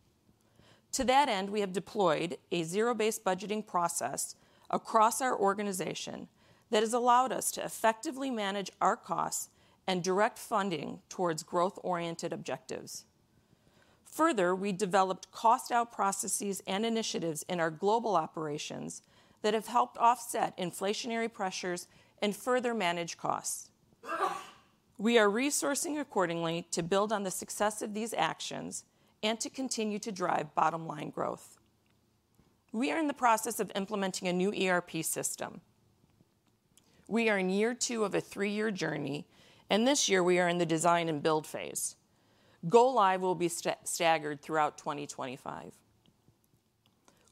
To that end, we have deployed a zero-based budgeting process across our organization that has allowed us to effectively manage our costs and direct funding towards growth-oriented objectives. Further, we developed cost-out processes and initiatives in our global operations that have helped offset inflationary pressures and further manage costs. We are resourcing accordingly to build on the success of these actions and to continue to drive bottom-line growth. We are in the process of implementing a new ERP system. We are in year two of a three-year journey, and this year, we are in the design and build phase. Go-live will be staggered throughout 2025.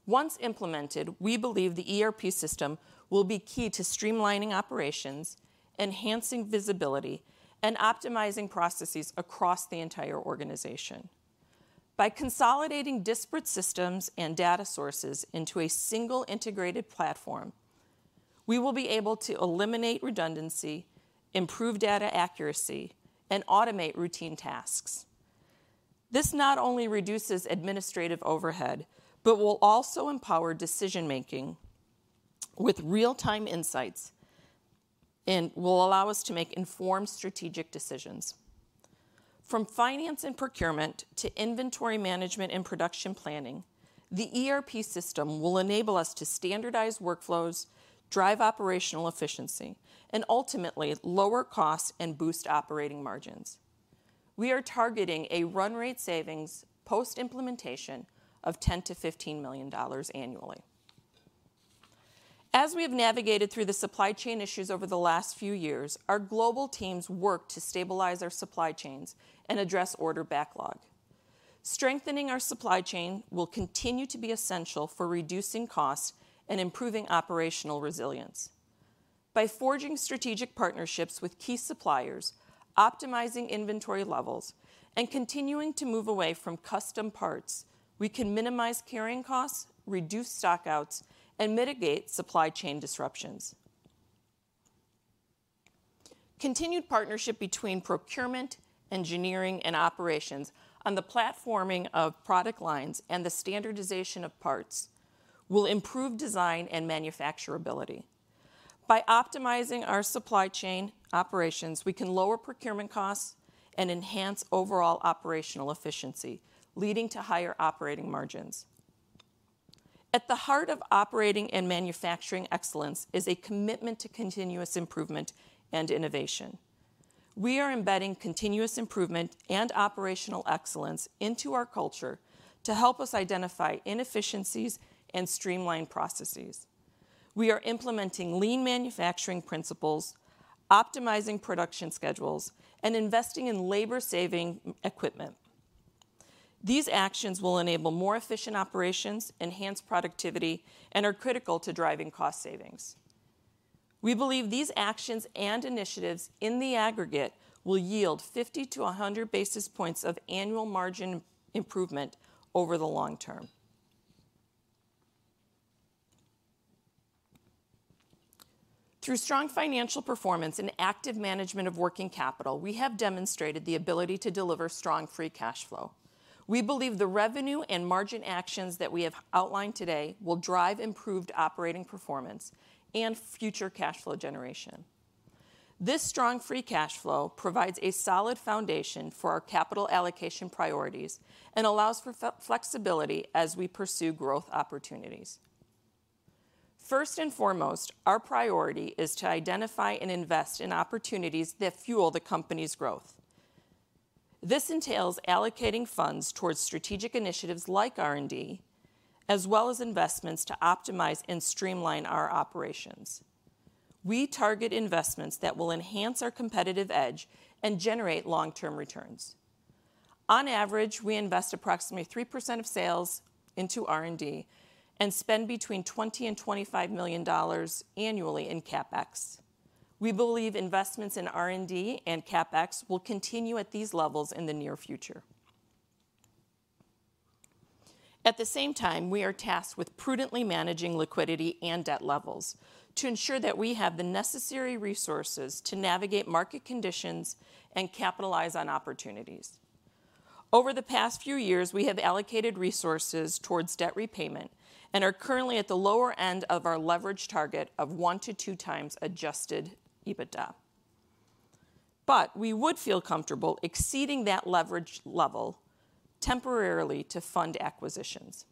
Once implemented, we believe the ERP system will be key to streamlining operations, enhancing visibility, and optimizing processes across the entire organization. By consolidating disparate systems and data sources into a single integrated platform, we will be able to eliminate redundancy, improve data accuracy, and automate routine tasks. This not only reduces administrative overhead but will also empower decision-making with real-time insights and will allow us to make informed strategic decisions. From finance and procurement to inventory management and production planning, the ERP system will enable us to standardize workflows, drive operational efficiency, and ultimately lower costs and boost operating margins. We are targeting a run-rate savings post-implementation of $10 million-$15 million annually. As we have navigated through the supply chain issues over the last few years, our global teams work to stabilize our supply chains and address order backlog. Strengthening our supply chain will continue to be essential for reducing costs and improving operational resilience. By forging strategic partnerships with key suppliers, optimizing inventory levels, and continuing to move away from custom parts, we can minimize carrying costs, reduce stockouts, and mitigate supply chain disruptions. Continued partnership between procurement, engineering, and operations on the platforming of product lines and the standardization of parts will improve design and manufacturability. By optimizing our supply chain operations, we can lower procurement costs and enhance overall operational efficiency, leading to higher operating margins. At the heart of operating and manufacturing excellence is a commitment to continuous improvement and innovation. We are embedding continuous improvement and operational excellence into our culture to help us identify inefficiencies and streamline processes. We are implementing lean manufacturing principles, optimizing production schedules, and investing in labor-saving equipment. These actions will enable more efficient operations, enhance productivity, and are critical to driving cost savings. We believe these actions and initiatives in the aggregate will yield 50-100 basis points of annual margin improvement over the long term. Through strong financial performance and active management of working capital, we have demonstrated the ability to deliver strong free cash flow. We believe the revenue and margin actions that we have outlined today will drive improved operating performance and future cash flow generation. This strong free cash flow provides a solid foundation for our capital allocation priorities and allows for flexibility as we pursue growth opportunities. First and foremost, our priority is to identify and invest in opportunities that fuel the company's growth. This entails allocating funds towards strategic initiatives like R&D as well as investments to optimize and streamline our operations. We target investments that will enhance our competitive edge and generate long-term returns. On average, we invest approximately 3% of sales into R&D and spend between $20 million and $25 million annually in CapEx. We believe investments in R&D and CapEx will continue at these levels in the near future. At the same time, we are tasked with prudently managing liquidity and debt levels to ensure that we have the necessary resources to navigate market conditions and capitalize on opportunities. Over the past few years, we have allocated resources towards debt repayment and are currently at the lower end of our leverage target of one to two times adjusted EBITDA. But we would feel comfortable exceeding that leverage level temporarily to fund acquisitions.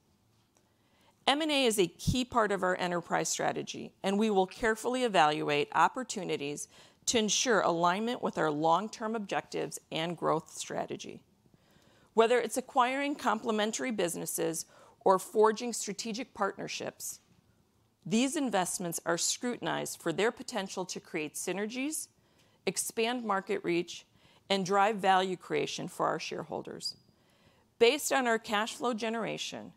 M&A is a key part of our enterprise strategy, and we will carefully evaluate opportunities to ensure alignment with our long-term objectives and growth strategy. Whether it's acquiring complementary businesses or forging strategic partnerships, these investments are scrutinized for their potential to create synergies, expand market reach, and drive value creation for our shareholders. Based on our cash flow generation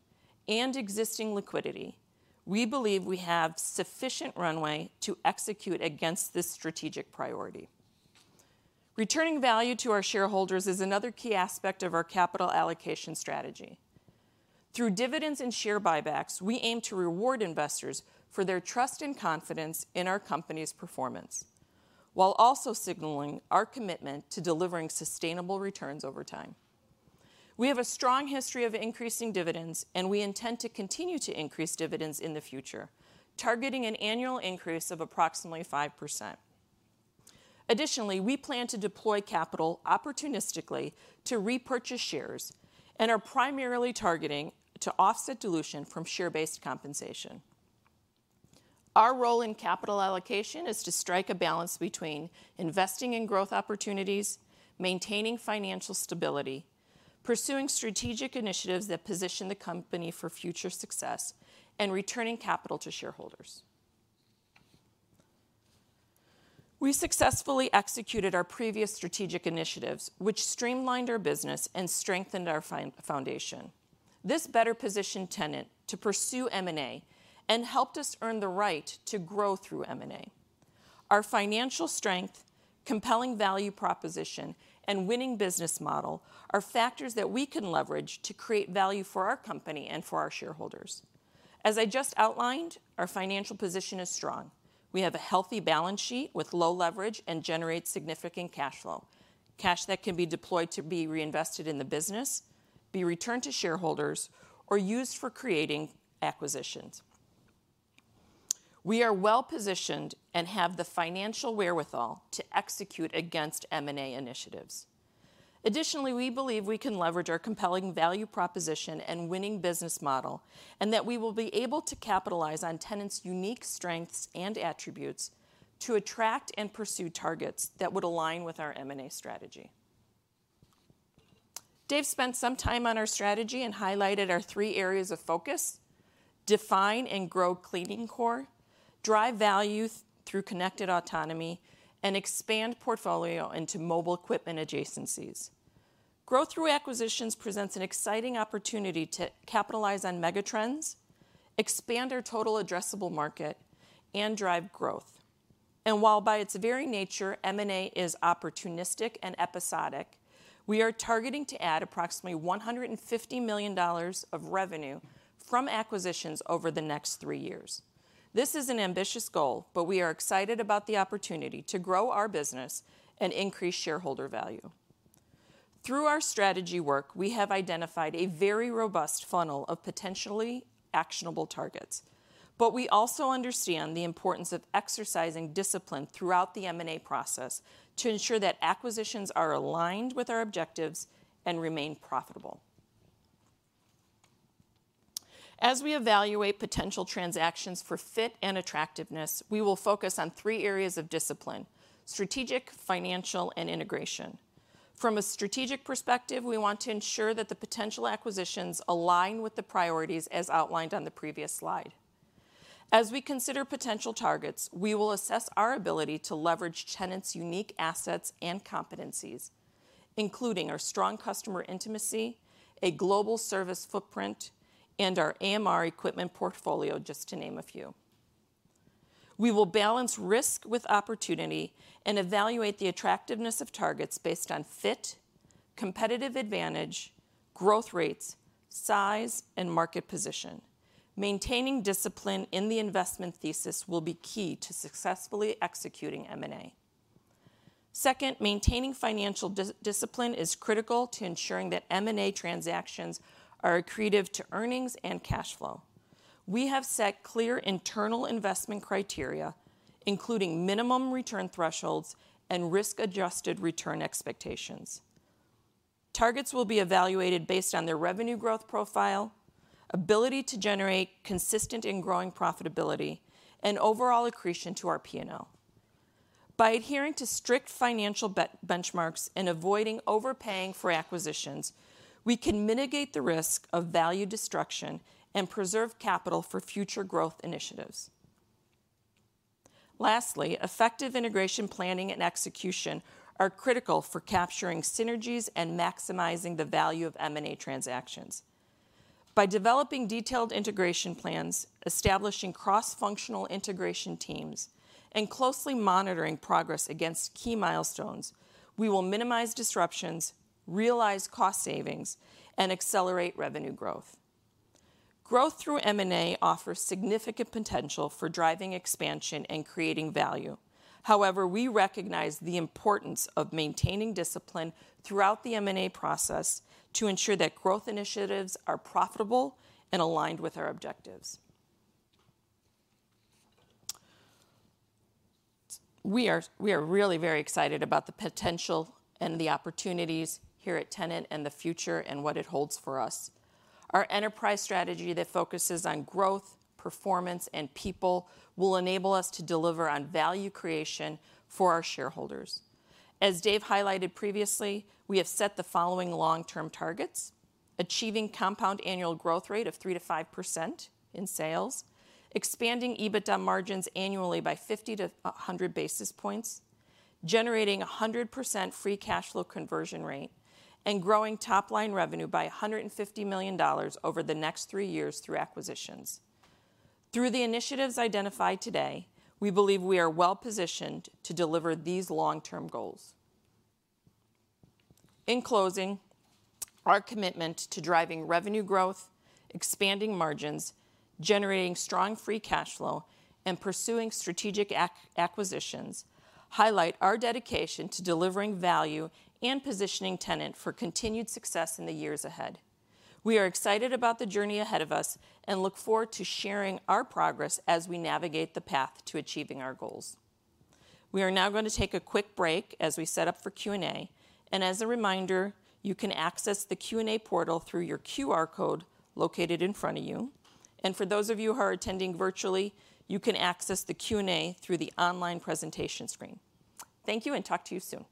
and existing liquidity, we believe we have sufficient runway to execute against this strategic priority. Returning value to our shareholders is another key aspect of our capital allocation strategy. Through dividends and share buybacks, we aim to reward investors for their trust and confidence in our company's performance while also signaling our commitment to delivering sustainable returns over time. We have a strong history of increasing dividends, and we intend to continue to increase dividends in the future, targeting an annual increase of approximately 5%. Additionally, we plan to deploy capital opportunistically to repurchase shares and are primarily targeting to offset dilution from share-based compensation. Our role in capital allocation is to strike a balance between investing in growth opportunities, maintaining financial stability, pursuing strategic initiatives that position the company for future success, and returning capital to shareholders. We successfully executed our previous strategic initiatives, which streamlined our business and strengthened our foundation. This better positioned Tennant to pursue M&A and helped us earn the right to grow through M&A. Our financial strength, compelling value proposition, and winning business model are factors that we can leverage to create value for our company and for our shareholders. As I just outlined, our financial position is strong. We have a healthy balance sheet with low leverage and generate significant cash flow, cash that can be deployed to be reinvested in the business, be returned to shareholders, or used for creating acquisitions. We are well-positioned and have the financial wherewithal to execute against M&A initiatives. Additionally, we believe we can leverage our compelling value proposition and winning business model and that we will be able to capitalize on Tennant's unique strengths and attributes to attract and pursue targets that would align with our M&A strategy. Dave spent some time on our strategy and highlighted our three areas of focus: define and grow Cleaning Core, drive value through connected autonomy, and expand portfolio into mobile equipment adjacencies. Growth through acquisitions presents an exciting opportunity to capitalize on megatrends, expand our total addressable market, and drive growth. While by its very nature, M&A is opportunistic and episodic, we are targeting to add approximately $150 million of revenue from acquisitions over the next three years. This is an ambitious goal, but we are excited about the opportunity to grow our business and increase shareholder value. Through our strategy work, we have identified a very robust funnel of potentially actionable targets. But we also understand the importance of exercising discipline throughout the M&A process to ensure that acquisitions are aligned with our objectives and remain profitable. As we evaluate potential transactions for fit and attractiveness, we will focus on three areas of discipline: strategic, financial, and integration. From a strategic perspective, we want to ensure that the potential acquisitions align with the priorities as outlined on the previous slide. As we consider potential targets, we will assess our ability to leverage Tennant's unique assets and competencies, including our strong customer intimacy, a global service footprint, and our AMR equipment portfolio, just to name a few. We will balance risk with opportunity and evaluate the attractiveness of targets based on fit, competitive advantage, growth rates, size, and market position. Maintaining discipline in the investment thesis will be key to successfully executing M&A. Second, maintaining financial discipline is critical to ensuring that M&A transactions are accretive to earnings and cash flow. We have set clear internal investment criteria, including minimum return thresholds and risk-adjusted return expectations. Targets will be evaluated based on their revenue growth profile, ability to generate consistent and growing profitability, and overall accretion to our P&L. By adhering to strict financial benchmarks and avoiding overpaying for acquisitions, we can mitigate the risk of value destruction and preserve capital for future growth initiatives. Lastly, effective integration planning and execution are critical for capturing synergies and maximizing the value of M&A transactions. By developing detailed integration plans, establishing cross-functional integration teams, and closely monitoring progress against key milestones, we will minimize disruptions, realize cost savings, and accelerate revenue growth. Growth through M&A offers significant potential for driving expansion and creating value. However, we recognize the importance of maintaining discipline throughout the M&A process to ensure that growth initiatives are profitable and aligned with our objectives. We are really very excited about the potential and the opportunities here at Tennant and the future and what it holds for us. Our enterprise strategy that focuses on growth, performance, and people will enable us to deliver on value creation for our shareholders. As Dave highlighted previously, we have set the following long-term targets: achieving compound annual growth rate of 3%-5% in sales, expanding EBITDA margins annually by 50-100 basis points, generating a 100% free cash flow conversion rate, and growing top-line revenue by $150 million over the next three years through acquisitions. Through the initiatives identified today, we believe we are well-positioned to deliver these long-term goals. In closing, our commitment to driving revenue growth, expanding margins, generating strong free cash flow, and pursuing strategic acquisitions highlights our dedication to delivering value and positioning Tennant for continued success in the years ahead. We are excited about the journey ahead of us and look forward to sharing our progress as we navigate the path to achieving our goals. We are now going to take a quick break as we set up for Q&A. As a reminder, you can access the Q&A portal through your QR code located in front of you. For those of you who are attending virtually, you can access the Q&A through the online presentation screen. Thank you, and talk to you soon.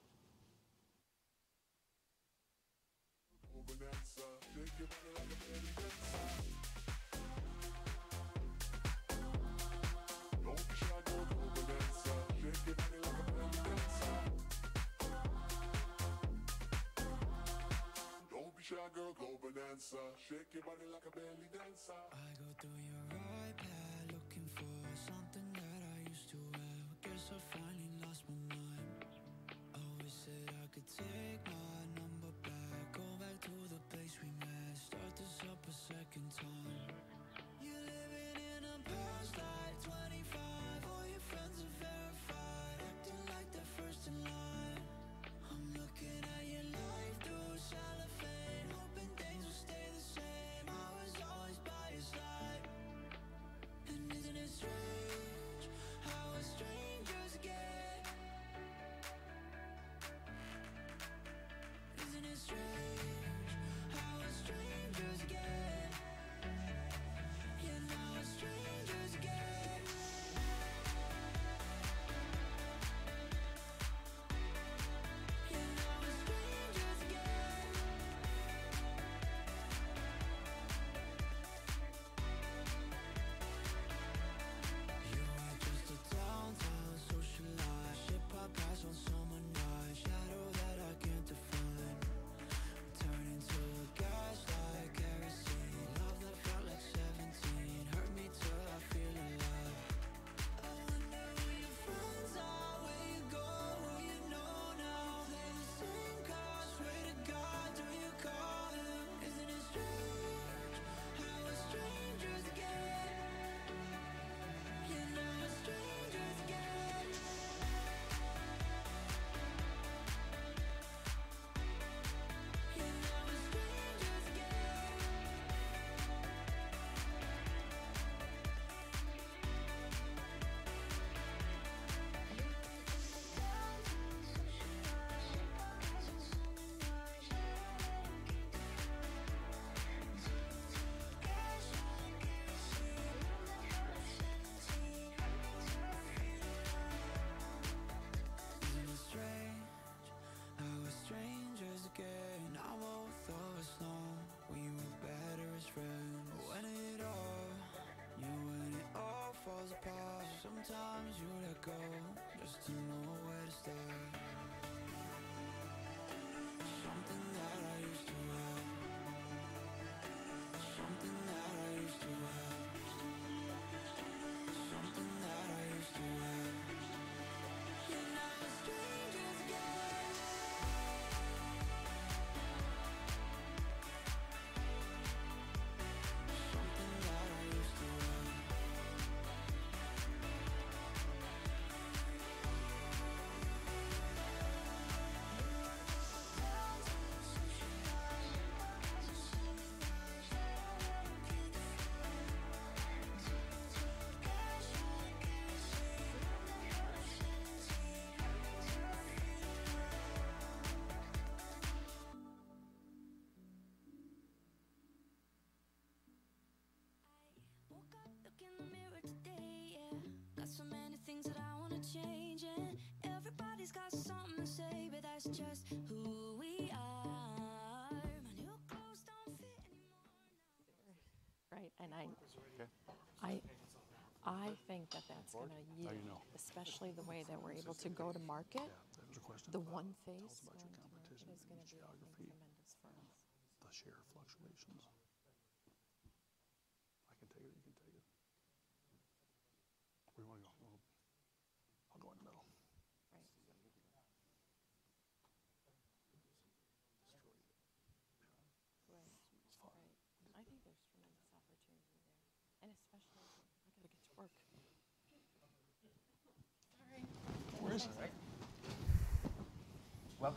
Welcome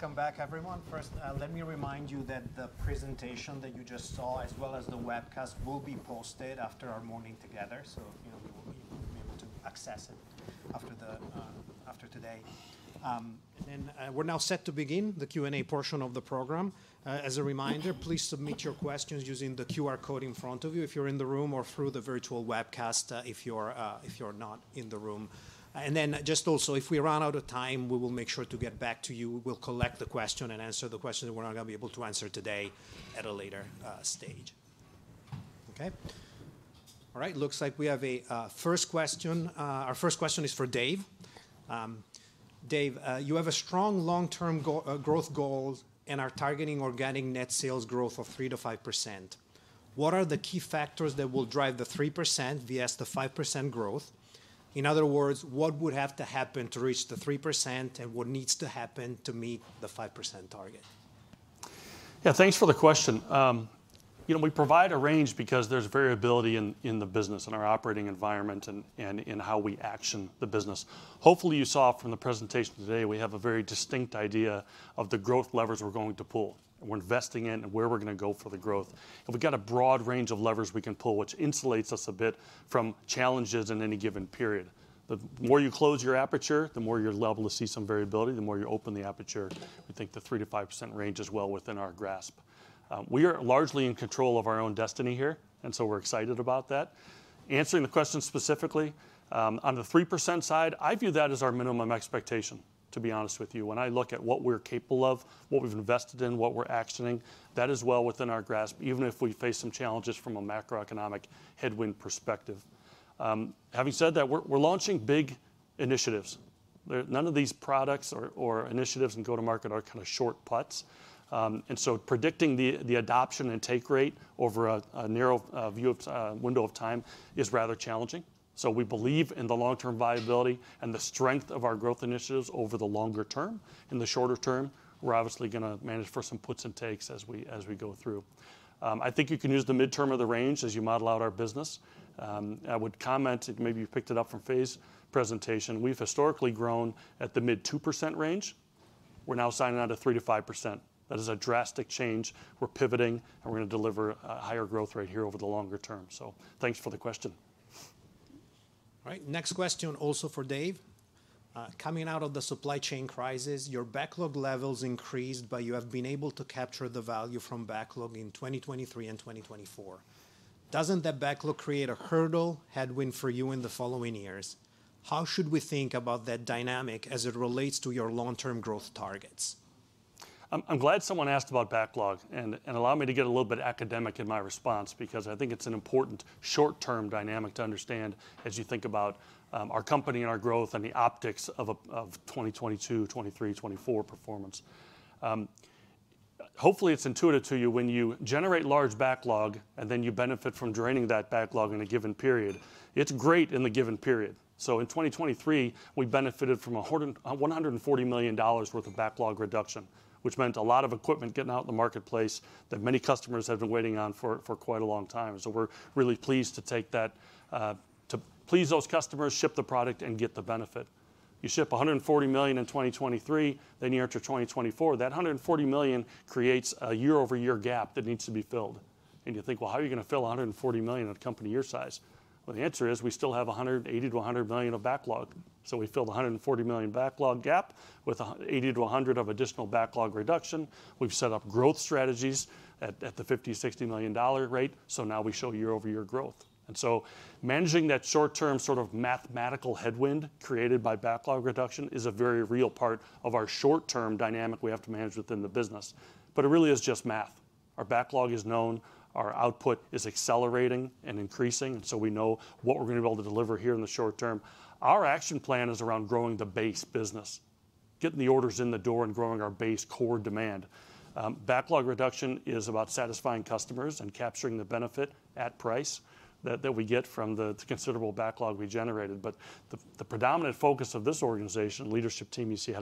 back, everyone. First, let me remind you that the presentation that you just saw, as well as the webcast, will be posted after our morning together. So you'll be able to access it after today. And then we're now set to begin the Q&A portion of the program. As a reminder, please submit your questions using the QR code in front of you if you're in the room or through the virtual webcast if you're not in the room. And then just also, if we run out of time, we will make sure to get back to you. We'll collect the question and answer the question that we're not going to be able to answer today at a later stage. Okay? All right. Looks like we have a first question. Our first question is for Dave. Dave, you have a strong long-term growth goal and are targeting organic net sales growth of 3%-5%. What are the key factors that will drive the 3% vs. the 5% growth? In other words, what would have to happen to reach the 3% and what needs to happen to meet the 5% target? Yeah, thanks for the question. We provide a range because there's variability in the business, in our operating environment, and in how we action the business. Hopefully, you saw from the presentation today, we have a very distinct idea of the growth levers we're going to pull, and we're investing in, and where we're going to go for the growth. We've got a broad range of levers we can pull, which insulates us a bit from challenges in any given period. The more you close your aperture, the more you're able to see some variability, the more you open the aperture. We think the 3%-5% range is well within our grasp. We are largely in control of our own destiny here, and so we're excited about that. Answering the question specifically, on the 3% side, I view that as our minimum expectation, to be honest with you. When I look at what we're capable of, what we've invested in, what we're actioning, that is well within our grasp, even if we face some challenges from a macroeconomic headwind perspective. Having said that, we're launching big initiatives. None of these products or initiatives in go-to-market are kind of short putts. And so predicting the adoption and take rate over a narrow window of time is rather challenging. So we believe in the long-term viability and the strength of our growth initiatives over the longer term. In the shorter term, we're obviously going to manage for some puts and takes as we go through. I think you can use the midterm of the range as you model out our business. I would comment, and maybe you picked it up from Fay's presentation, we've historically grown at the mid-2% range. We're now signing on to 3%-5%. That is a drastic change. We're pivoting, and we're going to deliver a higher growth rate here over the longer term. So thanks for the question. All right. Next question, also for Dave. Coming out of the supply chain crisis, your backlog levels increased, but you have been able to capture the value from backlog in 2023 and 2024. Doesn't that backlog create a hurdle headwind for you in the following years? How should we think about that dynamic as it relates to your long-term growth targets? I'm glad someone asked about backlog and allowed me to get a little bit academic in my response because I think it's an important short-term dynamic to understand as you think about our company and our growth and the optics of 2022, 2023, 2024 performance. Hopefully, it's intuitive to you when you generate large backlog and then you benefit from draining that backlog in a given period. It's great in the given period. So in 2023, we benefited from a $140 million worth of backlog reduction, which meant a lot of equipment getting out in the marketplace that many customers have been waiting on for quite a long time. So we're really pleased to take that to please those customers, ship the product, and get the benefit. You ship $140 million in 2023, then you enter 2024. That $140 million creates a year-over-year gap that needs to be filled. And you think, "Well, how are you going to fill $140 million at a company your size?" Well, the answer is we still have $180-$100 million of backlog. So we filled the $140 million backlog gap with $80-$100 of additional backlog reduction. We've set up growth strategies at the $50-$60 million rate. So now we show year-over-year growth. And so managing that short-term sort of mathematical headwind created by backlog reduction is a very real part of our short-term dynamic we have to manage within the business. But it really is just math. Our backlog is known. Our output is accelerating and increasing. And so we know what we're going to be able to deliver here in the short term. Our action plan is around growing the base business, getting the orders in the door, and growing our base core demand. Backlog reduction is about satisfying customers and capturing the benefit at price that we get from the considerable backlog we generated. But the predominant focus of this organization, the leadership team you see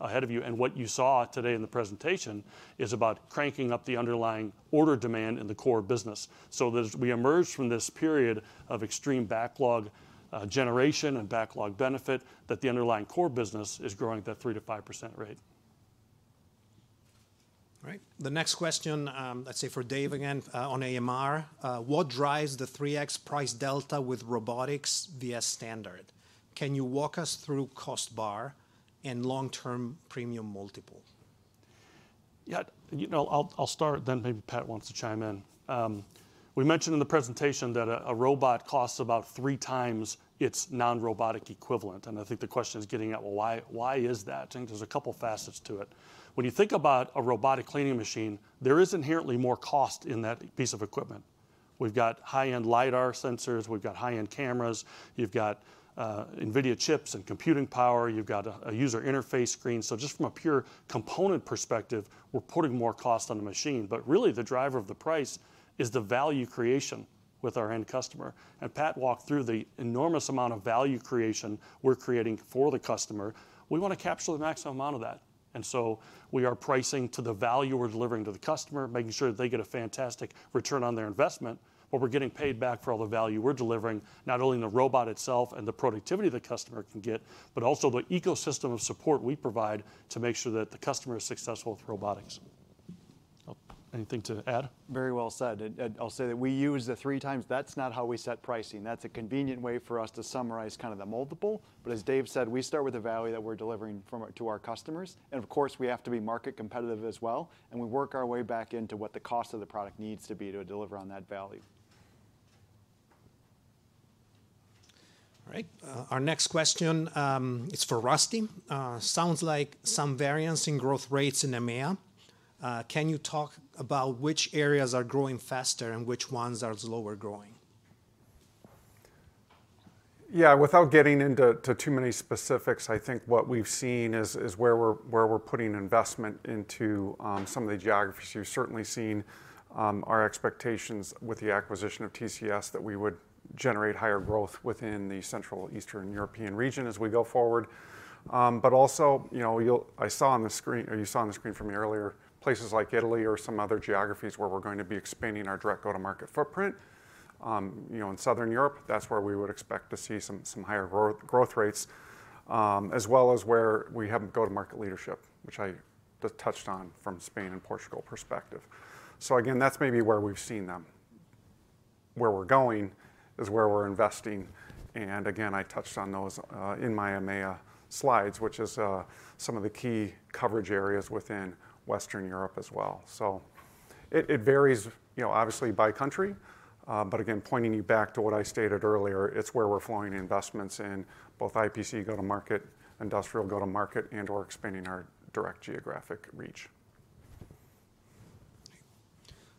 ahead of you, and what you saw today in the presentation is about cranking up the underlying order demand in the core business so that as we emerge from this period of extreme backlog generation and backlog benefit, that the underlying core business is growing at that 3%-5% rate. All right. The next question, let's say for Dave again, on AMR. What drives the 3x price delta with robotics vs. standard? Can you walk us through cost bar and long-term premium multiple? Yeah, I'll start, then maybe Pat wants to chime in. We mentioned in the presentation that a robot costs about 3 times its non-robotic equivalent. I think the question is getting at, "Well, why is that?" I think there's a couple facets to it. When you think about a robotic cleaning machine, there is inherently more cost in that piece of equipment. We've got high-end LiDAR sensors. We've got high-end cameras. You've got NVIDIA chips and computing power. You've got a user interface screen. So just from a pure component perspective, we're putting more cost on the machine. But really, the driver of the price is the value creation with our end customer. Pat walked through the enormous amount of value creation we're creating for the customer. We want to capture the maximum amount of that. And so we are pricing to the value we're delivering to the customer, making sure that they get a fantastic return on their investment. But we're getting paid back for all the value we're delivering, not only in the robot itself and the productivity the customer can get, but also the ecosystem of support we provide to make sure that the customer is successful with robotics. Anything to add? Very well said. I'll say that we use the 3x. That's not how we set pricing. That's a convenient way for us to summarize kind of the multiple. But as Dave said, we start with the value that we're delivering to our customers. And of course, we have to be market competitive as well. And we work our way back into what the cost of the product needs to be to deliver on that value. All right. Our next question, it's for Rusty. Sounds like some variance in growth rates in EMEA. Can you talk about which areas are growing faster and which ones are slower growing? Yeah, without getting into too many specifics, I think what we've seen is where we're putting investment into some of the geographies. You've certainly seen our expectations with the acquisition of TCS that we would generate higher growth within the Central Eastern European region as we go forward. But also, I saw on the screen or you saw on the screen from me earlier, places like Italy or some other geographies where we're going to be expanding our direct go-to-market footprint. In Southern Europe, that's where we would expect to see some higher growth rates, as well as where we have go-to-market leadership, which I just touched on from Spain and Portugal perspective. So again, that's maybe where we've seen them. Where we're going is where we're investing. And again, I touched on those in my EMEA slides, which is some of the key coverage areas within Western Europe as well. So it varies, obviously, by country. But again, pointing you back to what I stated earlier, it's where we're flowing investments in, both IPC go-to-market, industrial go-to-market, and/or expanding our direct geographic reach.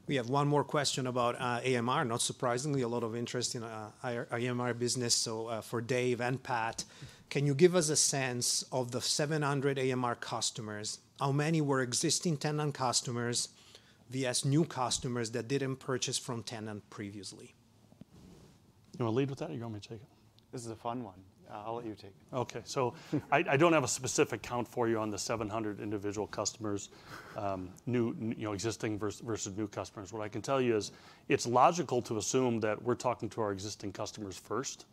We have one more question about AMR. Not surprisingly, a lot of interest in AMR business. So for Dave and Pat, can you give us a sense of the 700 AMR customers, how many were existing Tennant customers vs. new customers that didn't purchase from Tennant previously? You want to lead with that, or you want me to take it? This is a fun one. I'll let you take it. Okay. So I don't have a specific count for you on the 700 individual customers, existing versus new customers. What I can tell you is it's logical to assume that we're talking to our existing customers first.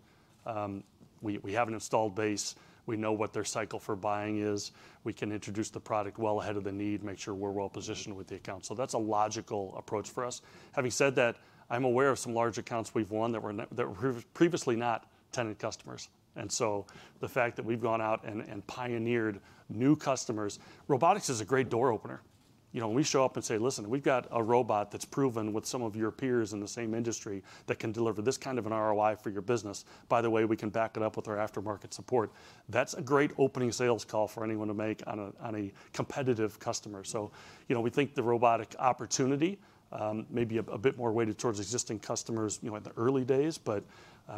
We have an installed base. We know what their cycle for buying is. We can introduce the product well ahead of the need, make sure we're well positioned with the account. So that's a logical approach for us. Having said that, I'm aware of some large accounts we've won that were previously not Tennant customers. And so the fact that we've gone out and pioneered new customers, robotics is a great door opener. When we show up and say, "Listen, we've got a robot that's proven with some of your peers in the same industry that can deliver this kind of an ROI for your business. By the way, we can back it up with our aftermarket support," that's a great opening sales call for anyone to make on a competitive customer. So we think the robotic opportunity may be a bit more weighted towards existing customers in the early days. But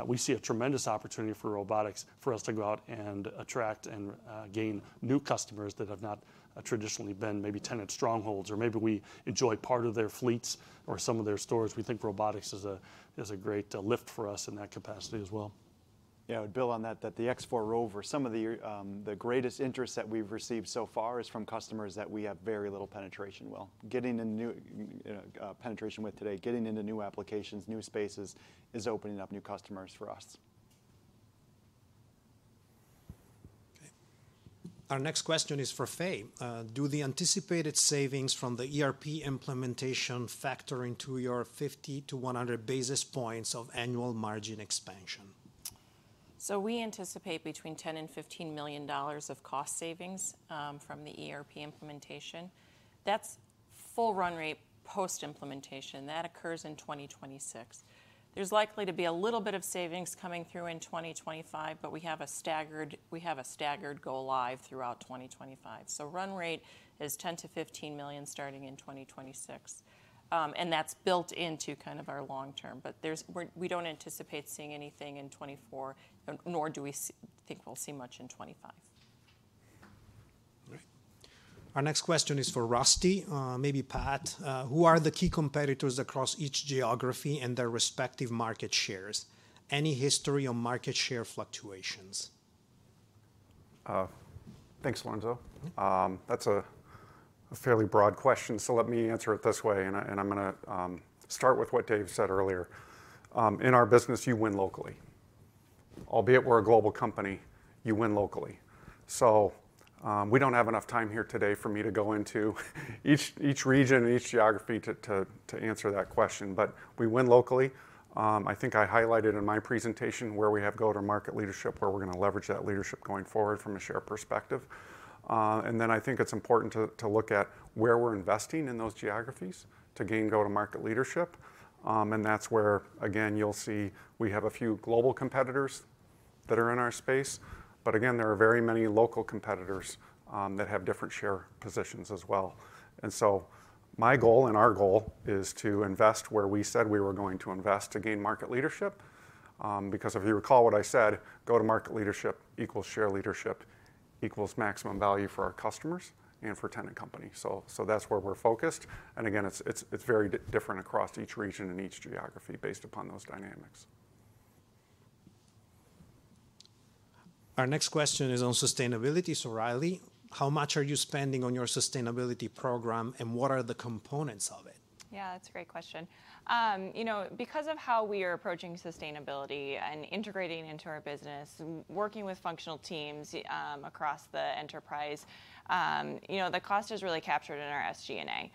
we see a tremendous opportunity for robotics for us to go out and attract and gain new customers that have not traditionally been maybe Tennant strongholds. Or maybe we enjoy part of their fleets or some of their stores. We think robotics is a great lift for us in that capacity as well. Yeah, I would build on that, that the X4 ROVR, some of the greatest interest that we've received so far is from customers that we have very little penetration with. Getting into new penetration with today, getting into new applications, new spaces is opening up new customers for us. Okay. Our next question is for Fay. Do the anticipated savings from the ERP implementation factor into your 50-100 basis points of annual margin expansion? So we anticipate between $10 and $15 million of cost savings from the ERP implementation. That's full run rate post-implementation. That occurs in 2026. There's likely to be a little bit of savings coming through in 2025, but we have a staggered goal live throughout 2025. So run rate is $10-$15 million starting in 2026. And that's built into kind of our long term. But we don't anticipate seeing anything in 2024, nor do we think we'll see much in 2025. All right. Our next question is for Rusty. Maybe Pat. Who are the key competitors across each geography and their respective market shares? Any history of market share fluctuations? Thanks, Lorenzo. That's a fairly broad question. So let me answer it this way. I'm going to start with what Dave said earlier. In our business, you win locally. Albeit we're a global company, you win locally. We don't have enough time here today for me to go into each region and each geography to answer that question. But we win locally. I think I highlighted in my presentation where we have go-to-market leadership, where we're going to leverage that leadership going forward from a share perspective. Then I think it's important to look at where we're investing in those geographies to gain go-to-market leadership. That's where, again, you'll see we have a few global competitors that are in our space. But again, there are very many local competitors that have different share positions as well. So my goal and our goal is to invest where we said we were going to invest to gain market leadership. Because if you recall what I said, go-to-market leadership equals share leadership equals maximum value for our customers and for Tennant Company. That's where we're focused. Again, it's very different across each region and each geography based upon those dynamics. Our next question is on sustainability. Riley, how much are you spending on your sustainability program, and what are the components of it? Yeah, that's a great question. Because of how we are approaching sustainability and integrating into our business, working with functional teams across the enterprise, the cost is really captured in our SG&A.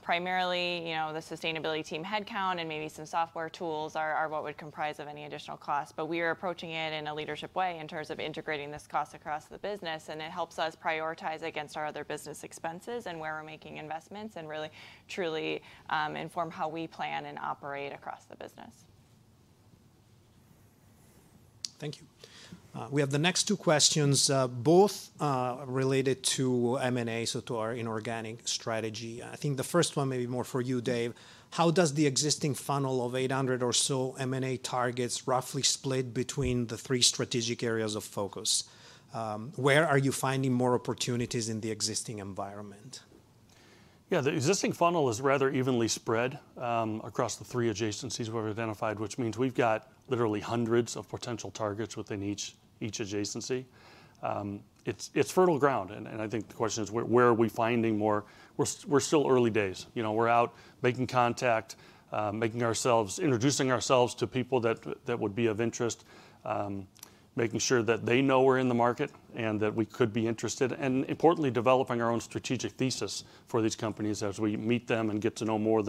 Primarily, the sustainability team headcount and maybe some software tools are what would comprise of any additional cost. But we are approaching it in a leadership way in terms of integrating this cost across the business. And it helps us prioritize against our other business expenses and where we're making investments and really, truly inform how we plan and operate across the business. Thank you. We have the next two questions, both related to M&A, so to our inorganic strategy. I think the first one may be more for you, Dave. How does the existing funnel of 800 or so M&A targets roughly split between the three strategic areas of focus? Where are you finding more opportunities in the existing environment? Yeah, the existing funnel is rather evenly spread across the three adjacencies we've identified, which means we've got literally hundreds of potential targets within each adjacency. It's fertile ground. And I think the question is, where are we finding more? We're still early days. We're out making contact, introducing ourselves to people that would be of interest, making sure that they know we're in the market and that we could be interested, and importantly, developing our own strategic thesis for these companies as we meet them and get to know more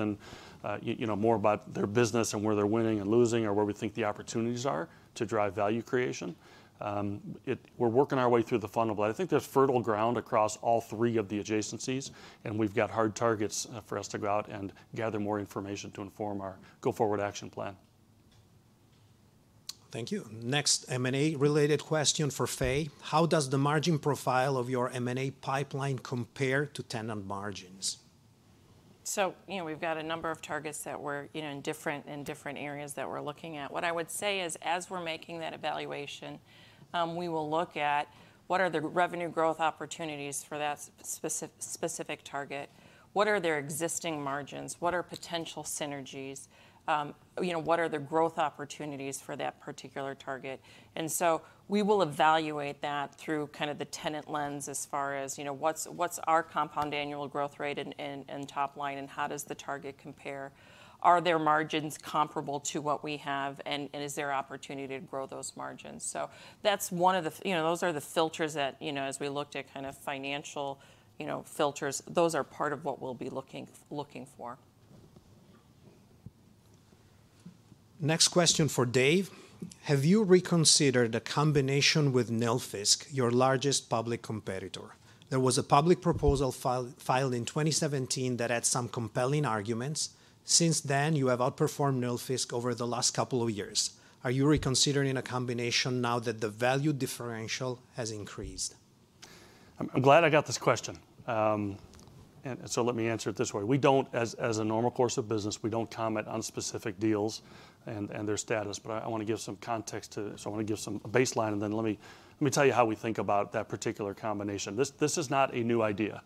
about their business and where they're winning and losing or where we think the opportunities are to drive value creation. We're working our way through the funnel. But I think there's fertile ground across all three of the adjacencies. And we've got hard targets for us to go out and gather more information to inform our go-forward action plan. Thank you. Next M&A-related question for Fay. How does the margin profile of your M&A pipeline compare to Tennant margins? So we've got a number of targets that we're in different areas that we're looking at. What I would say is, as we're making that evaluation, we will look at, what are the revenue growth opportunities for that specific target? What are their existing margins? What are potential synergies? What are the growth opportunities for that particular target? And so we will evaluate that through kind of the Tennant lens as far as, what's our compound annual growth rate and top line, and how does the target compare? Are their margins comparable to what we have? And is there opportunity to grow those margins? So that's one of the those are the filters that, as we looked at kind of financial filters, those are part of what we'll be looking for. Next question for Dave. Have you reconsidered a combination with Nilfisk, your largest public competitor? There was a public proposal filed in 2017 that had some compelling arguments. Since then, you have outperformed Nilfisk over the last couple of years. Are you reconsidering a combination now that the value differential has increased? I'm glad I got this question. And so let me answer it this way. As a normal course of business, we don't comment on specific deals and their status. But I want to give some context to so I want to give some baseline. And then let me tell you how we think about that particular combination. This is not a new idea.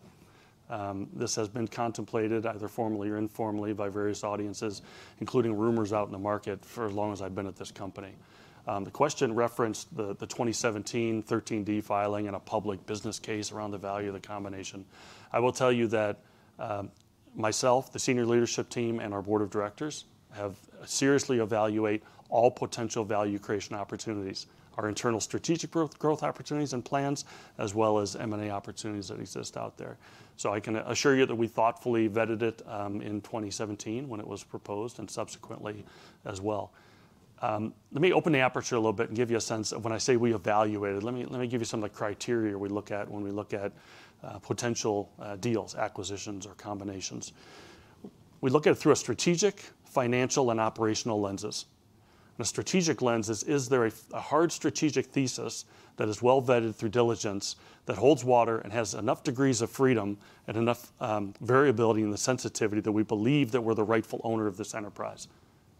This has been contemplated either formally or informally by various audiences, including rumors out in the market for as long as I've been at this company. The question referenced the 2017 13D filing and a public business case around the value of the combination. I will tell you that myself, the senior leadership team, and our board of directors seriously evaluate all potential value creation opportunities, our internal strategic growth opportunities and plans, as well as M&A opportunities that exist out there. I can assure you that we thoughtfully vetted it in 2017 when it was proposed and subsequently as well. Let me open the aperture a little bit and give you a sense of when I say we evaluated, let me give you some of the criteria we look at when we look at potential deals, acquisitions, or combinations. We look at it through a strategic, financial, and operational lenses. A strategic lens is, is there a hard strategic thesis that is well vetted through diligence, that holds water, and has enough degrees of freedom and enough variability in the sensitivity that we believe that we're the rightful owner of this enterprise,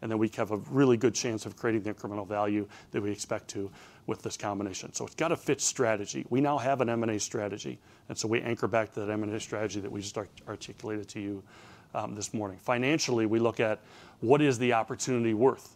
and that we have a really good chance of creating the incremental value that we expect to with this combination? It's got to fit strategy. We now have an M&A strategy. So we anchor back to that M&A strategy that we just articulated to you this morning. Financially, we look at, what is the opportunity worth?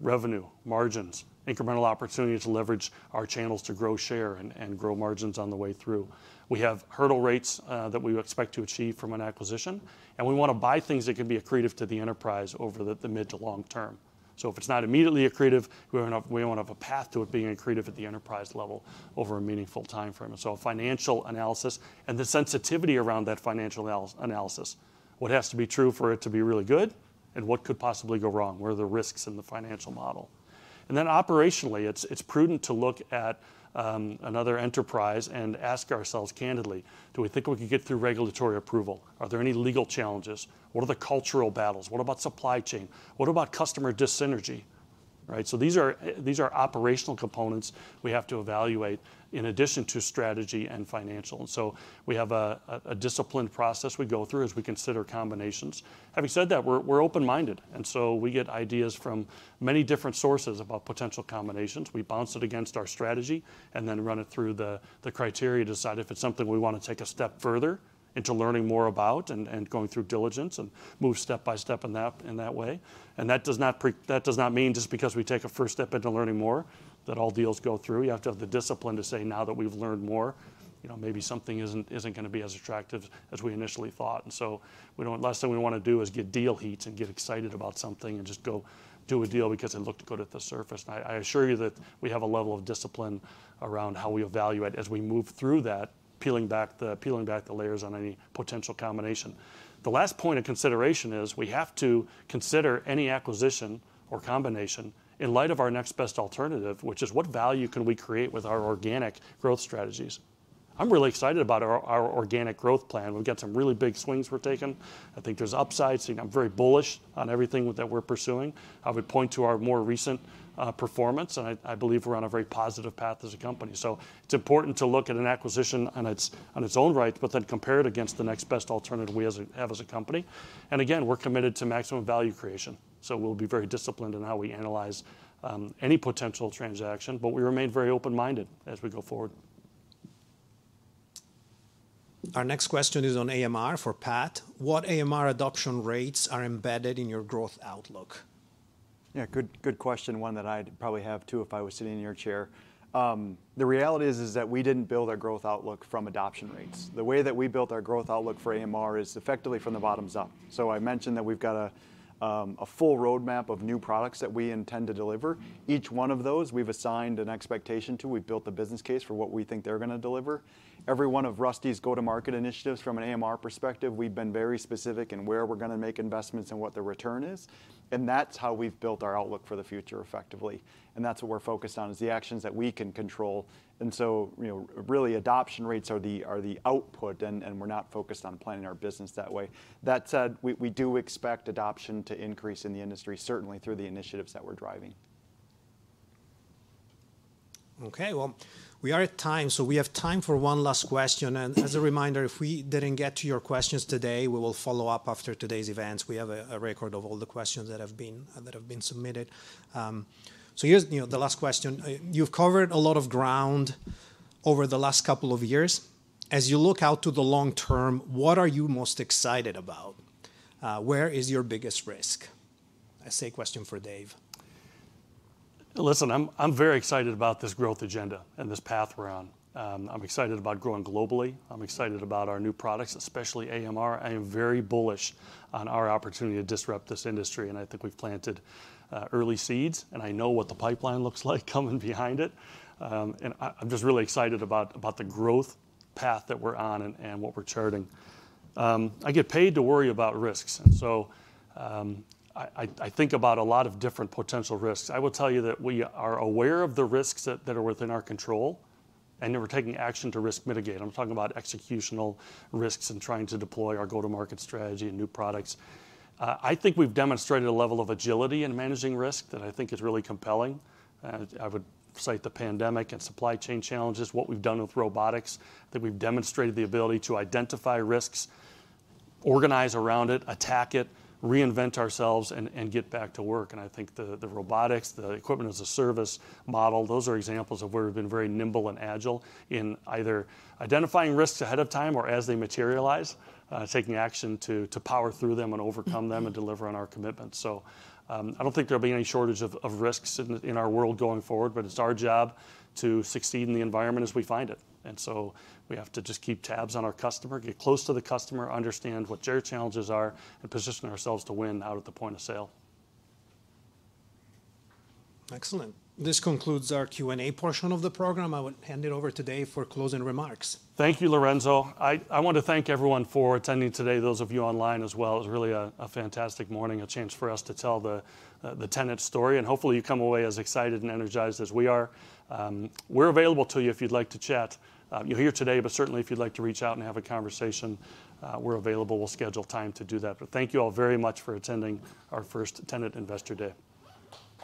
Revenue, margins, incremental opportunity to leverage our channels to grow share and grow margins on the way through. We have hurdle rates that we expect to achieve from an acquisition. We want to buy things that can be accretive to the enterprise over the mid to long term. So if it's not immediately accretive, we don't have a path to it being accretive at the enterprise level over a meaningful time frame. And so a financial analysis and the sensitivity around that financial analysis. What has to be true for it to be really good? And what could possibly go wrong? Where are the risks in the financial model? And then operationally, it's prudent to look at another enterprise and ask ourselves candidly, do we think we could get through regulatory approval? Are there any legal challenges? What are the cultural battles? What about supply chain? What about customer dis-synergy? Right? So these are operational components we have to evaluate in addition to strategy and financial. And so we have a disciplined process we go through as we consider combinations. Having said that, we're open-minded. And so we get ideas from many different sources about potential combinations. We bounce it against our strategy and then run it through the criteria to decide if it's something we want to take a step further into learning more about and going through diligence and move step by step in that way. That does not mean just because we take a first step into learning more that all deals go through. You have to have the discipline to say, now that we've learned more, maybe something isn't going to be as attractive as we initially thought. So the last thing we want to do is get deal heat and get excited about something and just go do a deal because it looked good at the surface. I assure you that we have a level of discipline around how we evaluate as we move through that, peeling back the layers on any potential combination. The last point of consideration is, we have to consider any acquisition or combination in light of our next best alternative, which is, what value can we create with our organic growth strategies? I'm really excited about our organic growth plan. We've got some really big swings we're taking. I think there's upsides. I'm very bullish on everything that we're pursuing. I would point to our more recent performance. And I believe we're on a very positive path as a company. So it's important to look at an acquisition on its own rights, but then compare it against the next best alternative we have as a company. And again, we're committed to maximum value creation. So we'll be very disciplined in how we analyze any potential transaction. But we remain very open-minded as we go forward. Our next question is on AMR for Pat. What AMR adoption rates are embedded in your growth outlook? Yeah, good question, one that I'd probably have too if I was sitting in your chair. The reality is that we didn't build our growth outlook from adoption rates. The way that we built our growth outlook for AMR is effectively from the bottoms up. So I mentioned that we've got a full roadmap of new products that we intend to deliver. Each one of those, we've assigned an expectation to. We've built the business case for what we think they're going to deliver. Every one of Rusty's go-to-market initiatives, from an AMR perspective, we've been very specific in where we're going to make investments and what the return is. And that's how we've built our outlook for the future effectively. And that's what we're focused on, is the actions that we can control. So really, adoption rates are the output. And we're not focused on planning our business that way. That said, we do expect adoption to increase in the industry, certainly through the initiatives that we're driving. OK, well, we are at time. So we have time for one last question. And as a reminder, if we didn't get to your questions today, we will follow up after today's events. We have a record of all the questions that have been submitted. So here's the last question. You've covered a lot of ground over the last couple of years. As you look out to the long term, what are you most excited about? Where is your biggest risk? SA question for Dave. Listen, I'm very excited about this growth agenda and this path we're on. I'm excited about growing globally. I'm excited about our new products, especially AMR. I am very bullish on our opportunity to disrupt this industry. I think we've planted early seeds. I know what the pipeline looks like coming behind it. I'm just really excited about the growth path that we're on and what we're charting. I get paid to worry about risks. So I think about a lot of different potential risks. I will tell you that we are aware of the risks that are within our control. We're taking action to risk mitigate. I'm talking about executional risks and trying to deploy our go-to-market strategy and new products. I think we've demonstrated a level of agility in managing risk that I think is really compelling. I would cite the pandemic and supply chain challenges, what we've done with robotics, that we've demonstrated the ability to identify risks, organize around it, attack it, reinvent ourselves, and get back to work. And I think the robotics, the equipment as a service model, those are examples of where we've been very nimble and agile in either identifying risks ahead of time or as they materialize, taking action to power through them and overcome them and deliver on our commitments. So I don't think there'll be any shortage of risks in our world going forward. But it's our job to succeed in the environment as we find it. And so we have to just keep tabs on our customer, get close to the customer, understand what their challenges are, and position ourselves to win out at the point of sale. Excellent. This concludes our Q&A portion of the program. I would hand it over today for closing remarks. Thank you, Lorenzo. I want to thank everyone for attending today, those of you online as well. It was really a fantastic morning, a chance for us to tell the Tennant story. And hopefully, you come away as excited and energized as we are. We're available to you if you'd like to chat. You're here today. But certainly, if you'd like to reach out and have a conversation, we're available. We'll schedule time to do that. But thank you all very much for attending our first Tennant Investor Day.